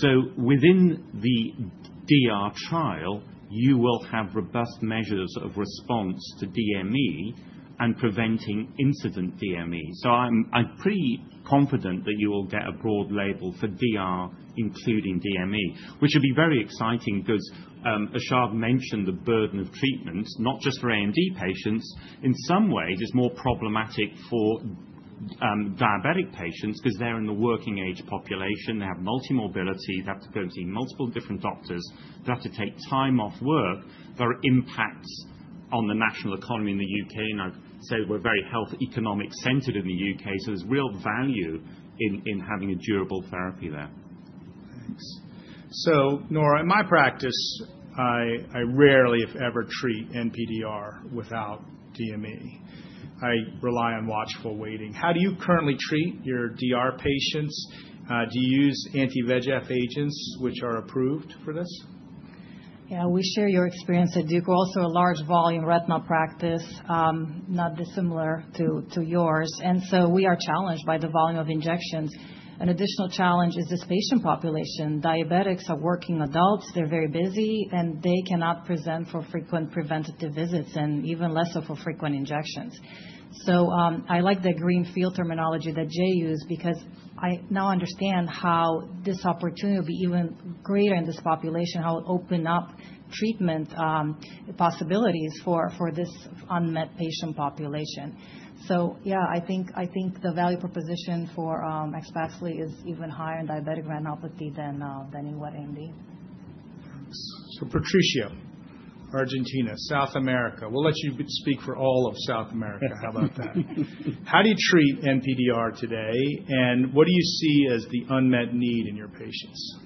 So within the DR trial, you will have robust measures of response to DME and preventing incident DME. So I'm pretty confident that you will get a broad label for DR, including DME, which would be very exciting because Arshad mentioned the burden of treatment, not just for AMD patients. In some ways, it's more problematic for diabetic patients because they're in the working-age population. They have multi-morbidity. They have to go to multiple different doctors. They have to take time off work. There are impacts on the national economy in the U.K. And I'd say we're very health economics-centered in the U.K. So there's real value in having a durable therapy there. Thanks. So Nora, in my practice, I rarely, if ever, treat NPDR without DME. I rely on watchful waiting. How do you currently treat your DR patients? Do you use anti-VEGF agents, which are approved for this? Yeah. We share your experience at Duke. We're also a large volume retina practice, not dissimilar to yours. And so we are challenged by the volume of injections. An additional challenge is this patient population. Diabetics are working adults. They're very busy, and they cannot present for frequent preventive visits and even less so for frequent injections. I like the greenfield terminology that Jay used because I now understand how this opportunity will be even greater in this population, how it will open up treatment possibilities for this unmet patient population. Yeah, I think the value proposition for AXPAXLI is even higher in diabetic retinopathy than in wet AMD. Patricio, Argentina, South America. We'll let you speak for all of South America. How about that? How do you treat NPDR today, and what do you see as the unmet need in your patients?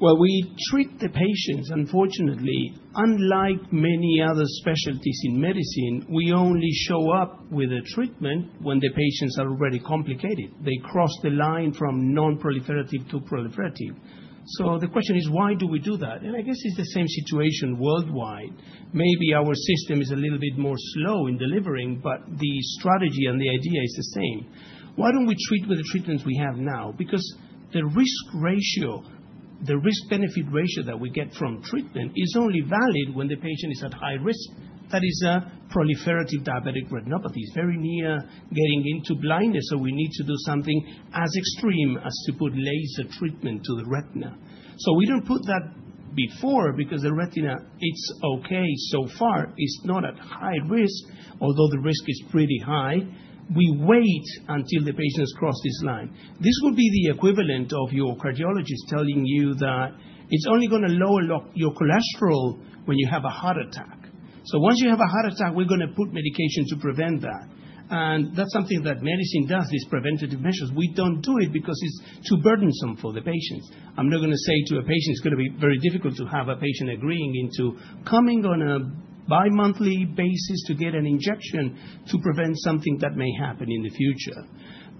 We treat the patients. Unfortunately, unlike many other specialties in medicine, we only show up with a treatment when the patients are already complicated. They cross the line from non-proliferative to proliferative. The question is, why do we do that? I guess it's the same situation worldwide. Maybe our system is a little bit more slow in delivering, but the strategy and the idea is the same. Why don't we treat with the treatments we have now? Because the risk ratio, the risk-benefit ratio that we get from treatment is only valid when the patient is at high risk. That is a proliferative diabetic retinopathy. It's very near getting into blindness. So we need to do something as extreme as to put laser treatment to the retina. So we don't put that before because the retina, it's okay so far. It's not at high risk, although the risk is pretty high. We wait until the patients cross this line. This will be the equivalent of your cardiologist telling you that it's only going to lower your cholesterol when you have a heart attack. So once you have a heart attack, we're going to put medication to prevent that. And that's something that medicine does, these preventative measures. We don't do it because it's too burdensome for the patients. I'm not going to say to a patient, it's going to be very difficult to have a patient agreeing to coming on a bi-monthly basis to get an injection to prevent something that may happen in the future.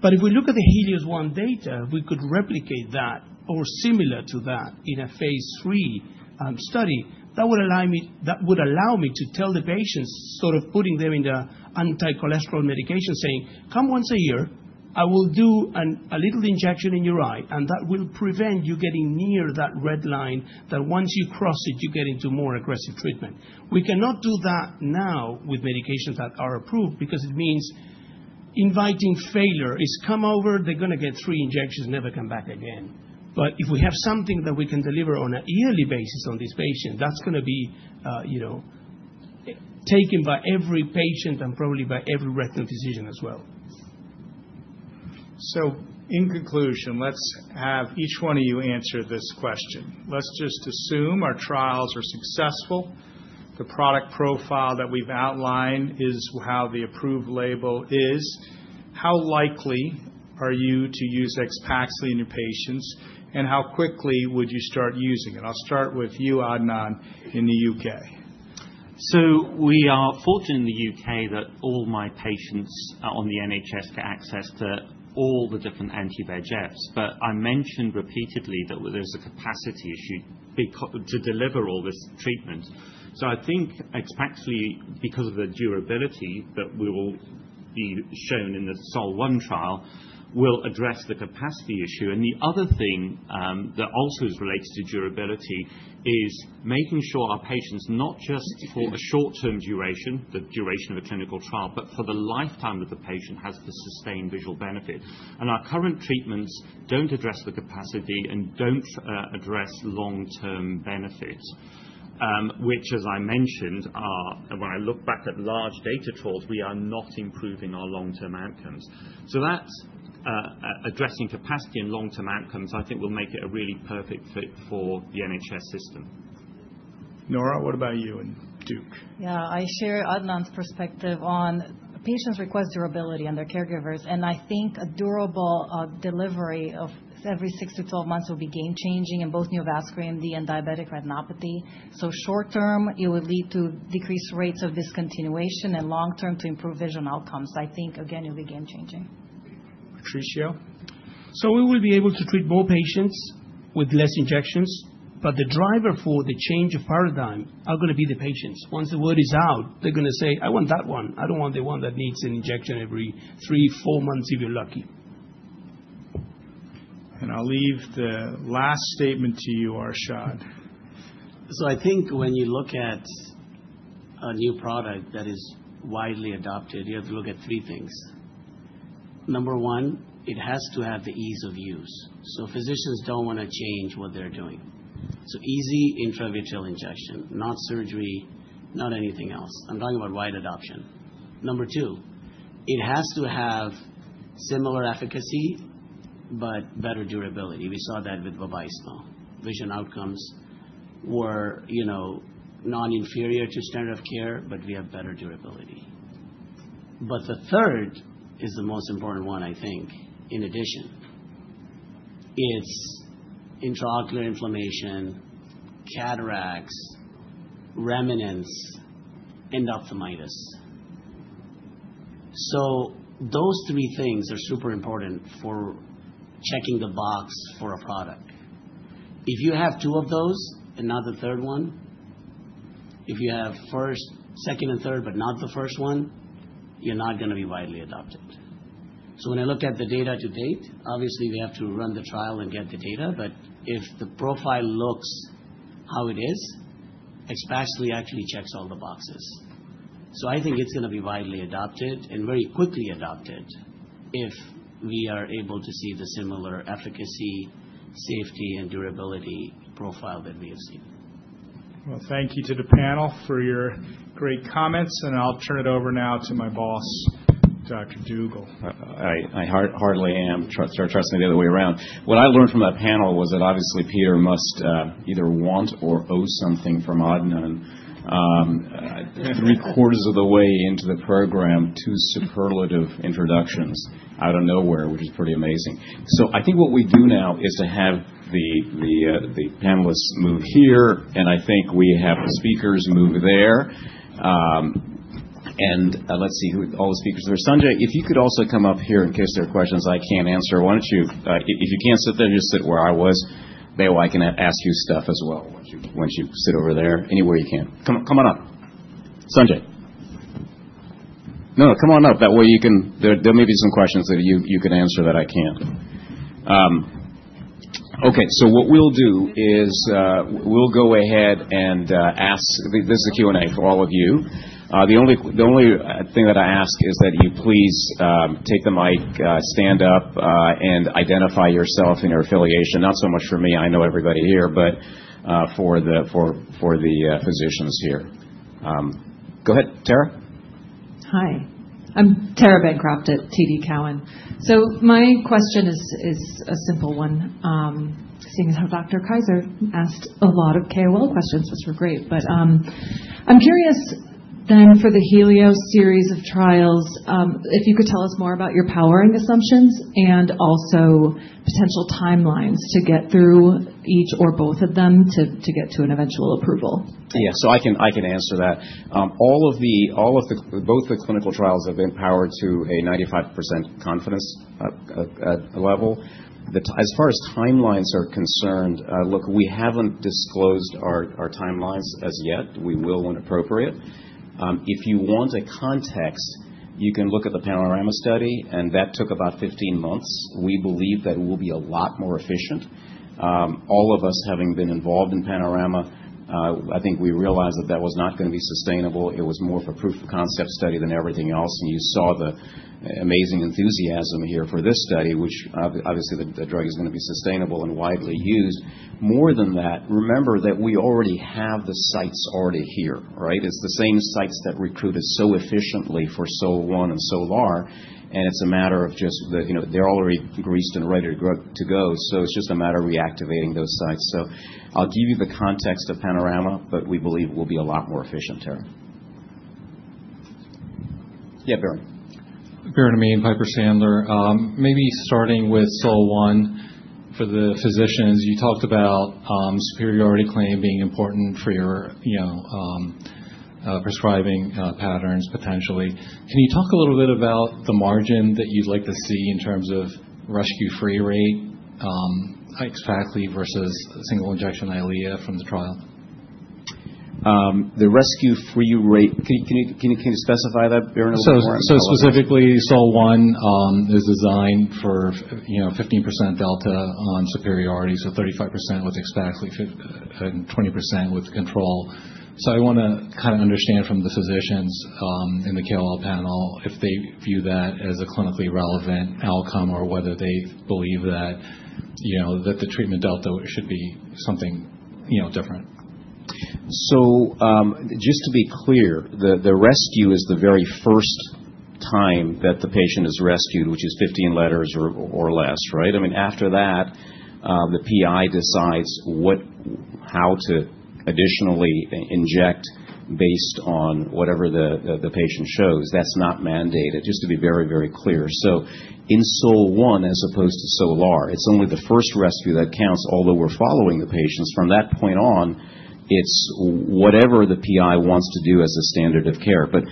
But if we look at the HELIOS-1 data, we could replicate that or similar to that in a phase 3 study. That would allow me to tell the patients, sort of putting them in the anti-cholesterol medication, saying, "Come once a year. I will do a little injection in your eye." And that will prevent you getting near that red line that once you cross it, you get into more aggressive treatment. We cannot do that now with medications that are approved because it means inviting failure. It's cumbersome. They're going to get three injections, never come back again. But if we have something that we can deliver on a yearly basis on this patient, that's going to be taken by every patient and probably by every retinal physician as well. So in conclusion, let's have each one of you answer this question. Let's just assume our trials are successful. The product profile that we've outlined is how the approved label is. How likely are you to use AXPAXLI in your patients, and how quickly would you start using it? I'll start with you, Adnan, in the U.K. So we are fortunate in the U.K. that all my patients on the NHS get access to all the different anti-VEGFs. But I mentioned repeatedly that there's a capacity issue to deliver all this treatment. So I think AXPAXLI, because of the durability that we will be shown in the SOL-1 trial, will address the capacity issue. And the other thing that also is related to durability is making sure our patients not just for a short-term duration, the duration of a clinical trial, but for the lifetime that the patient has to sustain visual benefit. And our current treatments don't address the capacity and don't address long-term benefits, which, as I mentioned, when I look back at large data trawls, we are not improving our long-term outcomes. So that's addressing capacity and long-term outcomes, I think, will make it a really perfect fit for the NHS system. Nora, what about you and Duke? Yeah. I share Adnan's perspective on patients' request durability and their caregivers. I think a durable delivery of every six to twelve months will be game-changing in both neovascular AMD and diabetic retinopathy. So short-term, it will lead to decreased rates of discontinuation, and long-term, to improve vision outcomes. I think, again, it will be game-changing. Patricio? So we will be able to treat more patients with less injections. But the driver for the change of paradigm are going to be the patients. Once the word is out, they're going to say, "I want that one. I don't want the one that needs an injection every three, four months, if you're lucky." And I'll leave the last statement to you, Arshad. So I think when you look at a new product that is widely adopted, you have to look at three things. Number one, it has to have the ease of use. So physicians don't want to change what they're doing. So easy intravitreal injection, not surgery, not anything else. I'm talking about wide adoption. Number two, it has to have similar efficacy but better durability. We saw that with VABYSMO. Vision outcomes were non-inferior to standard of care, but we have better durability. But the third is the most important one, I think, in addition. It's intraocular inflammation, cataracts, remnants, endophthalmitis. So those three things are super important for checking the box for a product. If you have two of those and not the third one, if you have first, second, and third, but not the first one, you're not going to be widely adopted. So when I look at the data to date, obviously, we have to run the trial and get the data. But if the profile looks how it is, AXPAXLI actually checks all the boxes. So I think it's going to be widely adopted and very quickly adopted if we are able to see the similar efficacy, safety, and durability profile that we have seen. Well, thank you to the panel for your great comments. And I'll turn it over now to my boss, Dr. Dugel. I heartily am. Sorry, trust me the other way around. What I learned from that panel was that obviously, Peter must either want or owe something from Adnan. Three quarters of the way into the program, two superlative introductions out of nowhere, which is pretty amazing. So I think what we do now is to have the panelists move here, and I think we have the speakers move there. And let's see who all the speakers are there. Sanjay, if you could also come up here in case there are questions I can't answer. Why don't you? If you can't sit there, just sit where I was. Maybe I can ask you stuff as well once you sit over there. Anywhere you can. Come on up. Sanjay. No, no. Come on up. That way, there may be some questions that you can answer that I can't. Okay. So what we'll do is we'll go ahead and ask. This is a Q&A for all of you. The only thing that I ask is that you please take the mic, stand up, and identify yourself and your affiliation. Not so much for me. I know everybody here, but for the physicians here. Go ahead, Tara. Hi. I'm Tara Bancroft at TD Cowen. So my question is a simple one, seeing as how Dr. Kaiser asked a lot of KOL questions, which were great. But I'm curious then for the HELIOS series of trials, if you could tell us more about your powering assumptions and also potential timelines to get through each or both of them to get to an eventual approval. Yeah. So I can answer that. All of both the clinical trials have been powered to a 95% confidence level. As far as timelines are concerned, look, we haven't disclosed our timelines as yet. We will when appropriate. If you want a context, you can look at the PANORAMA study, and that took about 15 months. We believe that it will be a lot more efficient. All of us having been involved in PANORAMA, I think we realized that that was not going to be sustainable. It was more of a proof of concept study than everything else. And you saw the amazing enthusiasm here for this study, which obviously the drug is going to be sustainable and widely used. More than that, remember that we already have the sites already here, right? It's the same sites that recruited so efficiently for SOL-1 and SOL-R. And it's a matter of just they're already greased and ready to go. So it's just a matter of reactivating those sites. So I'll give you the context of PANORAMA, but we believe we'll be a lot more efficient, Tara. Yeah, Biren. Biren Amin, Piper Sandler. Maybe starting with SOL-1 for the physicians. You talked about superiority claim being important for your prescribing patterns potentially. Can you talk a little bit about the margin that you'd like to see in terms of rescue-free rate AXPAXLI versus single injection EYLEA from the trial? The rescue-free rate, can you specify that, Biren? So, specifically, SOL-1 is designed for 15% delta on superiority, so 35% with AXPAXLI and 20% with control. I want to kind of understand from the physicians in the KOL panel if they view that as a clinically relevant outcome or whether they believe that the treatment delta should be something different. Just to be clear, the rescue is the very first time that the patient is rescued, which is 15 letters or less, right? I mean, after that, the PI decides how to additionally inject based on whatever the patient shows. That's not mandated, just to be very, very clear. In SOL-1 as opposed to SOL-R, it's only the first rescue that counts, although we're following the patients. From that point on, it's whatever the PI wants to do as a standard of care. But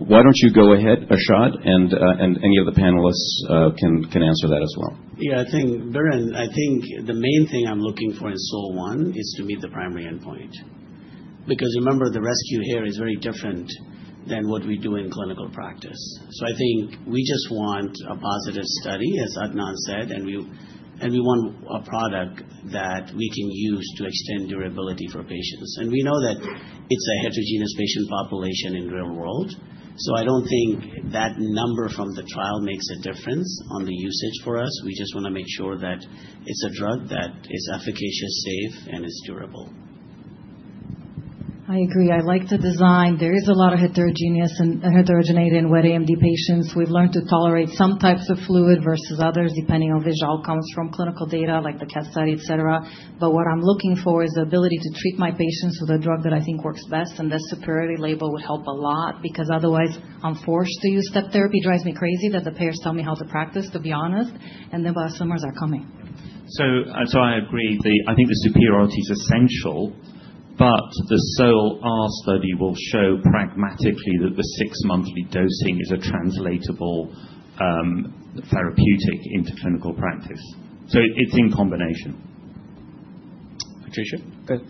why don't you go ahead, Arshad, and any of the panelists can answer that as well. Yeah. Biren, I think the main thing I'm looking for in SOL-1 is to meet the primary endpoint. Because remember, the rescue here is very different than what we do in clinical practice. So I think we just want a positive study, as Adnan said, and we want a product that we can use to extend durability for patients. And we know that it's a heterogeneous patient population in the real world. So I don't think that number from the trial makes a difference on the usage for us. We just want to make sure that it's a drug that is efficacious, safe, and is durable. I agree. I like the design. There is a lot of heterogeneity in wet AMD patients. We've learned to tolerate some types of fluid versus others, depending on visual outcomes from clinical data like the CATT study, etc. But what I'm looking for is the ability to treat my patients with a drug that I think works best. And the superiority label would help a lot because otherwise, I'm forced to use step therapy. It drives me crazy that the payers tell me how to practice, to be honest. And then biosimilars are coming. So I agree. I think the superiority is essential, but the SOL-R study will show pragmatically that the six-monthly dosing is a translatable therapeutic into clinical practice. So it's in combination. Patricio? Go ahead.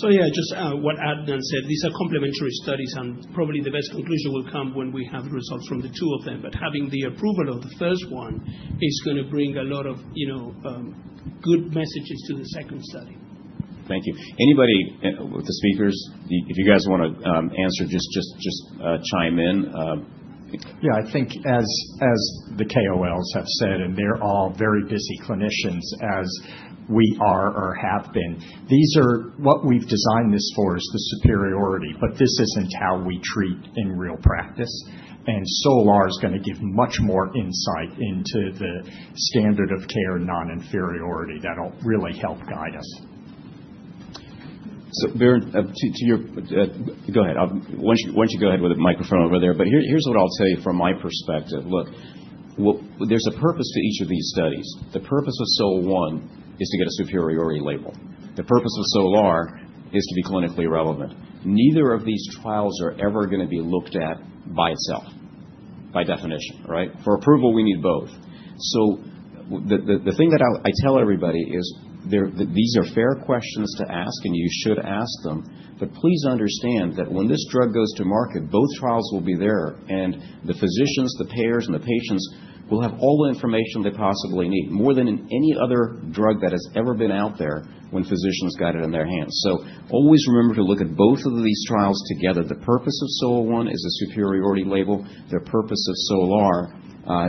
So yeah, just what Adnan said. These are complementary studies, and probably the best conclusion will come when we have results from the two of them. But having the approval of the first one is going to bring a lot of good messages to the second study. Thank you. Anybody with the speakers, if you guys want to answer, just chime in. Yeah. I think as the KOLs have said, and they're all very busy clinicians as we are or have been, what we've designed this for is the superiority. But this isn't how we treat in real practice. And SOL-R is going to give much more insight into the standard of care non-inferiority that'll really help guide us. So Biren, to your, go ahead. Why don't you go ahead with the microphone over there? But here's what I'll tell you from my perspective. Look, there's a purpose to each of these studies. The purpose of SOL-1 is to get a superiority label. The purpose of SOL-R is to be clinically relevant. Neither of these trials are ever going to be looked at by itself, by definition, right? For approval, we need both. So the thing that I tell everybody is these are fair questions to ask, and you should ask them. But please understand that when this drug goes to market, both trials will be there, and the physicians, the payers, and the patients will have all the information they possibly need, more than in any other drug that has ever been out there when physicians got it in their hands. So always remember to look at both of these trials together. The purpose of SOL-1 is a superiority label. The purpose of SOL-R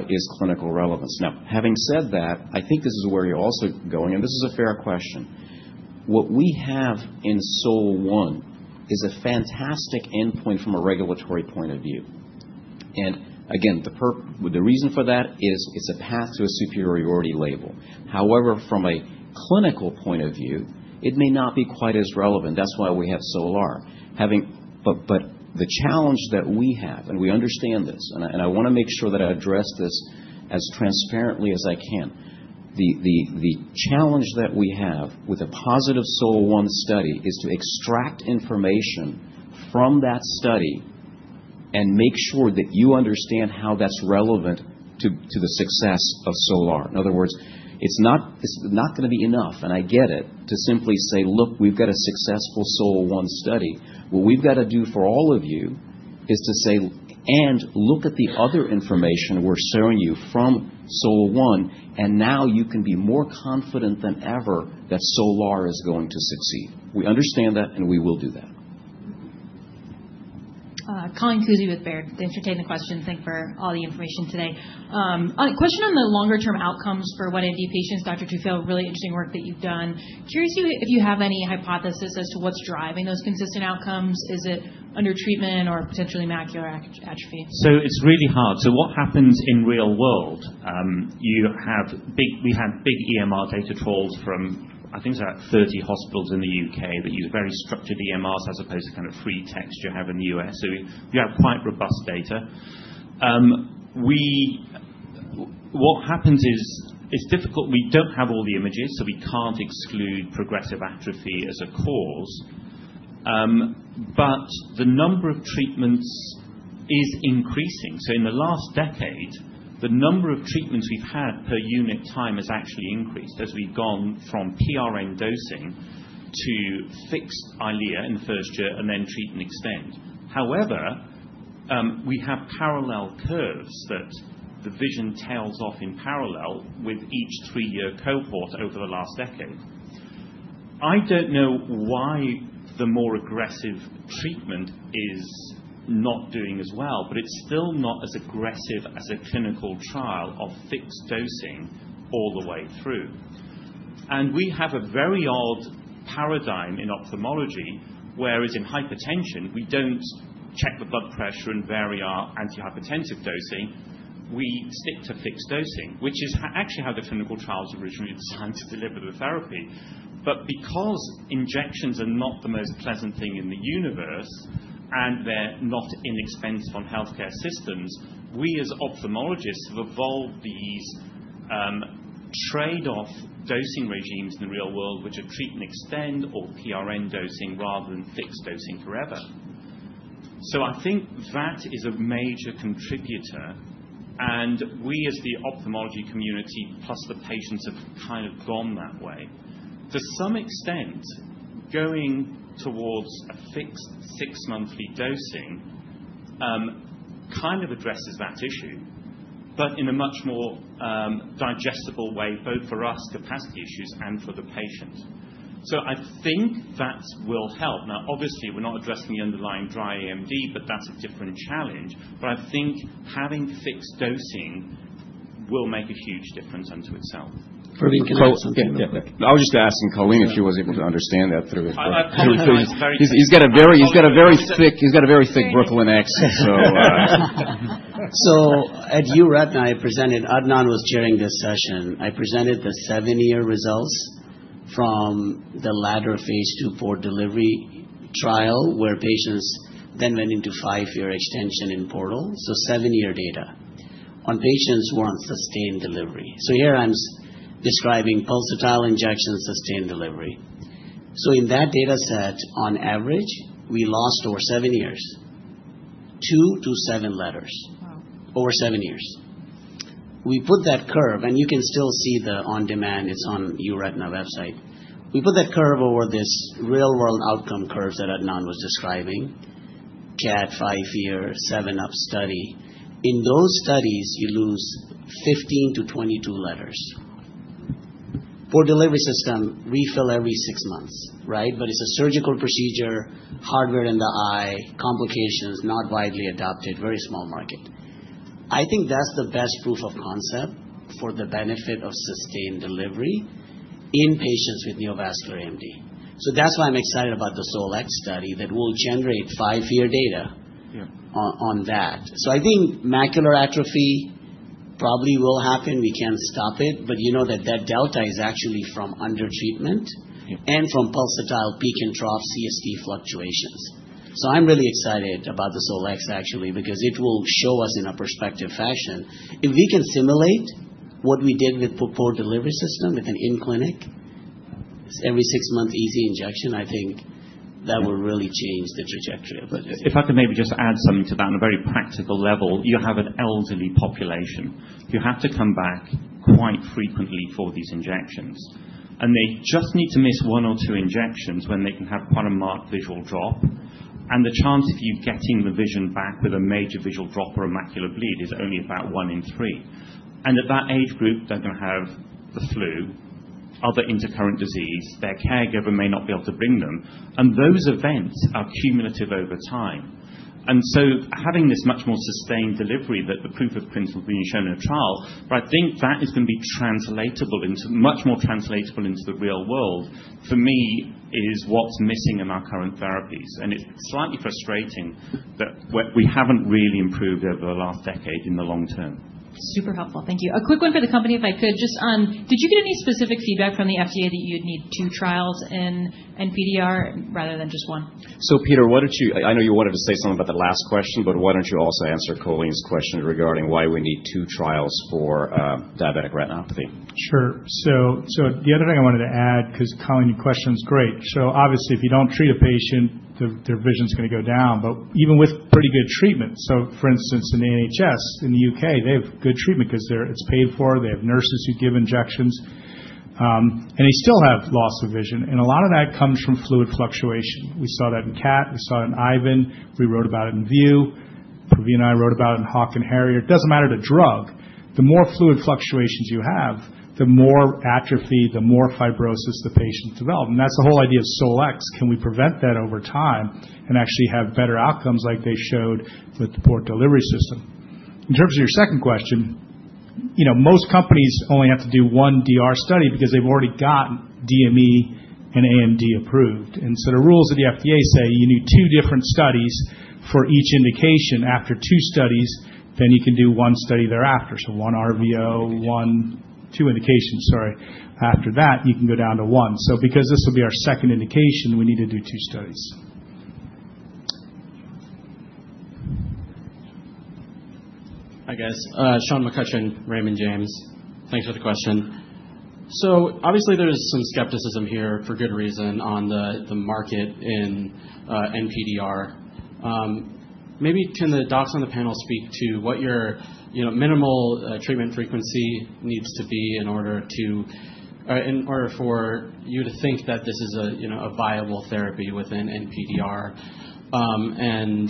is clinical relevance. Now, having said that, I think this is where you're also going, and this is a fair question. What we have in SOL-1 is a fantastic endpoint from a regulatory point of view, and again, the reason for that is it's a path to a superiority label. However, from a clinical point of view, it may not be quite as relevant. That's why we have SOL-R, but the challenge that we have, and we understand this, and I want to make sure that I address this as transparently as I can, the challenge that we have with a positive SOL-1 study is to extract information from that study and make sure that you understand how that's relevant to the success of SOL-R. In other words, it's not going to be enough, and I get it, to simply say, "Look, we've got a successful SOL-1 study." What we've got to do for all of you is to say, "And look at the other information we're showing you from SOL-1, and now you can be more confident than ever that SOL-R is going to succeed." We understand that, and we will do that. Colleen Kusy with Baird, to answer the question, thank you for all the information today. Question on the longer-term outcomes for wet AMD patients, Dr. Tufail, really interesting work that you've done. Curious if you have any hypothesis as to what's driving those consistent outcomes. Is it under treatment or potentially macular atrophy? So it's really hard. So what happens in real world, we have big EMR data trawls from, I think it's about 30 hospitals in the U.K. that use very structured EMRs as opposed to kind of free text you have in the U.S. So you have quite robust data. What happens is it's difficult. We don't have all the images, so we can't exclude progressive atrophy as a cause. But the number of treatments is increasing. So in the last decade, the number of treatments we've had per unit time has actually increased as we've gone from PRN dosing to fixed EYLEA in the first year and then treat and extend. However, we have parallel curves that the vision tails off in parallel with each three-year cohort over the last decade. I don't know why the more aggressive treatment is not doing as well, but it's still not as aggressive as a clinical trial of fixed dosing all the way through, and we have a very odd paradigm in ophthalmology, whereas in hypertension, we don't check the blood pressure and vary our antihypertensive dosing. We stick to fixed dosing, which is actually how the clinical trials originally designed to deliver the therapy, but because injections are not the most pleasant thing in the universe and they're not inexpensive on healthcare systems, we as ophthalmologists have evolved these trade-off dosing regimes in the real world, which are treat and extend or PRN dosing rather than fixed dosing forever, so I think that is a major contributor, and we as the ophthalmology community plus the patients have kind of gone that way. To some extent, going towards a fixed six-monthly dosing kind of addresses that issue, but in a much more digestible way, both for us capacity issues and for the patient. So I think that will help. Now, obviously, we're not addressing the underlying dry AMD, but that's a different challenge. But I think having fixed dosing will make a huge difference in and of itself. I was just asking Colleen if she was able to understand that through the. He's got a very thick Brooklyn accent, so. So at EURETINA, I presented. Adnan was chairing this session. I presented the seven-year results from the LADDER phase 2 Port Delivery trial, where patients then went into five-year extension in Port Delivery. So seven-year data on patients who are on sustained delivery. So here I'm describing pulsatile injection sustained delivery. So in that data set, on average, we lost over seven years, two to seven letters over seven years. We put that curve, and you can still see the on-demand; it's on our site and the website. We put that curve over this real-world outcome curve that Adnan was describing: CATT five-year follow-up study. In those studies, you lose 15 to 22 letters. Port delivery system refill every six months, right? But it's a surgical procedure, hardware in the eye, complications not widely adopted, very small market. I think that's the best proof of concept for the benefit of sustained delivery in patients with neovascular AMD. So that's why I'm excited about the SOL-X study that will generate five-year data on that. So I think macular atrophy probably will happen. We can't stop it. You know that that delta is actually from undertreatment and from pulsatile peak and trough CST fluctuations. So I'm really excited about the SOL-X, actually, because it will show us in a prospective fashion. If we can simulate what we did with port delivery system with an in-clinic every six-month easy injection, I think that will really change the trajectory of it. If I can maybe just add something to that on a very practical level, you have an elderly population. You have to come back quite frequently for these injections. And they just need to miss one or two injections when they can have quite a marked visual drop. And the chance of you getting the vision back with a major visual drop or a macular bleed is only about one in three. And at that age group, they're going to have the flu, other intercurrent disease. Their caregiver may not be able to bring them. And those events are cumulative over time. And so having this much more sustained delivery that the proof of principle has been shown in a trial, but I think that is going to be translatable into much more the real world for me is what's missing in our current therapies. And it's slightly frustrating that we haven't really improved over the last decade in the long term. Super helpful. Thank you. A quick one for the company, if I could. Just on, did you get any specific feedback from the FDA that you'd need two trials in NPDR rather than just one? So Peter, why don't you—I know you wanted to say something about the last question, but why don't you also answer Colleen's question regarding why we need two trials for diabetic retinopathy? Sure. So the other thing I wanted to add, because Colleen, your question's great. So obviously, if you don't treat a patient, their vision's going to go down. But even with pretty good treatment, so for instance, in the NHS in the UK, they have good treatment because it's paid for. They have nurses who give injections. And they still have loss of vision. And a lot of that comes from fluid fluctuation. We saw that in CATT. We saw it in AVENUE. We wrote about it in VIEW. Pravin and I wrote about it in HAWK and HARRIER. It doesn't matter the drug. The more fluid fluctuations you have, the more atrophy, the more fibrosis the patients develop. And that's the whole idea of SOL-X. Can we prevent that over time and actually have better outcomes like they showed with the port delivery system? In terms of your second question, most companies only have to do one DR study because they've already got DME and AMD approved. And so the rules of the FDA say you need two different studies for each indication after two studies. Then you can do one study thereafter. So one RVO, one two indications, sorry. After that, you can go down to one. So because this will be our second indication, we need to do two studies. Hi, guys. Sean McCutcheon, Raymond James. Thanks for the question. So obviously, there's some skepticism here for good reason on the market in NPDR. Maybe can the docs on the panel speak to what your minimal treatment frequency needs to be in order for you to think that this is a viable therapy within NPDR and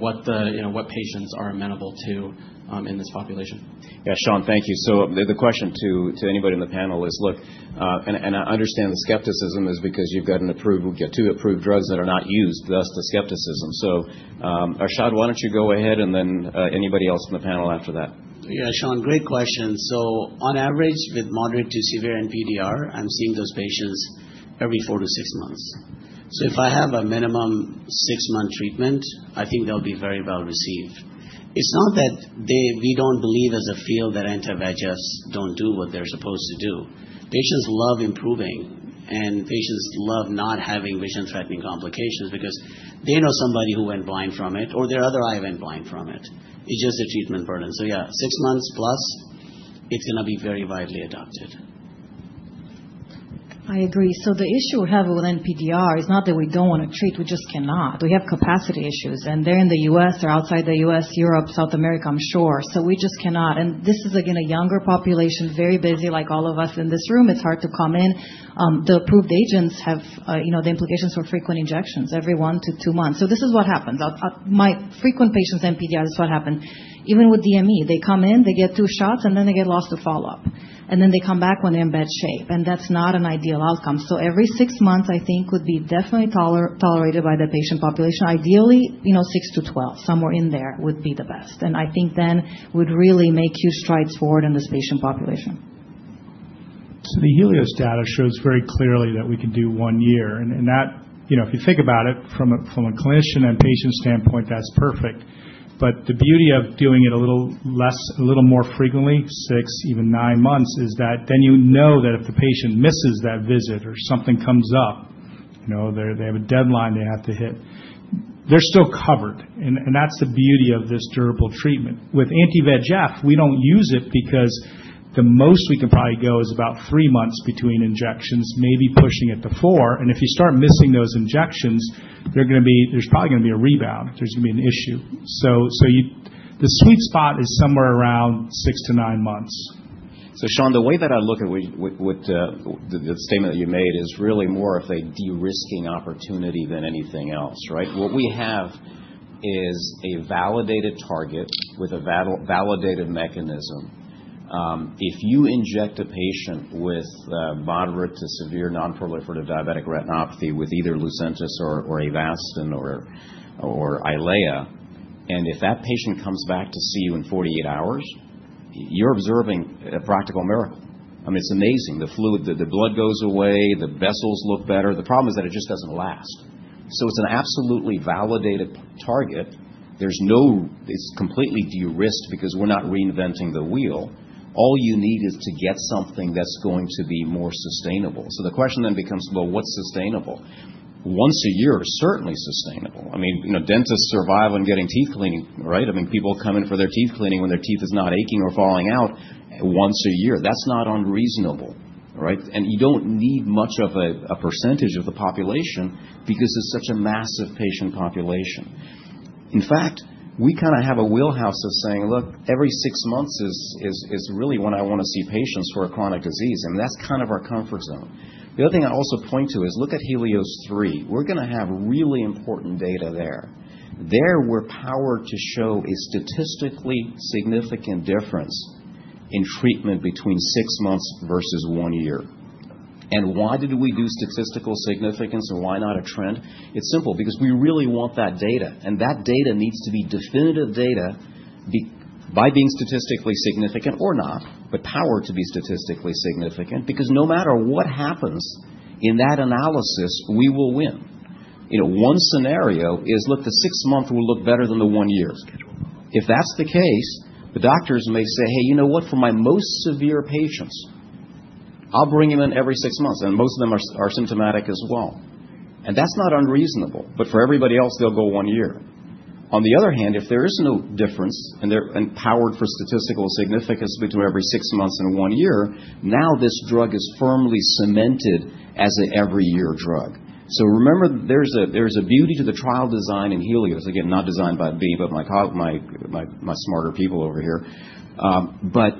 what patients are amenable to in this population? Yeah. Sean, thank you. So the question to anybody on the panel is, look, and I understand the skepticism is because you've got to approve drugs that are not used, thus the skepticism. So Arshad, why don't you go ahead and then anybody else on the panel after that? Yeah. Sean, great question. So on average, with moderate to severe NPDR, I'm seeing those patients every four to six months. So if I have a minimum six-month treatment, I think they'll be very well received. It's not that we don't believe as a field that anti-VEGFs don't do what they're supposed to do. Patients love improving, and patients love not having vision-threatening complications because they know somebody who went blind from it or their other eye went blind from it. It's just a treatment burden. So yeah, six months plus, it's going to be very widely adopted. I agree. The issue we have with NPDR is not that we don't want to treat. We just cannot. We have capacity issues. And they're in the U.S., they're outside the U.S., Europe, South America, I'm sure. So we just cannot. And this is, again, a younger population, very busy like all of us in this room. It's hard to come in. The approved agents have the implications for frequent injections, every one to two months. So this is what happens. My frequent patients, NPDR, this is what happens. Even with DME, they come in, they get two shots, and then they get lost to follow-up. And then they come back when they're in bad shape. And that's not an ideal outcome. So every six months, I think, would be definitely tolerated by the patient population. Ideally, six to twelve, somewhere in there would be the best. And I think then would really make huge strides forward in this patient population. So the HELIOS data shows very clearly that we can do one year. And if you think about it from a clinician and patient standpoint, that's perfect. But the beauty of doing it a little more frequently, six, even nine months, is that then you know that if the patient misses that visit or something comes up, they have a deadline they have to hit, they're still covered. And that's the beauty of this durable treatment. With anti-VEGF, we don't use it because the most we can probably go is about three months between injections, maybe pushing it to four. And if you start missing those injections, there's probably going to be a rebound. There's going to be an issue. So the sweet spot is somewhere around six to nine months. So Sean, the way that I look at the statement that you made is really more of a de-risking opportunity than anything else, right? What we have is a validated target with a validated mechanism. If you inject a patient with moderate to severe non-proliferative diabetic retinopathy with either LUCENTIS or Avastin or EYLEA, and if that patient comes back to see you in 48 hours, you're observing a practical miracle. I mean, it's amazing. The blood goes away, the vessels look better. The problem is that it just doesn't last. So it's an absolutely validated target. It's completely de-risked because we're not reinventing the wheel. All you need is to get something that's going to be more sustainable. So the question then becomes, well, what's sustainable? Once a year is certainly sustainable. I mean, dentists survive on getting teeth cleaning, right? I mean, people come in for their teeth cleaning when their teeth are not aching or falling out once a year. That's not unreasonable, right, and you don't need much of a percentage of the population because it's such a massive patient population. In fact, we kind of have a wheelhouse of saying, look, every six months is really when I want to see patients for a chronic disease, and that's kind of our comfort zone. The other thing I also point to is look at HELIOS-3. We're going to have really important data there. There we're powered to show a statistically significant difference in treatment between six months versus one year, and why did we do statistical significance and why not a trend? It's simple because we really want that data. And that data needs to be definitive data by being statistically significant or not, but powered to be statistically significant because no matter what happens in that analysis, we will win. One scenario is, look, the six-month will look better than the one-year. If that's the case, the doctors may say, "Hey, you know what? For my most severe patients, I'll bring them in every six months." And most of them are symptomatic as well. And that's not unreasonable. But for everybody else, they'll go one year. On the other hand, if there is no difference and they're powered for statistical significance between every six months and one year, now this drug is firmly cemented as an every-year drug. So remember, there's a beauty to the trial design in HELIOS. Again, not designed by me, but my smarter people over here. But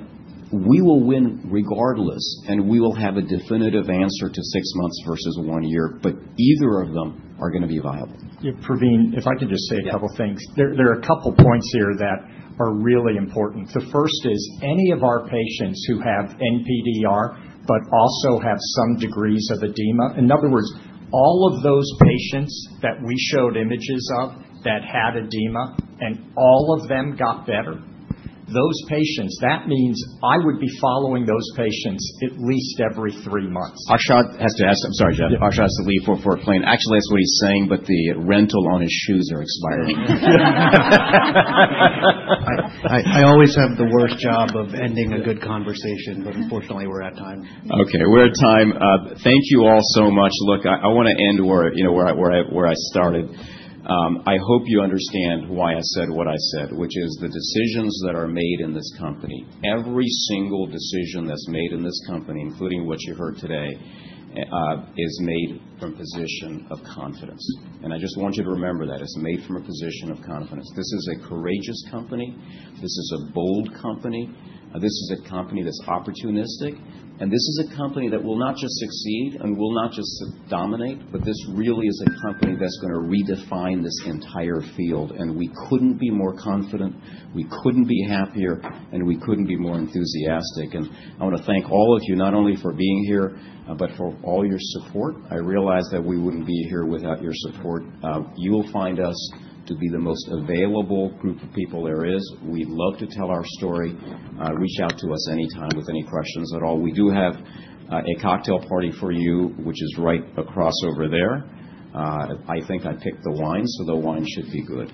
we will win regardless, and we will have a definitive answer to six months versus one year. But either of them are going to be viable. Pravin, if I can just say a couple of things. There are a couple of points here that are really important. The first is any of our patients who have NPDR but also have some degrees of edema? In other words, all of those patients that we showed images of that had edema and all of them got better, those patients, that means I would be following those patients at least every three months. Arshad has to ask. I'm sorry, Jeff. Arshad has to leave for a plane. Actually, that's what he's saying, but the rental on his shoes are expiring. I always have the worst job of ending a good conversation, but unfortunately, we're at time. Okay. We're at time. Thank you all so much. Look, I want to end where I started. I hope you understand why I said what I said, which is the decisions that are made in this company. Every single decision that's made in this company, including what you heard today, is made from a position of confidence. And I just want you to remember that. It's made from a position of confidence. This is a courageous company. This is a bold company. This is a company that's opportunistic. And this is a company that will not just succeed and will not just dominate, but this really is a company that's going to redefine this entire field. And we couldn't be more confident. We couldn't be happier, and we couldn't be more enthusiastic. And I want to thank all of you, not only for being here, but for all your support. I realize that we wouldn't be here without your support. You will find us to be the most available group of people there is. We'd love to tell our story. Reach out to us anytime with any questions at all. We do have a cocktail party for you, which is right across over there. I think I picked the wine, so the wine should be good.